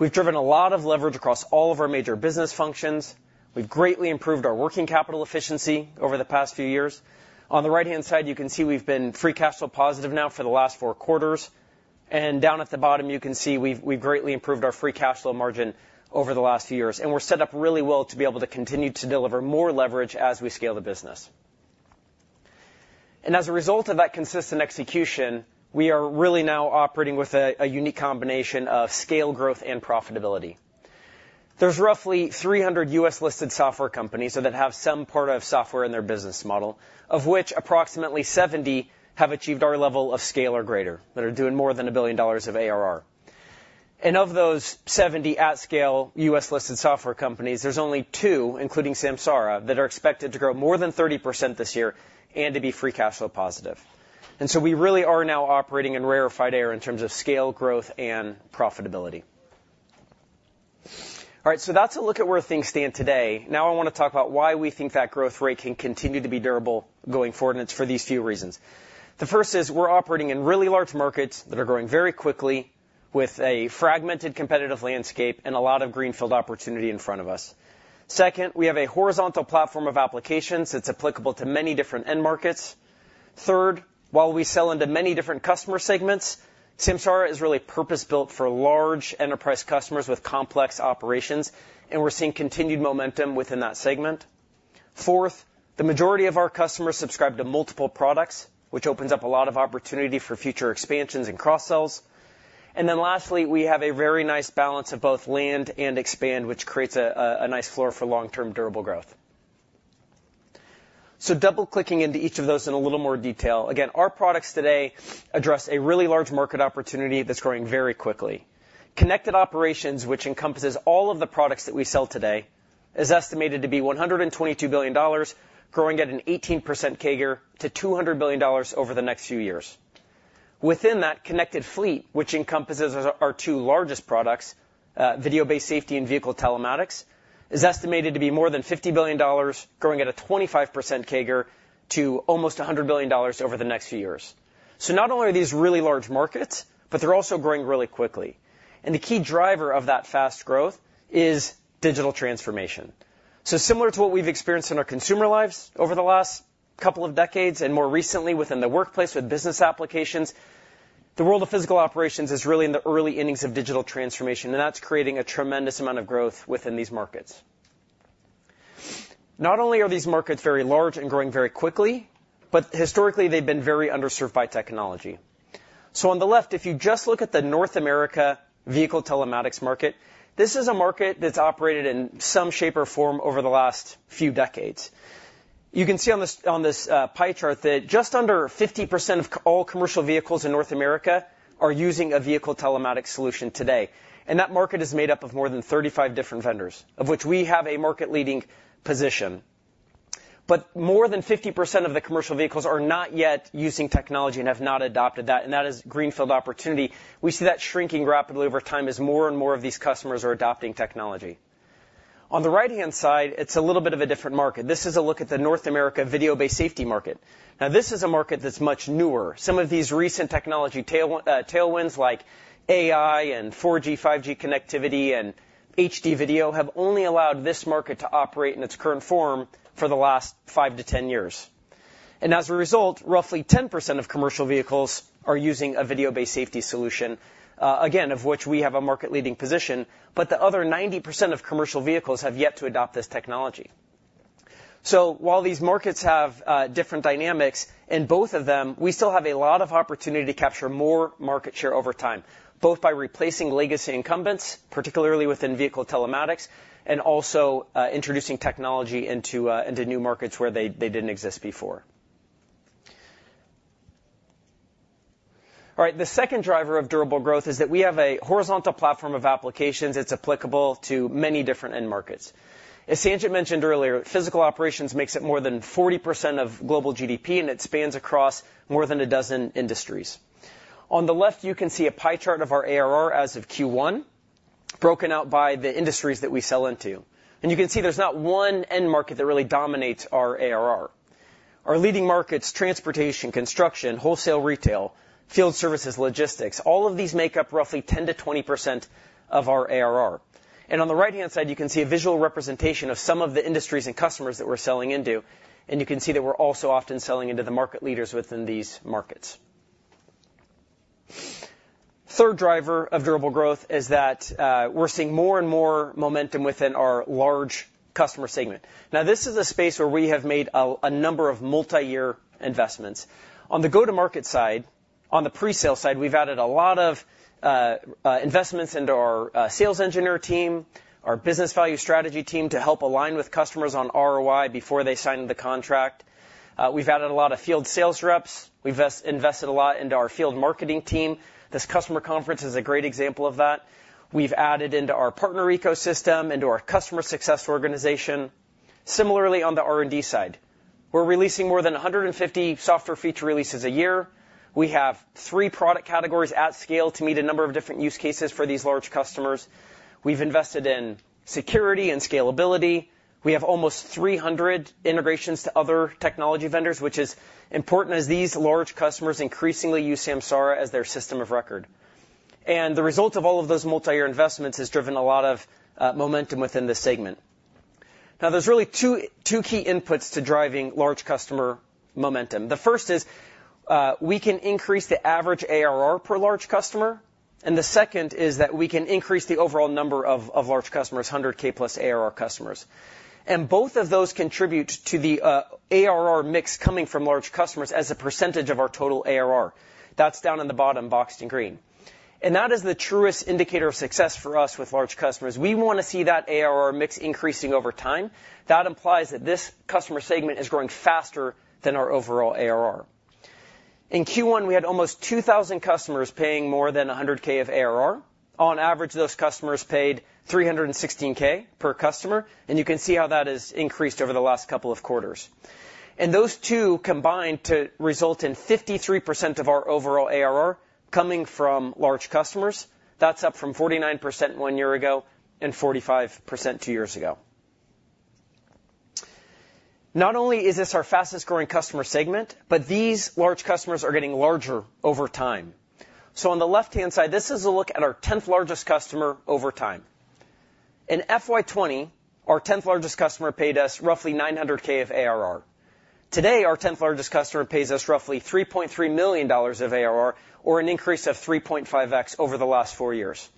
We've driven a lot of leverage across all of our major business functions. We've greatly improved our working capital efficiency over the past few years. On the right-hand side, you can see we've been free cash flow positive now for the last 4 quarters. And down at the bottom, you can see we've greatly improved our free cash flow margin over the last few years. We're set up really well to be able to continue to deliver more leverage as we scale the business. And as a result of that consistent execution, we are really now operating with a unique combination of scale growth and profitability. There's roughly 300 U.S.-listed software companies that have some part of software in their business model, of which approximately 70 have achieved our level of scale or greater that are doing more than $1 billion of ARR. And of those 70 at-scale U.S.-listed software companies, there's only two, including Samsara, that are expected to grow more than 30% this year and to be free cash flow positive. And so we really are now operating in rarefied air in terms of scale growth and profitability. All right. That's a look at where things stand today. Now I want to talk about why we think that growth rate can continue to be durable going forward, and it's for these few reasons. The first is we're operating in really large markets that are growing very quickly with a fragmented competitive landscape and a lot of greenfield opportunity in front of us. Second, we have a horizontal platform of applications that's applicable to many different end markets. Third, while we sell into many different customer segments, Samsara is really purpose-built for large enterprise customers with complex operations, and we're seeing continued momentum within that segment. Fourth, the majority of our customers subscribe to multiple products, which opens up a lot of opportunity for future expansions and cross-sells. And then lastly, we have a very nice balance of both land and expand, which creates a nice floor for long-term durable growth. So double-clicking into each of those in a little more detail. Again, our products today address a really large market opportunity that's growing very quickly. Connected operations, which encompasses all of the products that we sell today, is estimated to be $122 billion, growing at an 18% CAGR to $200 billion over the next few years. Within that, connected fleet, which encompasses our two largest products, video-based safety and vehicle telematics, is estimated to be more than $50 billion, growing at a 25% CAGR to almost $100 billion over the next few years. So not only are these really large markets, but they're also growing really quickly. And the key driver of that fast growth is digital transformation. Similar to what we've experienced in our consumer lives over the last couple of decades and more recently within the workplace with business applications, the world of physical operations is really in the early innings of digital transformation, and that's creating a tremendous amount of growth within these markets. Not only are these markets very large and growing very quickly, but historically, they've been very underserved by technology. On the left, if you just look at the North America vehicle telematics market, this is a market that's operated in some shape or form over the last few decades. You can see on this pie chart that just under 50% of all commercial vehicles in North America are using a vehicle telematics solution today. That market is made up of more than 35 different vendors, of which we have a market-leading position. More than 50% of the commercial vehicles are not yet using technology and have not adopted that. That is greenfield opportunity. We see that shrinking rapidly over time as more and more of these customers are adopting technology. On the right-hand side, it's a little bit of a different market. This is a look at the North America video-based safety market. Now, this is a market that's much newer. Some of these recent technology tailwinds like AI and 4G, 5G connectivity, and HD video have only allowed this market to operate in its current form for the last 5-10 years. As a result, roughly 10% of commercial vehicles are using a video-based safety solution, again, of which we have a market-leading position, but the other 90% of commercial vehicles have yet to adopt this technology. So while these markets have different dynamics, in both of them, we still have a lot of opportunity to capture more market share over time, both by replacing legacy incumbents, particularly within vehicle telematics, and also introducing technology into new markets where they didn't exist before. All right. The second driver of durable growth is that we have a horizontal platform of applications that's applicable to many different end markets. As Sanjit mentioned earlier, physical operations makes it more than 40% of global GDP, and it spans across more than a dozen industries. On the left, you can see a pie chart of our ARR as of Q1, broken out by the industries that we sell into. And you can see there's not one end market that really dominates our ARR. Our leading markets: transportation, construction, wholesale retail, field services, logistics. All of these make up roughly 10%-20% of our ARR. On the right-hand side, you can see a visual representation of some of the industries and customers that we're selling into, and you can see that we're also often selling into the market leaders within these markets. Third driver of durable growth is that we're seeing more and more momentum within our large customer segment. Now, this is a space where we have made a number of multi-year investments. On the go-to-market side, on the pre-sale side, we've added a lot of investments into our sales engineer team, our business value strategy team to help align with customers on ROI before they sign the contract. We've added a lot of field sales reps. We've invested a lot into our field marketing team. This customer conference is a great example of that. We've added into our partner ecosystem, into our customer success organization. Similarly, on the R&D side, we're releasing more than 150 software feature releases a year. We have three product categories at scale to meet a number of different use cases for these large customers. We've invested in security and scalability. We have almost 300 integrations to other technology vendors, which is important as these large customers increasingly use Samsara as their system of record. The result of all of those multi-year investments has driven a lot of momentum within this segment. Now, there's really two key inputs to driving large customer momentum. The first is we can increase the average ARR per large customer, and the second is that we can increase the overall number of large customers, 100,000-plus ARR customers. Both of those contribute to the ARR mix coming from large customers as a percentage of our total ARR. That's down in the bottom boxed in green. That is the truest indicator of success for us with large customers. We want to see that ARR mix increasing over time. That implies that this customer segment is growing faster than our overall ARR. In Q1, we had almost 2,000 customers paying more than $100K of ARR. On average, those customers paid $316K per customer, and you can see how that has increased over the last couple of quarters. Those two combined to result in 53% of our overall ARR coming from large customers. That's up from 49% one year ago and 45% two years ago. Not only is this our fastest-growing customer segment, but these large customers are getting larger over time. So on the left-hand side, this is a look at our 10th largest customer over time. In FY 2020, our 10th largest customer paid us roughly $900,000 of ARR. Today, our 10th largest customer pays us roughly $3.3 million of ARR, or an increase of 3.5x over the last four years.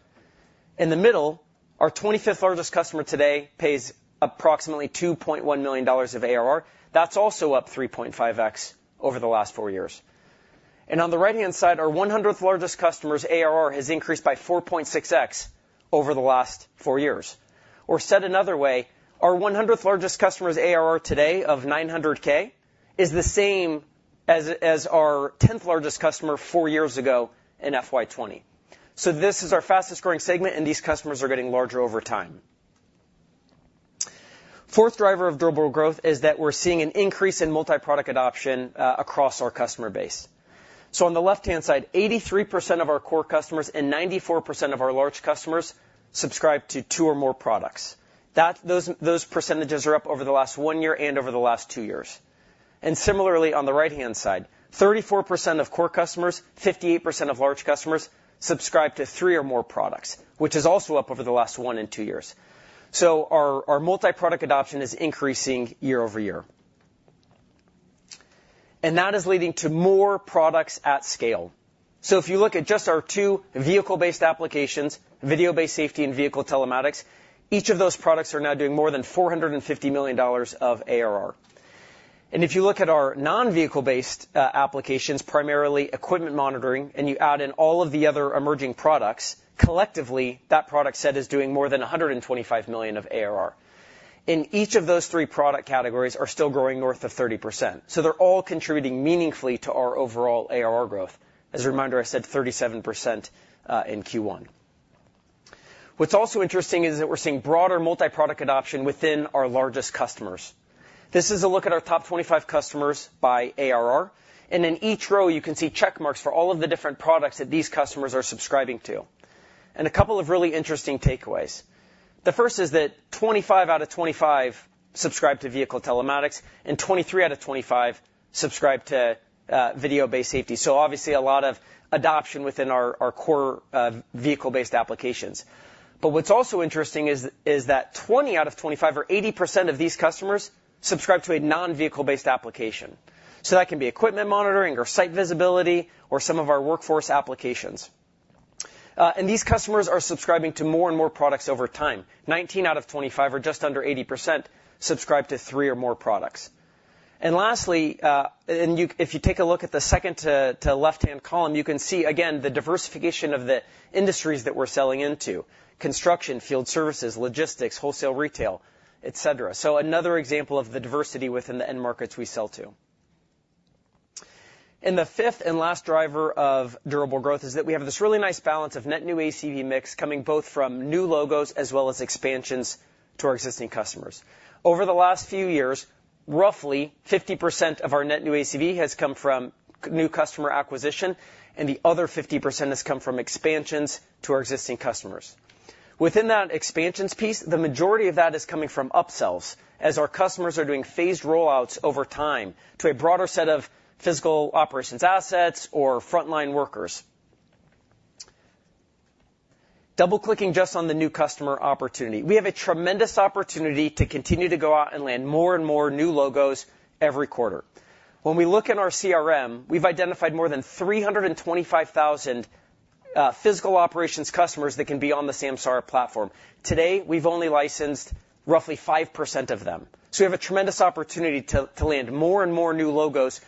In the middle, our 25th largest customer today pays approximately $2.1 million of ARR. That's also up 3.5x over the last four years. And on the right-hand side, our 100th largest customer's ARR has increased by 4.6x over the last four years. Or said another way, our 100th largest customer's ARR today of $900,000 is the same as our 10th largest customer four years ago in FY 2020. So this is our fastest-growing segment, and these customers are getting larger over time. Fourth driver of durable growth is that we're seeing an increase in multi-product adoption across our customer base. On the left-hand side, 83% of our core customers and 94% of our large customers subscribe to two or more products. Those percentages are up over the last 1 year and over the last 2 years. Similarly, on the right-hand side, 34% of core customers, 58% of large customers subscribe to three or more products, which is also up over the last 1 and 2 years. Our multi-product adoption is increasing year-over-year. That is leading to more products at scale. If you look at just our two vehicle-based applications, video-based safety and vehicle telematics, each of those products are now doing more than $450 million of ARR. If you look at our non-vehicle-based applications, primarily equipment monitoring, and you add in all of the other emerging products, collectively, that product set is doing more than $125 million of ARR. Each of those three product categories are still growing north of 30%. So they're all contributing meaningfully to our overall ARR growth. As a reminder, I said 37% in Q1. What's also interesting is that we're seeing broader multi-product adoption within our largest customers. This is a look at our top 25 customers by ARR. In each row, you can see checkmarks for all of the different products that these customers are subscribing to. A couple of really interesting takeaways. The first is that 25 out of 25 subscribe to vehicle telematics, and 23 out of 25 subscribe to video-based safety. So obviously, a lot of adoption within our core vehicle-based applications. But what's also interesting is that 20 out of 25, or 80% of these customers, subscribe to a non-vehicle-based application. So that can be equipment monitoring or site visibility or some of our workforce applications. These customers are subscribing to more and more products over time. 19 out of 25, or just under 80%, subscribe to three or more products. Lastly, if you take a look at the second to left-hand column, you can see, again, the diversification of the industries that we're selling into: construction, field services, logistics, wholesale retail, etc. Another example of the diversity within the end markets we sell to. The fifth and last driver of durable growth is that we have this really nice balance of net new ACV mix coming both from new logos as well as expansions to our existing customers. Over the last few years, roughly 50% of our net new ACV has come from new customer acquisition, and the other 50% has come from expansions to our existing customers. Within that expansions piece, the majority of that is coming from upsells as our customers are doing phased rollouts over time to a broader set of physical operations assets or frontline workers. Double-clicking just on the new customer opportunity. We have a tremendous opportunity to continue to go out and land more and more new logos every quarter. When we look at our CRM, we've identified more than 325,000 physical operations customers that can be on the Samsara platform. Today, we've only licensed roughly 5% of them. So we have a tremendous opportunity to land more and more new logos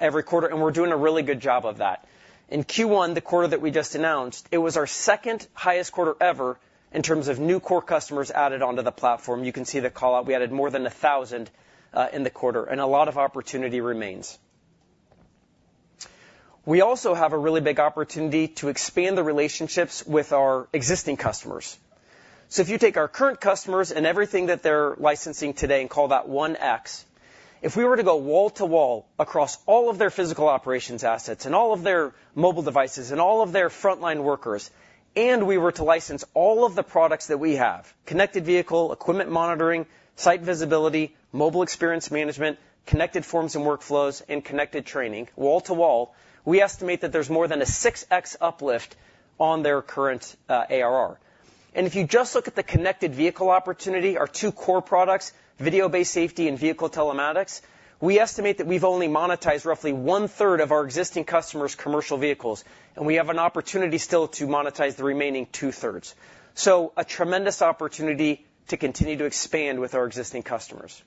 every quarter, and we're doing a really good job of that. In Q1, the quarter that we just announced, it was our second highest quarter ever in terms of new core customers added onto the platform. You can see the callout. We added more than 1,000 in the quarter, and a lot of opportunity remains. We also have a really big opportunity to expand the relationships with our existing customers. So if you take our current customers and everything that they're licensing today and call that 1x, if we were to go wall to wall across all of their physical operations assets and all of their mobile devices and all of their frontline workers, and we were to license all of the products that we have: connected vehicle, equipment monitoring, site visibility, mobile experience management, connected forms and workflows, and connected training wall to wall, we estimate that there's more than a 6x uplift on their current ARR. If you just look at the connected vehicle opportunity, our two core products, video-based safety and vehicle telematics, we estimate that we've only monetized roughly one-third of our existing customers' commercial vehicles, and we have an opportunity still to monetize the remaining two-thirds. A tremendous opportunity to continue to expand with our existing customers.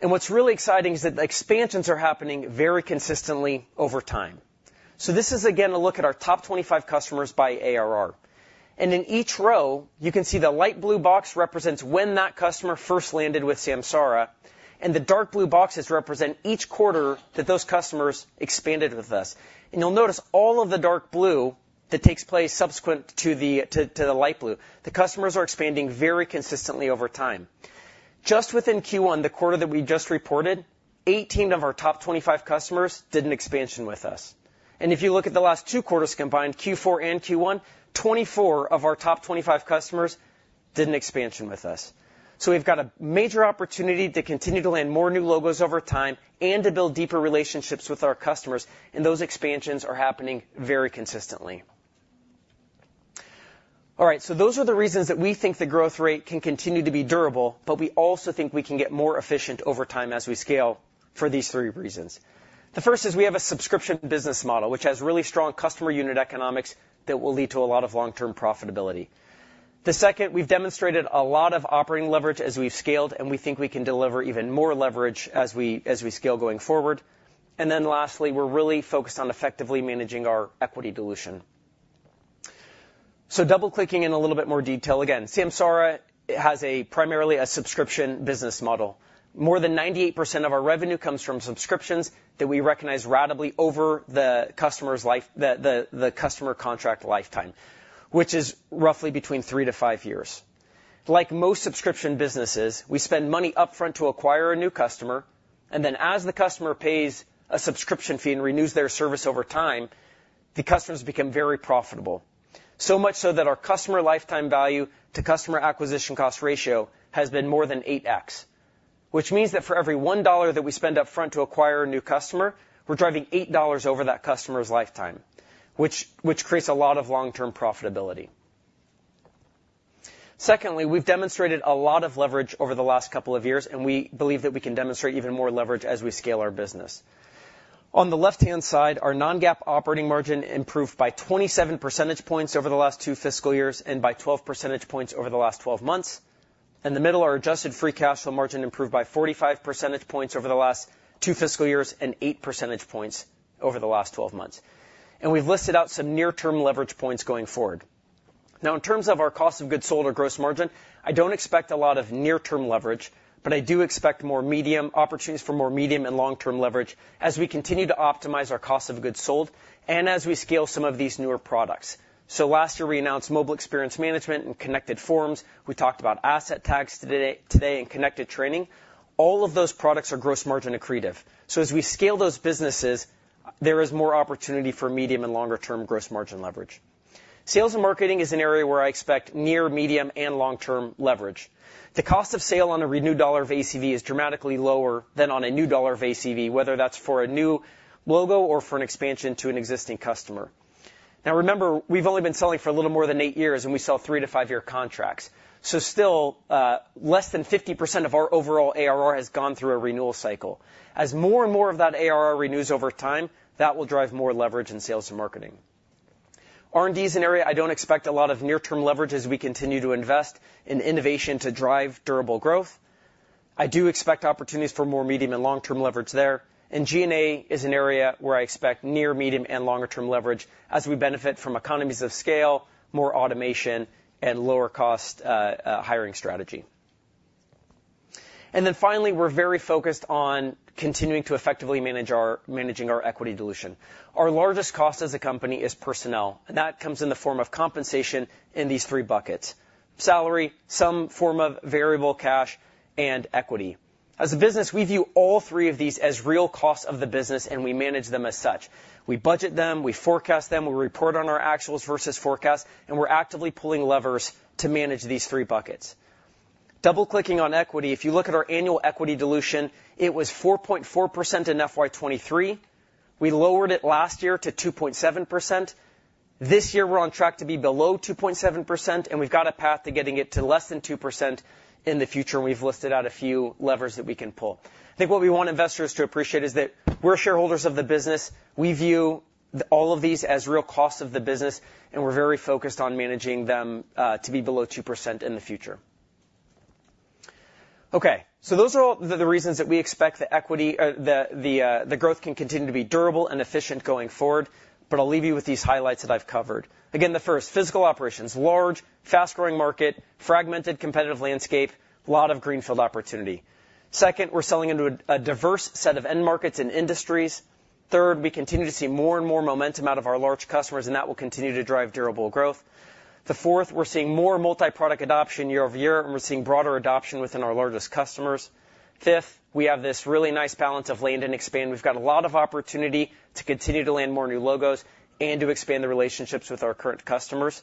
What's really exciting is that the expansions are happening very consistently over time. This is, again, a look at our top 25 customers by ARR. In each row, you can see the light blue box represents when that customer first landed with Samsara, and the dark blue boxes represent each quarter that those customers expanded with us. You'll notice all of the dark blue that takes place subsequent to the light blue, the customers are expanding very consistently over time. Just within Q1, the quarter that we just reported, 18 of our top 25 customers did an expansion with us. If you look at the last two quarters combined, Q4 and Q1, 24 of our top 25 customers did an expansion with us. We've got a major opportunity to continue to land more new logos over time and to build deeper relationships with our customers, and those expansions are happening very consistently. All right. Those are the reasons that we think the growth rate can continue to be durable, but we also think we can get more efficient over time as we scale for these three reasons. The first is we have a subscription business model, which has really strong customer unit economics that will lead to a lot of long-term profitability. The second, we've demonstrated a lot of operating leverage as we've scaled, and we think we can deliver even more leverage as we scale going forward. Then lastly, we're really focused on effectively managing our equity dilution. Double-clicking in a little bit more detail. Again, Samsara has primarily a subscription business model. More than 98% of our revenue comes from subscriptions that we recognize ratably over the customer's life, the customer contract lifetime, which is roughly between three to five years. Like most subscription businesses, we spend money upfront to acquire a new customer, and then as the customer pays a subscription fee and renews their service over time, the customers become very profitable. So much so that our customer lifetime value to customer acquisition cost ratio has been more than 8x, which means that for every $1 that we spend upfront to acquire a new customer, we're driving $8 over that customer's lifetime, which creates a lot of long-term profitability. Secondly, we've demonstrated a lot of leverage over the last couple of years, and we believe that we can demonstrate even more leverage as we scale our business. On the left-hand side, our non-GAAP operating margin improved by 27 percentage points over the last two fiscal years and by 12 percentage points over the last 12 months. And the middle, our adjusted free cash flow margin improved by 45 percentage points over the last two fiscal years and 8 percentage points over the last 12 months. And we've listed out some near-term leverage points going forward. Now, in terms of our cost of goods sold or gross margin, I don't expect a lot of near-term leverage, but I do expect more medium opportunities for more medium and long-term leverage as we continue to optimize our cost of goods sold and as we scale some of these newer products. So last year, we announced Mobile Experience Management and Connected Forms. We talked about Asset Tags today and Connected Training. All of those products are gross margin accretive. So as we scale those businesses, there is more opportunity for medium and longer-term gross margin leverage. Sales and marketing is an area where I expect near medium and long-term leverage. The cost of sale on a renewed $1 of ACV is dramatically lower than on a new $1 of ACV, whether that's for a new logo or for an expansion to an existing customer. Now, remember, we've only been selling for a little more than 8 years, and we sell 3- to 5-year contracts. So still, less than 50% of our overall ARR has gone through a renewal cycle. As more and more of that ARR renews over time, that will drive more leverage in sales and marketing. R&D is an area I don't expect a lot of near-term leverage as we continue to invest in innovation to drive durable growth. I do expect opportunities for more medium- and long-term leverage there. G&A is an area where I expect near-, medium-, and longer-term leverage as we benefit from economies of scale, more automation, and lower-cost hiring strategy. Then finally, we're very focused on continuing to effectively manage our equity dilution. Our largest cost as a company is personnel, and that comes in the form of compensation in these three buckets: salary, some form of variable cash, and equity. As a business, we view all three of these as real costs of the business, and we manage them as such. We budget them, we forecast them, we report on our actuals versus forecasts, and we're actively pulling levers to manage these three buckets. Double-clicking on equity, if you look at our annual equity dilution, it was 4.4% in FY23. We lowered it last year to 2.7%. This year, we're on track to be below 2.7%, and we've got a path to getting it to less than 2% in the future, and we've listed out a few levers that we can pull. I think what we want investors to appreciate is that we're shareholders of the business. We view all of these as real costs of the business, and we're very focused on managing them to be below 2% in the future. Okay. Those are all the reasons that we expect the growth can continue to be durable and efficient going forward, but I'll leave you with these highlights that I've covered. Again, the first, physical operations: large, fast-growing market, fragmented competitive landscape, a lot of greenfield opportunity. Second, we're selling into a diverse set of end markets and industries. Third, we continue to see more and more momentum out of our large customers, and that will continue to drive durable growth. The fourth, we're seeing more multi-product adoption year-over-year, and we're seeing broader adoption within our largest customers. Fifth, we have this really nice balance of land and expand. We've got a lot of opportunity to continue to land more new logos and to expand the relationships with our current customers.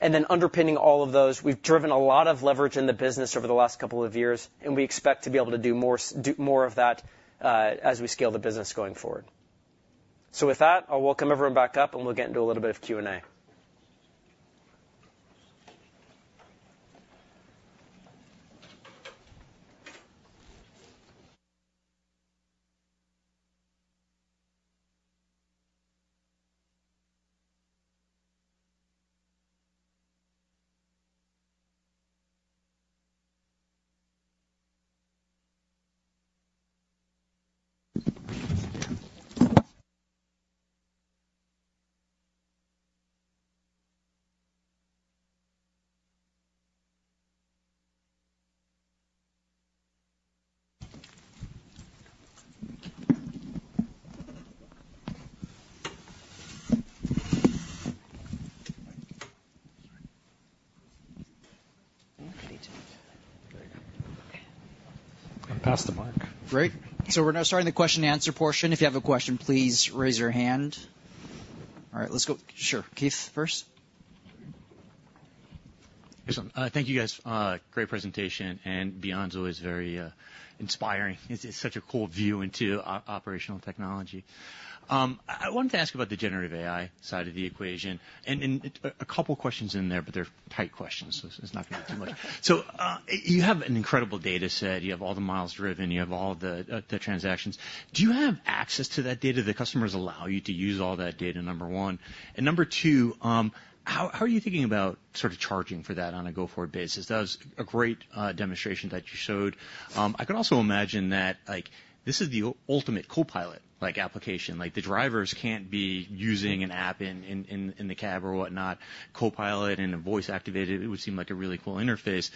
And then underpinning all of those, we've driven a lot of leverage in the business over the last couple of years, and we expect to be able to do more of that as we scale the business going forward. So with that, I'll welcome everyone back up, and we'll get into a little bit of Q&A. Okay. I'm past the mark. Great. So we're now starting the question-and-answer portion. If you have a question, please raise your hand. All right. Let's go. Sure. Keith, first. Excellent. Thank you, guys. Great presentation, and beyond is always very inspiring. It's such a cool view into operational technology. I wanted to ask about the generative AI side of the equation. And a couple of questions in there, but they're tight questions, so it's not going to be too much. So you have an incredible data set. You have all the miles driven. You have all the transactions. Do you have access to that data? Do the customers allow you to use all that data, number one? And number two, how are you thinking about sort of charging for that on a go-forward basis? That was a great demonstration that you showed. I can also imagine that this is the ultimate Copilot application. The drivers can't be using an app in the cab or whatnot. Copilot and a voice-activated, it would seem like a really cool interface.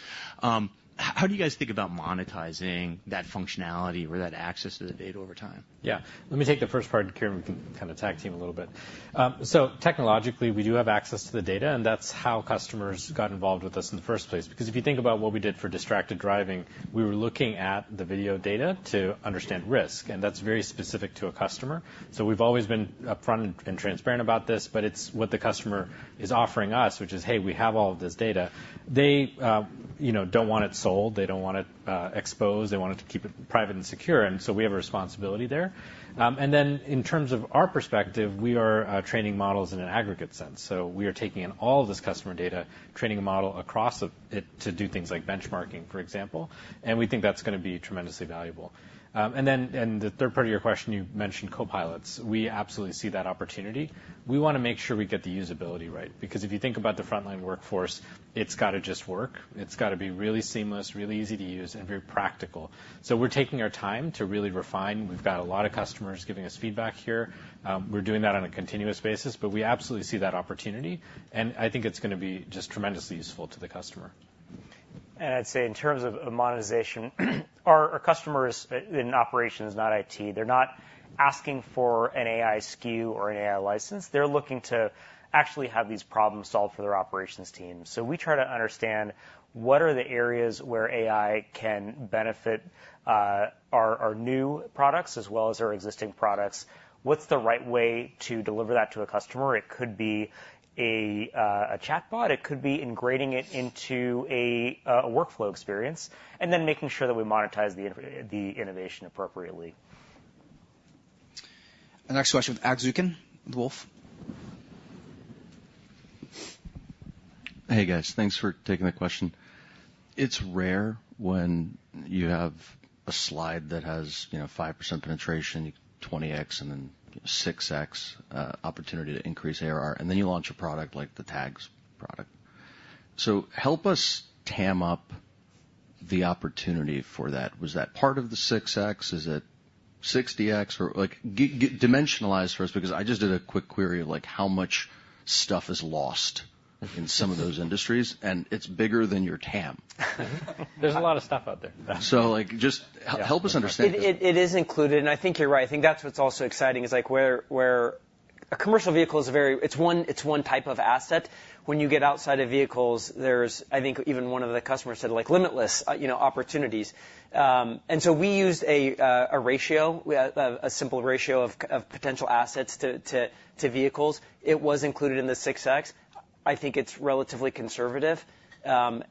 How do you guys think about monetizing that functionality or that access to the data over time? Yeah. Let me take care of the first part and kind of tag team a little bit. So technologically, we do have access to the data, and that's how customers got involved with us in the first place. Because if you think about what we did for distracted driving, we were looking at the video data to understand risk, and that's very specific to a customer. So we've always been upfront and transparent about this, but it's what the customer is offering us, which is, "Hey, we have all of this data." They don't want it sold. They don't want it exposed. They want it to keep it private and secure, and so we have a responsibility there. And then in terms of our perspective, we are training models in an aggregate sense. So we are taking in all of this customer data, training a model across it to do things like benchmarking, for example, and we think that's going to be tremendously valuable. And then in the third part of your question, you mentioned Copilots. We absolutely see that opportunity. We want to make sure we get the usability right. Because if you think about the frontline workforce, it's got to just work. It's got to be really seamless, really easy to use, and very practical. So we're taking our time to really refine. We've got a lot of customers giving us feedback here. We're doing that on a continuous basis, but we absolutely see that opportunity, and I think it's going to be just tremendously useful to the customer. I'd say in terms of monetization, our customers in operations, not IT, they're not asking for an AI SKU or an AI license. They're looking to actually have these problems solved for their operations team. We try to understand what are the areas where AI can benefit our new products as well as our existing products. What's the right way to deliver that to a customer? It could be a chatbot. It could be ingraining it into a workflow experience and then making sure that we monetize the innovation appropriately. Next question with Agzukin, Wolf. Hey, guys. Thanks for taking the question. It's rare when you have a slide that has 5% penetration, 20x, and then 6x opportunity to increase ARR, and then you launch a product like the tags product. So help us size up the opportunity for that. Was that part of the 6x? Is it 60x? Dimensionalize for us because I just did a quick query of how much stuff is lost in some of those industries, and it's bigger than your TAM. There's a lot of stuff out there. Just help us understand. It is included, and I think you're right. I think that's what's also exciting is where a commercial vehicle is a very, it's one type of asset. When you get outside of vehicles, there's, I think, even one of the customers said limitless opportunities. And so we used a ratio, a simple ratio of potential assets to vehicles. It was included in the 6x. I think it's relatively conservative, and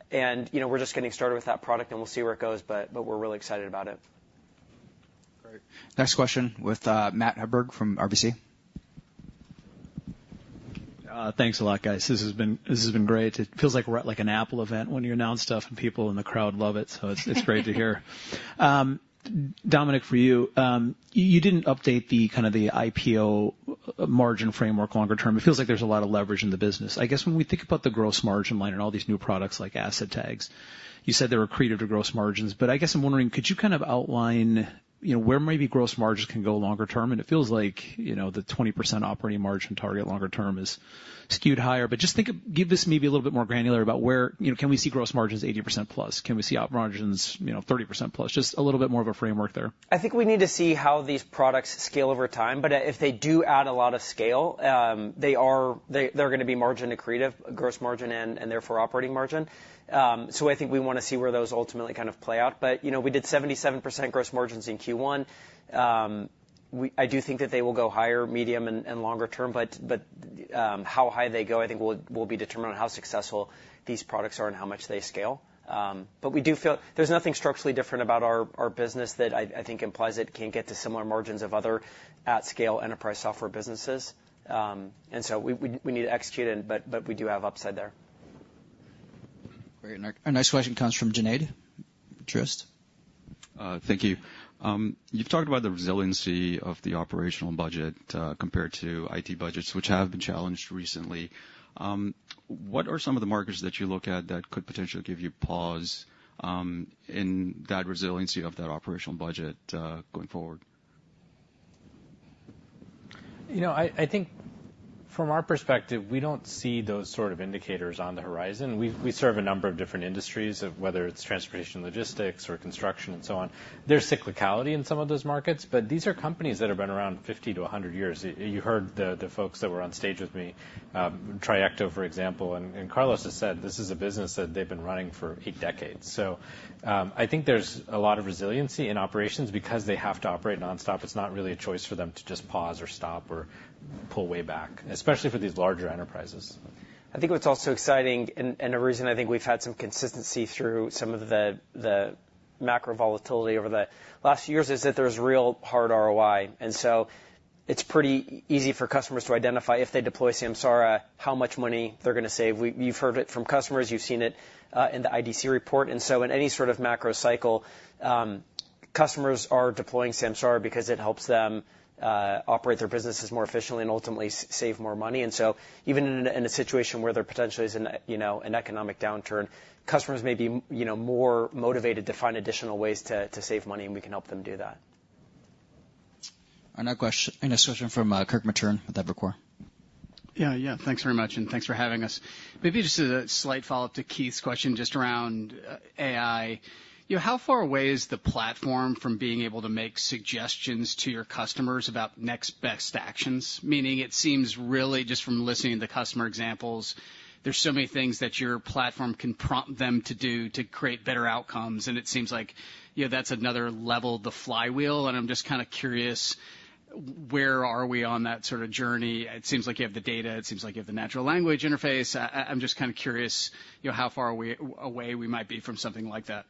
we're just getting started with that product, and we'll see where it goes, but we're really excited about it. Great. Next question with Matt Hedberg from RBC. Thanks a lot, guys. This has been great. It feels like an Apple event when you announce stuff, and people in the crowd love it, so it's great to hear. Dominic, for you, you didn't update kind of the IPO margin framework longer term. It feels like there's a lot of leverage in the business. I guess when we think about the gross margin line and all these new products like asset tags, you said they were accretive to gross margins, but I guess I'm wondering, could you kind of outline where maybe gross margins can go longer term? And it feels like the 20% operating margin target longer term is skewed higher, but just give us maybe a little bit more granular about where can we see gross margins 80%+? Can we see margins 30%+? Just a little bit more of a framework there. I think we need to see how these products scale over time, but if they do add a lot of scale, they're going to be margin accretive, gross margin, and therefore operating margin. So I think we want to see where those ultimately kind of play out. But we did 77% gross margins in Q1. I do think that they will go higher, medium, and longer term, but how high they go, I think, will be determined on how successful these products are and how much they scale. But there's nothing structurally different about our business that I think implies it can't get to similar margins of other at-scale enterprise software businesses. And so we need to execute it, but we do have upside there. Great. Our next question comes from Junaid, Truist. Thank you. You've talked about the resiliency of the operational budget compared to IT budgets, which have been challenged recently. What are some of the markers that you look at that could potentially give you pause in that resiliency of that operational budget going forward? I think from our perspective, we don't see those sort of indicators on the horizon. We serve a number of different industries, whether it's transportation, logistics, or construction, and so on. There's cyclicality in some of those markets, but these are companies that have been around 50 to 100 years. You heard the folks that were on stage with me, Trayecto, for example, and Carlos has said this is a business that they've been running for eight decades. So I think there's a lot of resiliency in operations because they have to operate nonstop. It's not really a choice for them to just pause or stop or pull way back, especially for these larger enterprises. I think what's also exciting, and a reason I think we've had some consistency through some of the macro volatility over the last few years, is that there's real hard ROI. And so it's pretty easy for customers to identify if they deploy Samsara, how much money they're going to save. You've heard it from customers. You've seen it in the IDC report. And so in any sort of macro cycle, customers are deploying Samsara because it helps them operate their businesses more efficiently and ultimately save more money. And so even in a situation where there potentially is an economic downturn, customers may be more motivated to find additional ways to save money, and we can help them do that. Our next question from Kirk Materne with Evercore. Yeah, yeah. Thanks very much, and thanks for having us. Maybe just a slight follow-up to Keith's question just around AI. How far away is the platform from being able to make suggestions to your customers about next best actions? Meaning, it seems really just from listening to the customer examples, there's so many things that your platform can prompt them to do to create better outcomes, and it seems like that's another level of the flywheel. I'm just kind of curious, where are we on that sort of journey? It seems like you have the data. It seems like you have the natural language interface. I'm just kind of curious how far away we might be from something like that.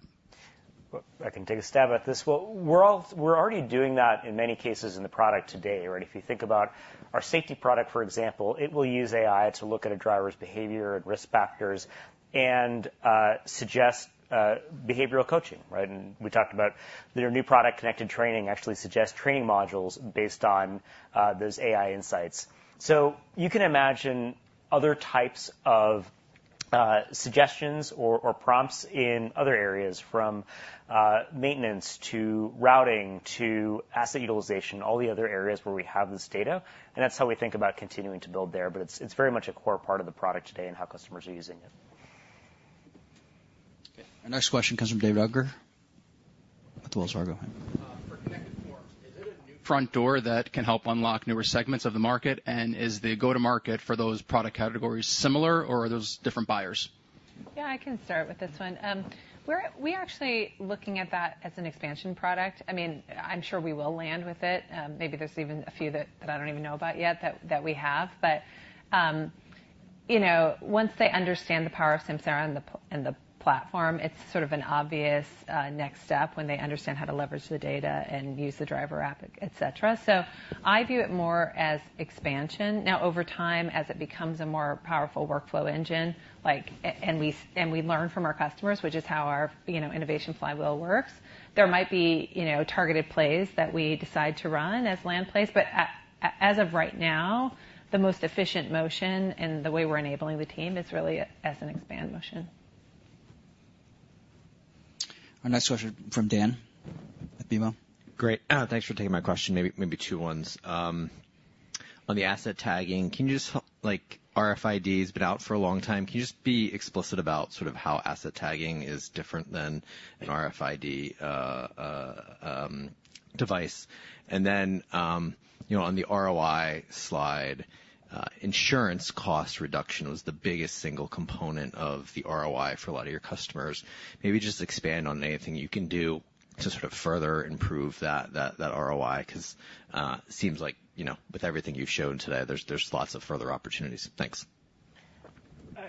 I can take a stab at this. Well, we're already doing that in many cases in the product today. If you think about our safety product, for example, it will use AI to look at a driver's behavior and risk factors and suggest behavioral coaching. And we talked about their new product, Connected Training, actually suggests training modules based on those AI insights. So you can imagine other types of suggestions or prompts in other areas from maintenance to routing to asset utilization, all the other areas where we have this data. And that's how we think about continuing to build there, but it's very much a core part of the product today and how customers are using it. Okay. Our next question comes from David Unger with Wells Fargo. Front door that can help unlock newer segments of the market? Is the go-to-market for those product categories similar, or are those different buyers? Yeah, I can start with this one. We're actually looking at that as an expansion product. I mean, I'm sure we will land with it. Maybe there's even a few that I don't even know about yet that we have. But once they understand the power of Samsara and the platform, it's sort of an obvious next step when they understand how to leverage the data and use the driver app, etc. So I view it more as expansion. Now, over time, as it becomes a more powerful workflow engine, and we learn from our customers, which is how our innovation flywheel works, there might be targeted plays that we decide to run as land plays. But as of right now, the most efficient motion and the way we're enabling the team is really as an expand motion. Our next question from Dan at BMO. Great. Thanks for taking my question. Maybe two ones. On the asset tagging, can you just RFID has been out for a long time. Can you just be explicit about sort of how asset tagging is different than an RFID device? And then on the ROI slide, insurance cost reduction was the biggest single component of the ROI for a lot of your customers. Maybe just expand on anything you can do to sort of further improve that ROI because it seems like with everything you've shown today, there's lots of further opportunities. Thanks.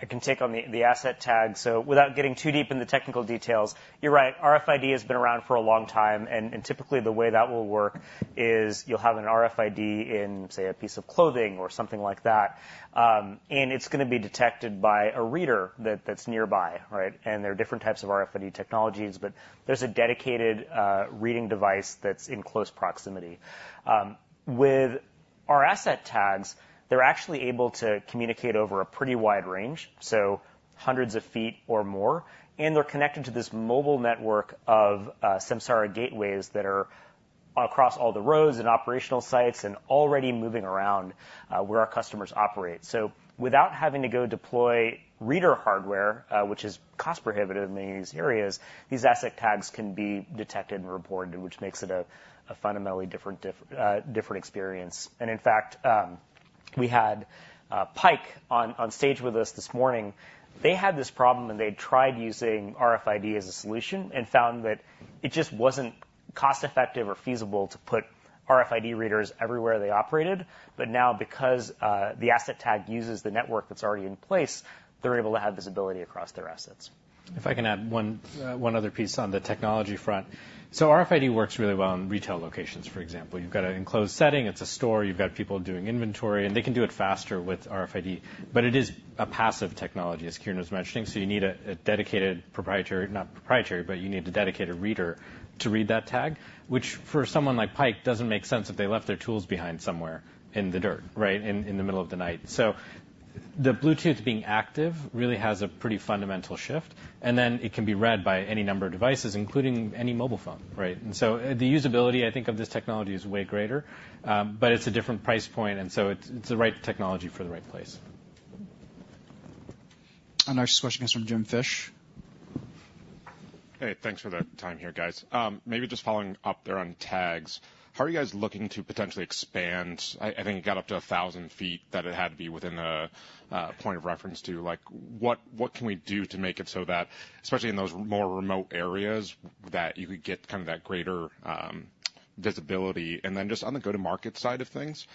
I can take on the asset tag. So without getting too deep in the technical details, you're right. RFID has been around for a long time, and typically the way that will work is you'll have an RFID in, say, a piece of clothing or something like that, and it's going to be detected by a reader that's nearby. And there are different types of RFID technologies, but there's a dedicated reading device that's in close proximity. With our asset tags, they're actually able to communicate over a pretty wide range, so hundreds of feet or more, and they're connected to this mobile network of Samsara gateways that are across all the roads and operational sites and already moving around where our customers operate. So without having to go deploy reader hardware, which is cost-prohibitive in these areas, these asset tags can be detected and reported, which makes it a fundamentally different experience. And in fact, we had Pike on stage with us this morning. They had this problem, and they'd tried using RFID as a solution and found that it just wasn't cost-effective or feasible to put RFID readers everywhere they operated. But now, because the asset tag uses the network that's already in place, they're able to have visibility across their assets. If I can add one other piece on the technology front. So RFID works really well in retail locations, for example. You've got an enclosed setting. It's a store. You've got people doing inventory, and they can do it faster with RFID, but it is a passive technology, as Kiren was mentioning. So you need a dedicated proprietary—not proprietary, but you need a dedicated reader to read that tag, which for someone like Pike doesn't make sense if they left their tools behind somewhere in the dirt in the middle of the night. So the Bluetooth being active really has a pretty fundamental shift, and then it can be read by any number of devices, including any mobile phone. And so the usability, I think, of this technology is way greater, but it's a different price point, and so it's the right technology for the right place. Our next question comes from Jim Fish. Hey, thanks for the time here, guys. Maybe just following up there on tags. How are you guys looking to potentially expand? I think it got up to 1,000 feet that it had to be within a point of reference to. What can we do to make it so that, especially in those more remote areas, that you could get kind of that greater visibility? And then just on the go-to-market side of things,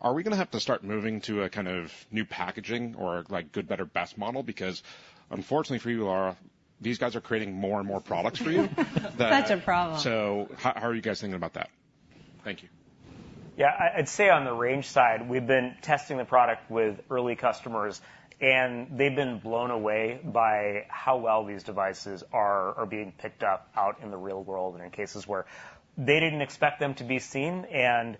are we going to have to start moving to a kind of new packaging or a good, better, best model? Because unfortunately for you, these guys are creating more and more products for you. That's a problem. How are you guys thinking about that? Thank you. Yeah, I'd say on the range side, we've been testing the product with early customers, and they've been blown away by how well these devices are being picked up out in the real world and in cases where they didn't expect them to be seen, and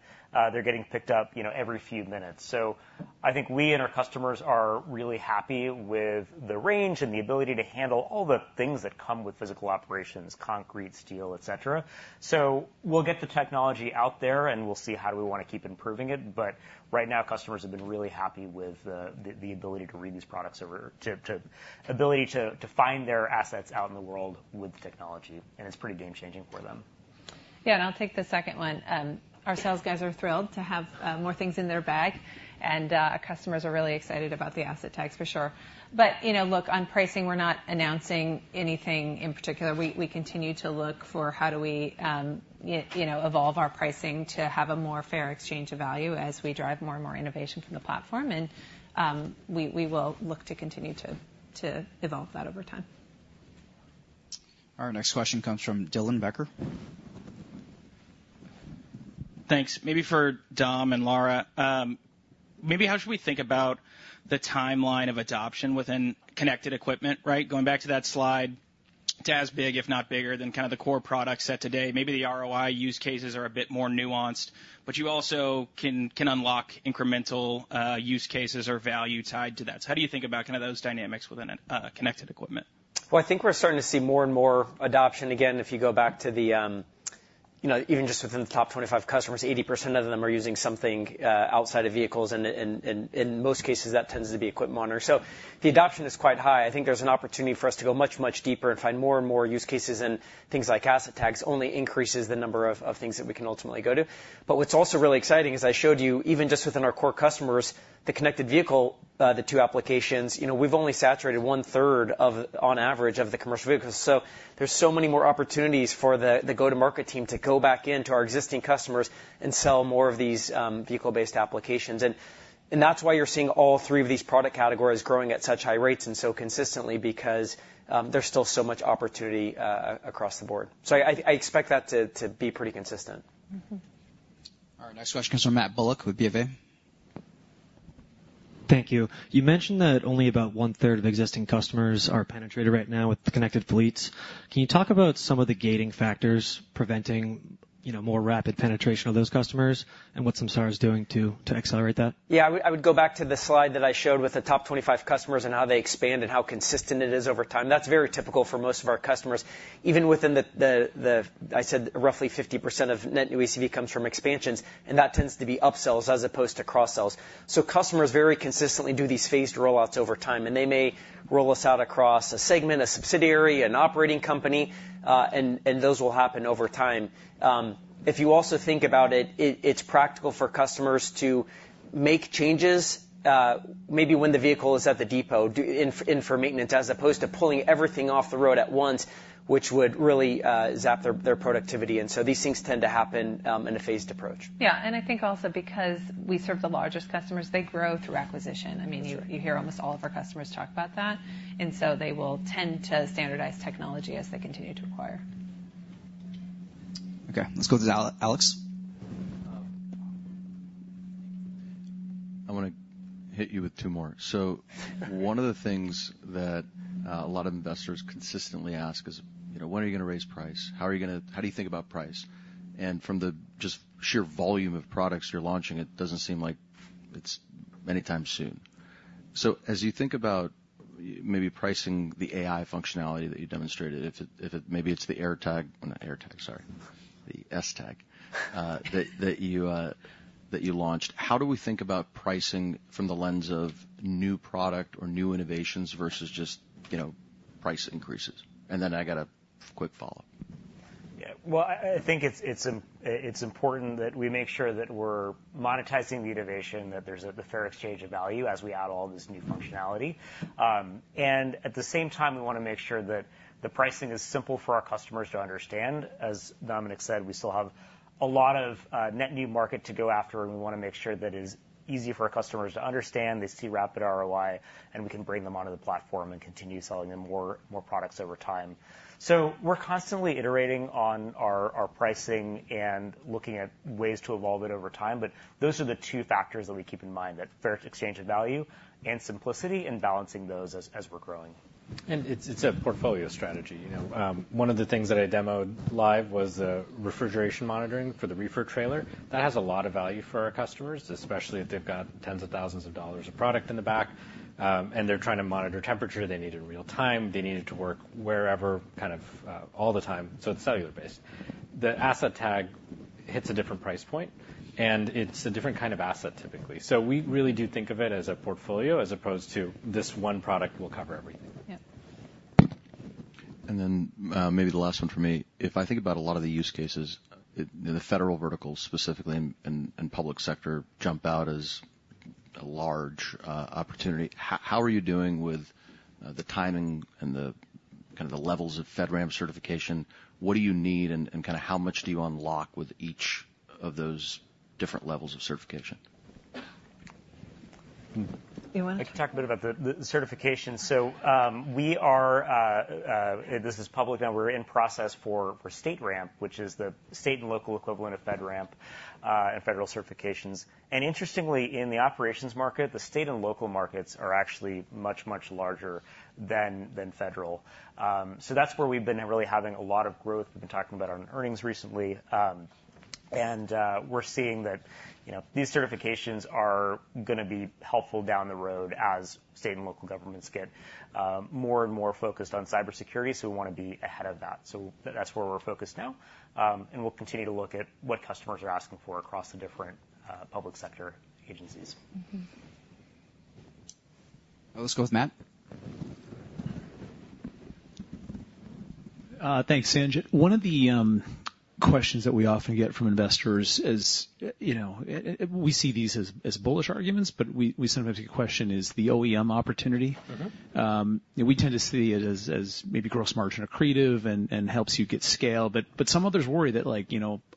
they're getting picked up every few minutes. So I think we and our customers are really happy with the range and the ability to handle all the things that come with physical operations: concrete, steel, etc. So we'll get the technology out there, and we'll see how do we want to keep improving it. But right now, customers have been really happy with the ability to read these products over to the ability to find their assets out in the world with the technology, and it's pretty game-changing for them. Yeah, and I'll take the second one. Our sales guys are thrilled to have more things in their bag, and customers are really excited about the asset tags, for sure. But look, on pricing, we're not announcing anything in particular. We continue to look for how do we evolve our pricing to have a more fair exchange of value as we drive more and more innovation from the platform, and we will look to continue to evolve that over time. Our next question comes from Dylan Becker. Thanks. Maybe for Dom and Lara, maybe how should we think about the timeline of adoption within connected equipment? Going back to that slide, it's as big, if not bigger, than kind of the core products set today. Maybe the ROI use cases are a bit more nuanced, but you also can unlock incremental use cases or value tied to that. So how do you think about kind of those dynamics within connected equipment? Well, I think we're starting to see more and more adoption. Again, if you go back to even just within the top 25 customers, 80% of them are using something outside of vehicles, and in most cases, that tends to be equipment monitors. So the adoption is quite high. I think there's an opportunity for us to go much, much deeper and find more and more use cases, and things like asset tags only increase the number of things that we can ultimately go to. But what's also really exciting is I showed you, even just within our core customers, the connected vehicle, the two applications, we've only saturated one-third on average of the commercial vehicles. So there's so many more opportunities for the go-to-market team to go back into our existing customers and sell more of these vehicle-based applications. That's why you're seeing all three of these product categories growing at such high rates and so consistently because there's still so much opportunity across the board. I expect that to be pretty consistent. Our next question comes from Matt Bullock with BFA. Thank you. You mentioned that only about one-third of existing customers are penetrated right now with connected fleets. Can you talk about some of the gating factors preventing more rapid penetration of those customers and what Samsara is doing to accelerate that? Yeah, I would go back to the slide that I showed with the top 25 customers and how they expand and how consistent it is over time. That's very typical for most of our customers. Even within the, I said, roughly 50% of net new ACV comes from expansions, and that tends to be upsells as opposed to cross-sells. So customers very consistently do these phased rollouts over time, and they may roll us out across a segment, a subsidiary, an operating company, and those will happen over time. If you also think about it, it's practical for customers to make changes maybe when the vehicle is at the depot for maintenance as opposed to pulling everything off the road at once, which would really zap their productivity. And so these things tend to happen in a phased approach. Yeah, and I think also because we serve the largest customers, they grow through acquisition. I mean, you hear almost all of our customers talk about that, and so they will tend to standardize technology as they continue to acquire. Okay, let's go to Alex. I want to hit you with two more. So one of the things that a lot of investors consistently ask is, when are you going to raise price? How are you going to—how do you think about price? And from the just sheer volume of products you're launching, it doesn't seem like it's anytime soon. So as you think about maybe pricing the AI functionality that you demonstrated, if maybe it's the AirTag—not AirTag, sorry—the Asset Tag that you launched, how do we think about pricing from the lens of new product or new innovations versus just price increases? And then I got a quick follow-up. Yeah, well, I think it's important that we make sure that we're monetizing the innovation, that there's a fair exchange of value as we add all this new functionality. And at the same time, we want to make sure that the pricing is simple for our customers to understand. As Dominic said, we still have a lot of net new market to go after, and we want to make sure that it is easy for our customers to understand. They see rapid ROI, and we can bring them onto the platform and continue selling them more products over time. So we're constantly iterating on our pricing and looking at ways to evolve it over time, but those are the two factors that we keep in mind: that fair exchange of value and simplicity and balancing those as we're growing. It's a portfolio strategy. One of the things that I demoed live was refrigeration monitoring for the reefer trailer. That has a lot of value for our customers, especially if they've got tens of thousands of dollars of product in the back, and they're trying to monitor temperature they need in real time. They need it to work wherever kind of all the time. So it's cellular-based. The asset tag hits a different price point, and it's a different kind of asset typically. So we really do think of it as a portfolio as opposed to this one product will cover everything. Yeah. Then maybe the last one for me. If I think about a lot of the use cases, the federal verticals specifically and public sector jump out as a large opportunity. How are you doing with the timing and kind of the levels of FedRAMP certification? What do you need, and kind of how much do you unlock with each of those different levels of certification? You want to? I can talk a bit about the certification. So we are (this is public now) we're in process for StateRAMP, which is the state and local equivalent of FedRAMP and federal certifications. And interestingly, in the operations market, the state and local markets are actually much, much larger than federal. So that's where we've been really having a lot of growth. We've been talking about it on earnings recently, and we're seeing that these certifications are going to be helpful down the road as state and local governments get more and more focused on cybersecurity. So we want to be ahead of that. So that's where we're focused now, and we'll continue to look at what customers are asking for across the different public sector agencies. Let's go with Matt. Thanks, Sanjit. One of the questions that we often get from investors is we see these as bullish arguments, but we sometimes get a question: is the OEM opportunity? We tend to see it as maybe gross margin accretive and helps you get scale, but some others worry that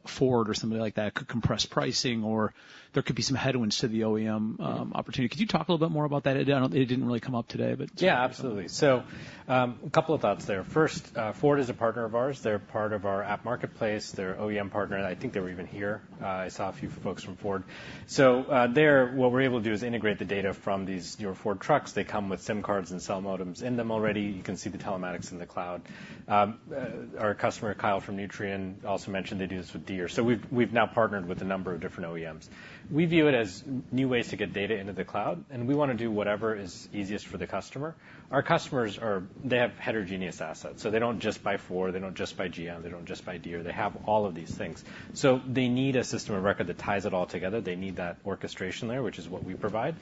Ford or somebody like that could compress pricing, or there could be some headwinds to the OEM opportunity. Could you talk a little bit more about that? It didn't really come up today, but. Yeah, absolutely. So a couple of thoughts there. First, Ford is a partner of ours. They're part of our app marketplace. They're an OEM partner. I think they were even here. I saw a few folks from Ford. So there, what we're able to do is integrate the data from your Ford trucks. They come with SIM cards and cell modems in them already. You can see the telematics in the cloud. Our customer, Kyle from Nutrien, also mentioned they do this with Deere. So we've now partnered with a number of different OEMs. We view it as new ways to get data into the cloud, and we want to do whatever is easiest for the customer. Our customers, they have heterogeneous assets. So they don't just buy Ford. They don't just buy GM. They don't just buy Deere. They have all of these things. So they need a system of record that ties it all together. They need that orchestration there, which is what we provide.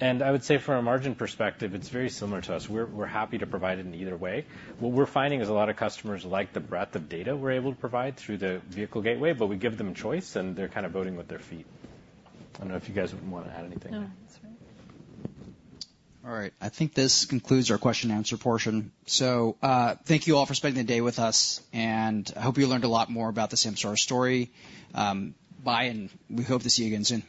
And I would say from a margin perspective, it's very similar to us. We're happy to provide it in either way. What we're finding is a lot of customers like the breadth of data we're able to provide through the vehicle gateway, but we give them a choice, and they're kind of voting with their feet. I don't know if you guys want to add anything. No, that's fine. All right. I think this concludes our question-and-answer portion. Thank you all for spending the day with us, and I hope you learned a lot more about the Samsara story. Bye, and we hope to see you again soon.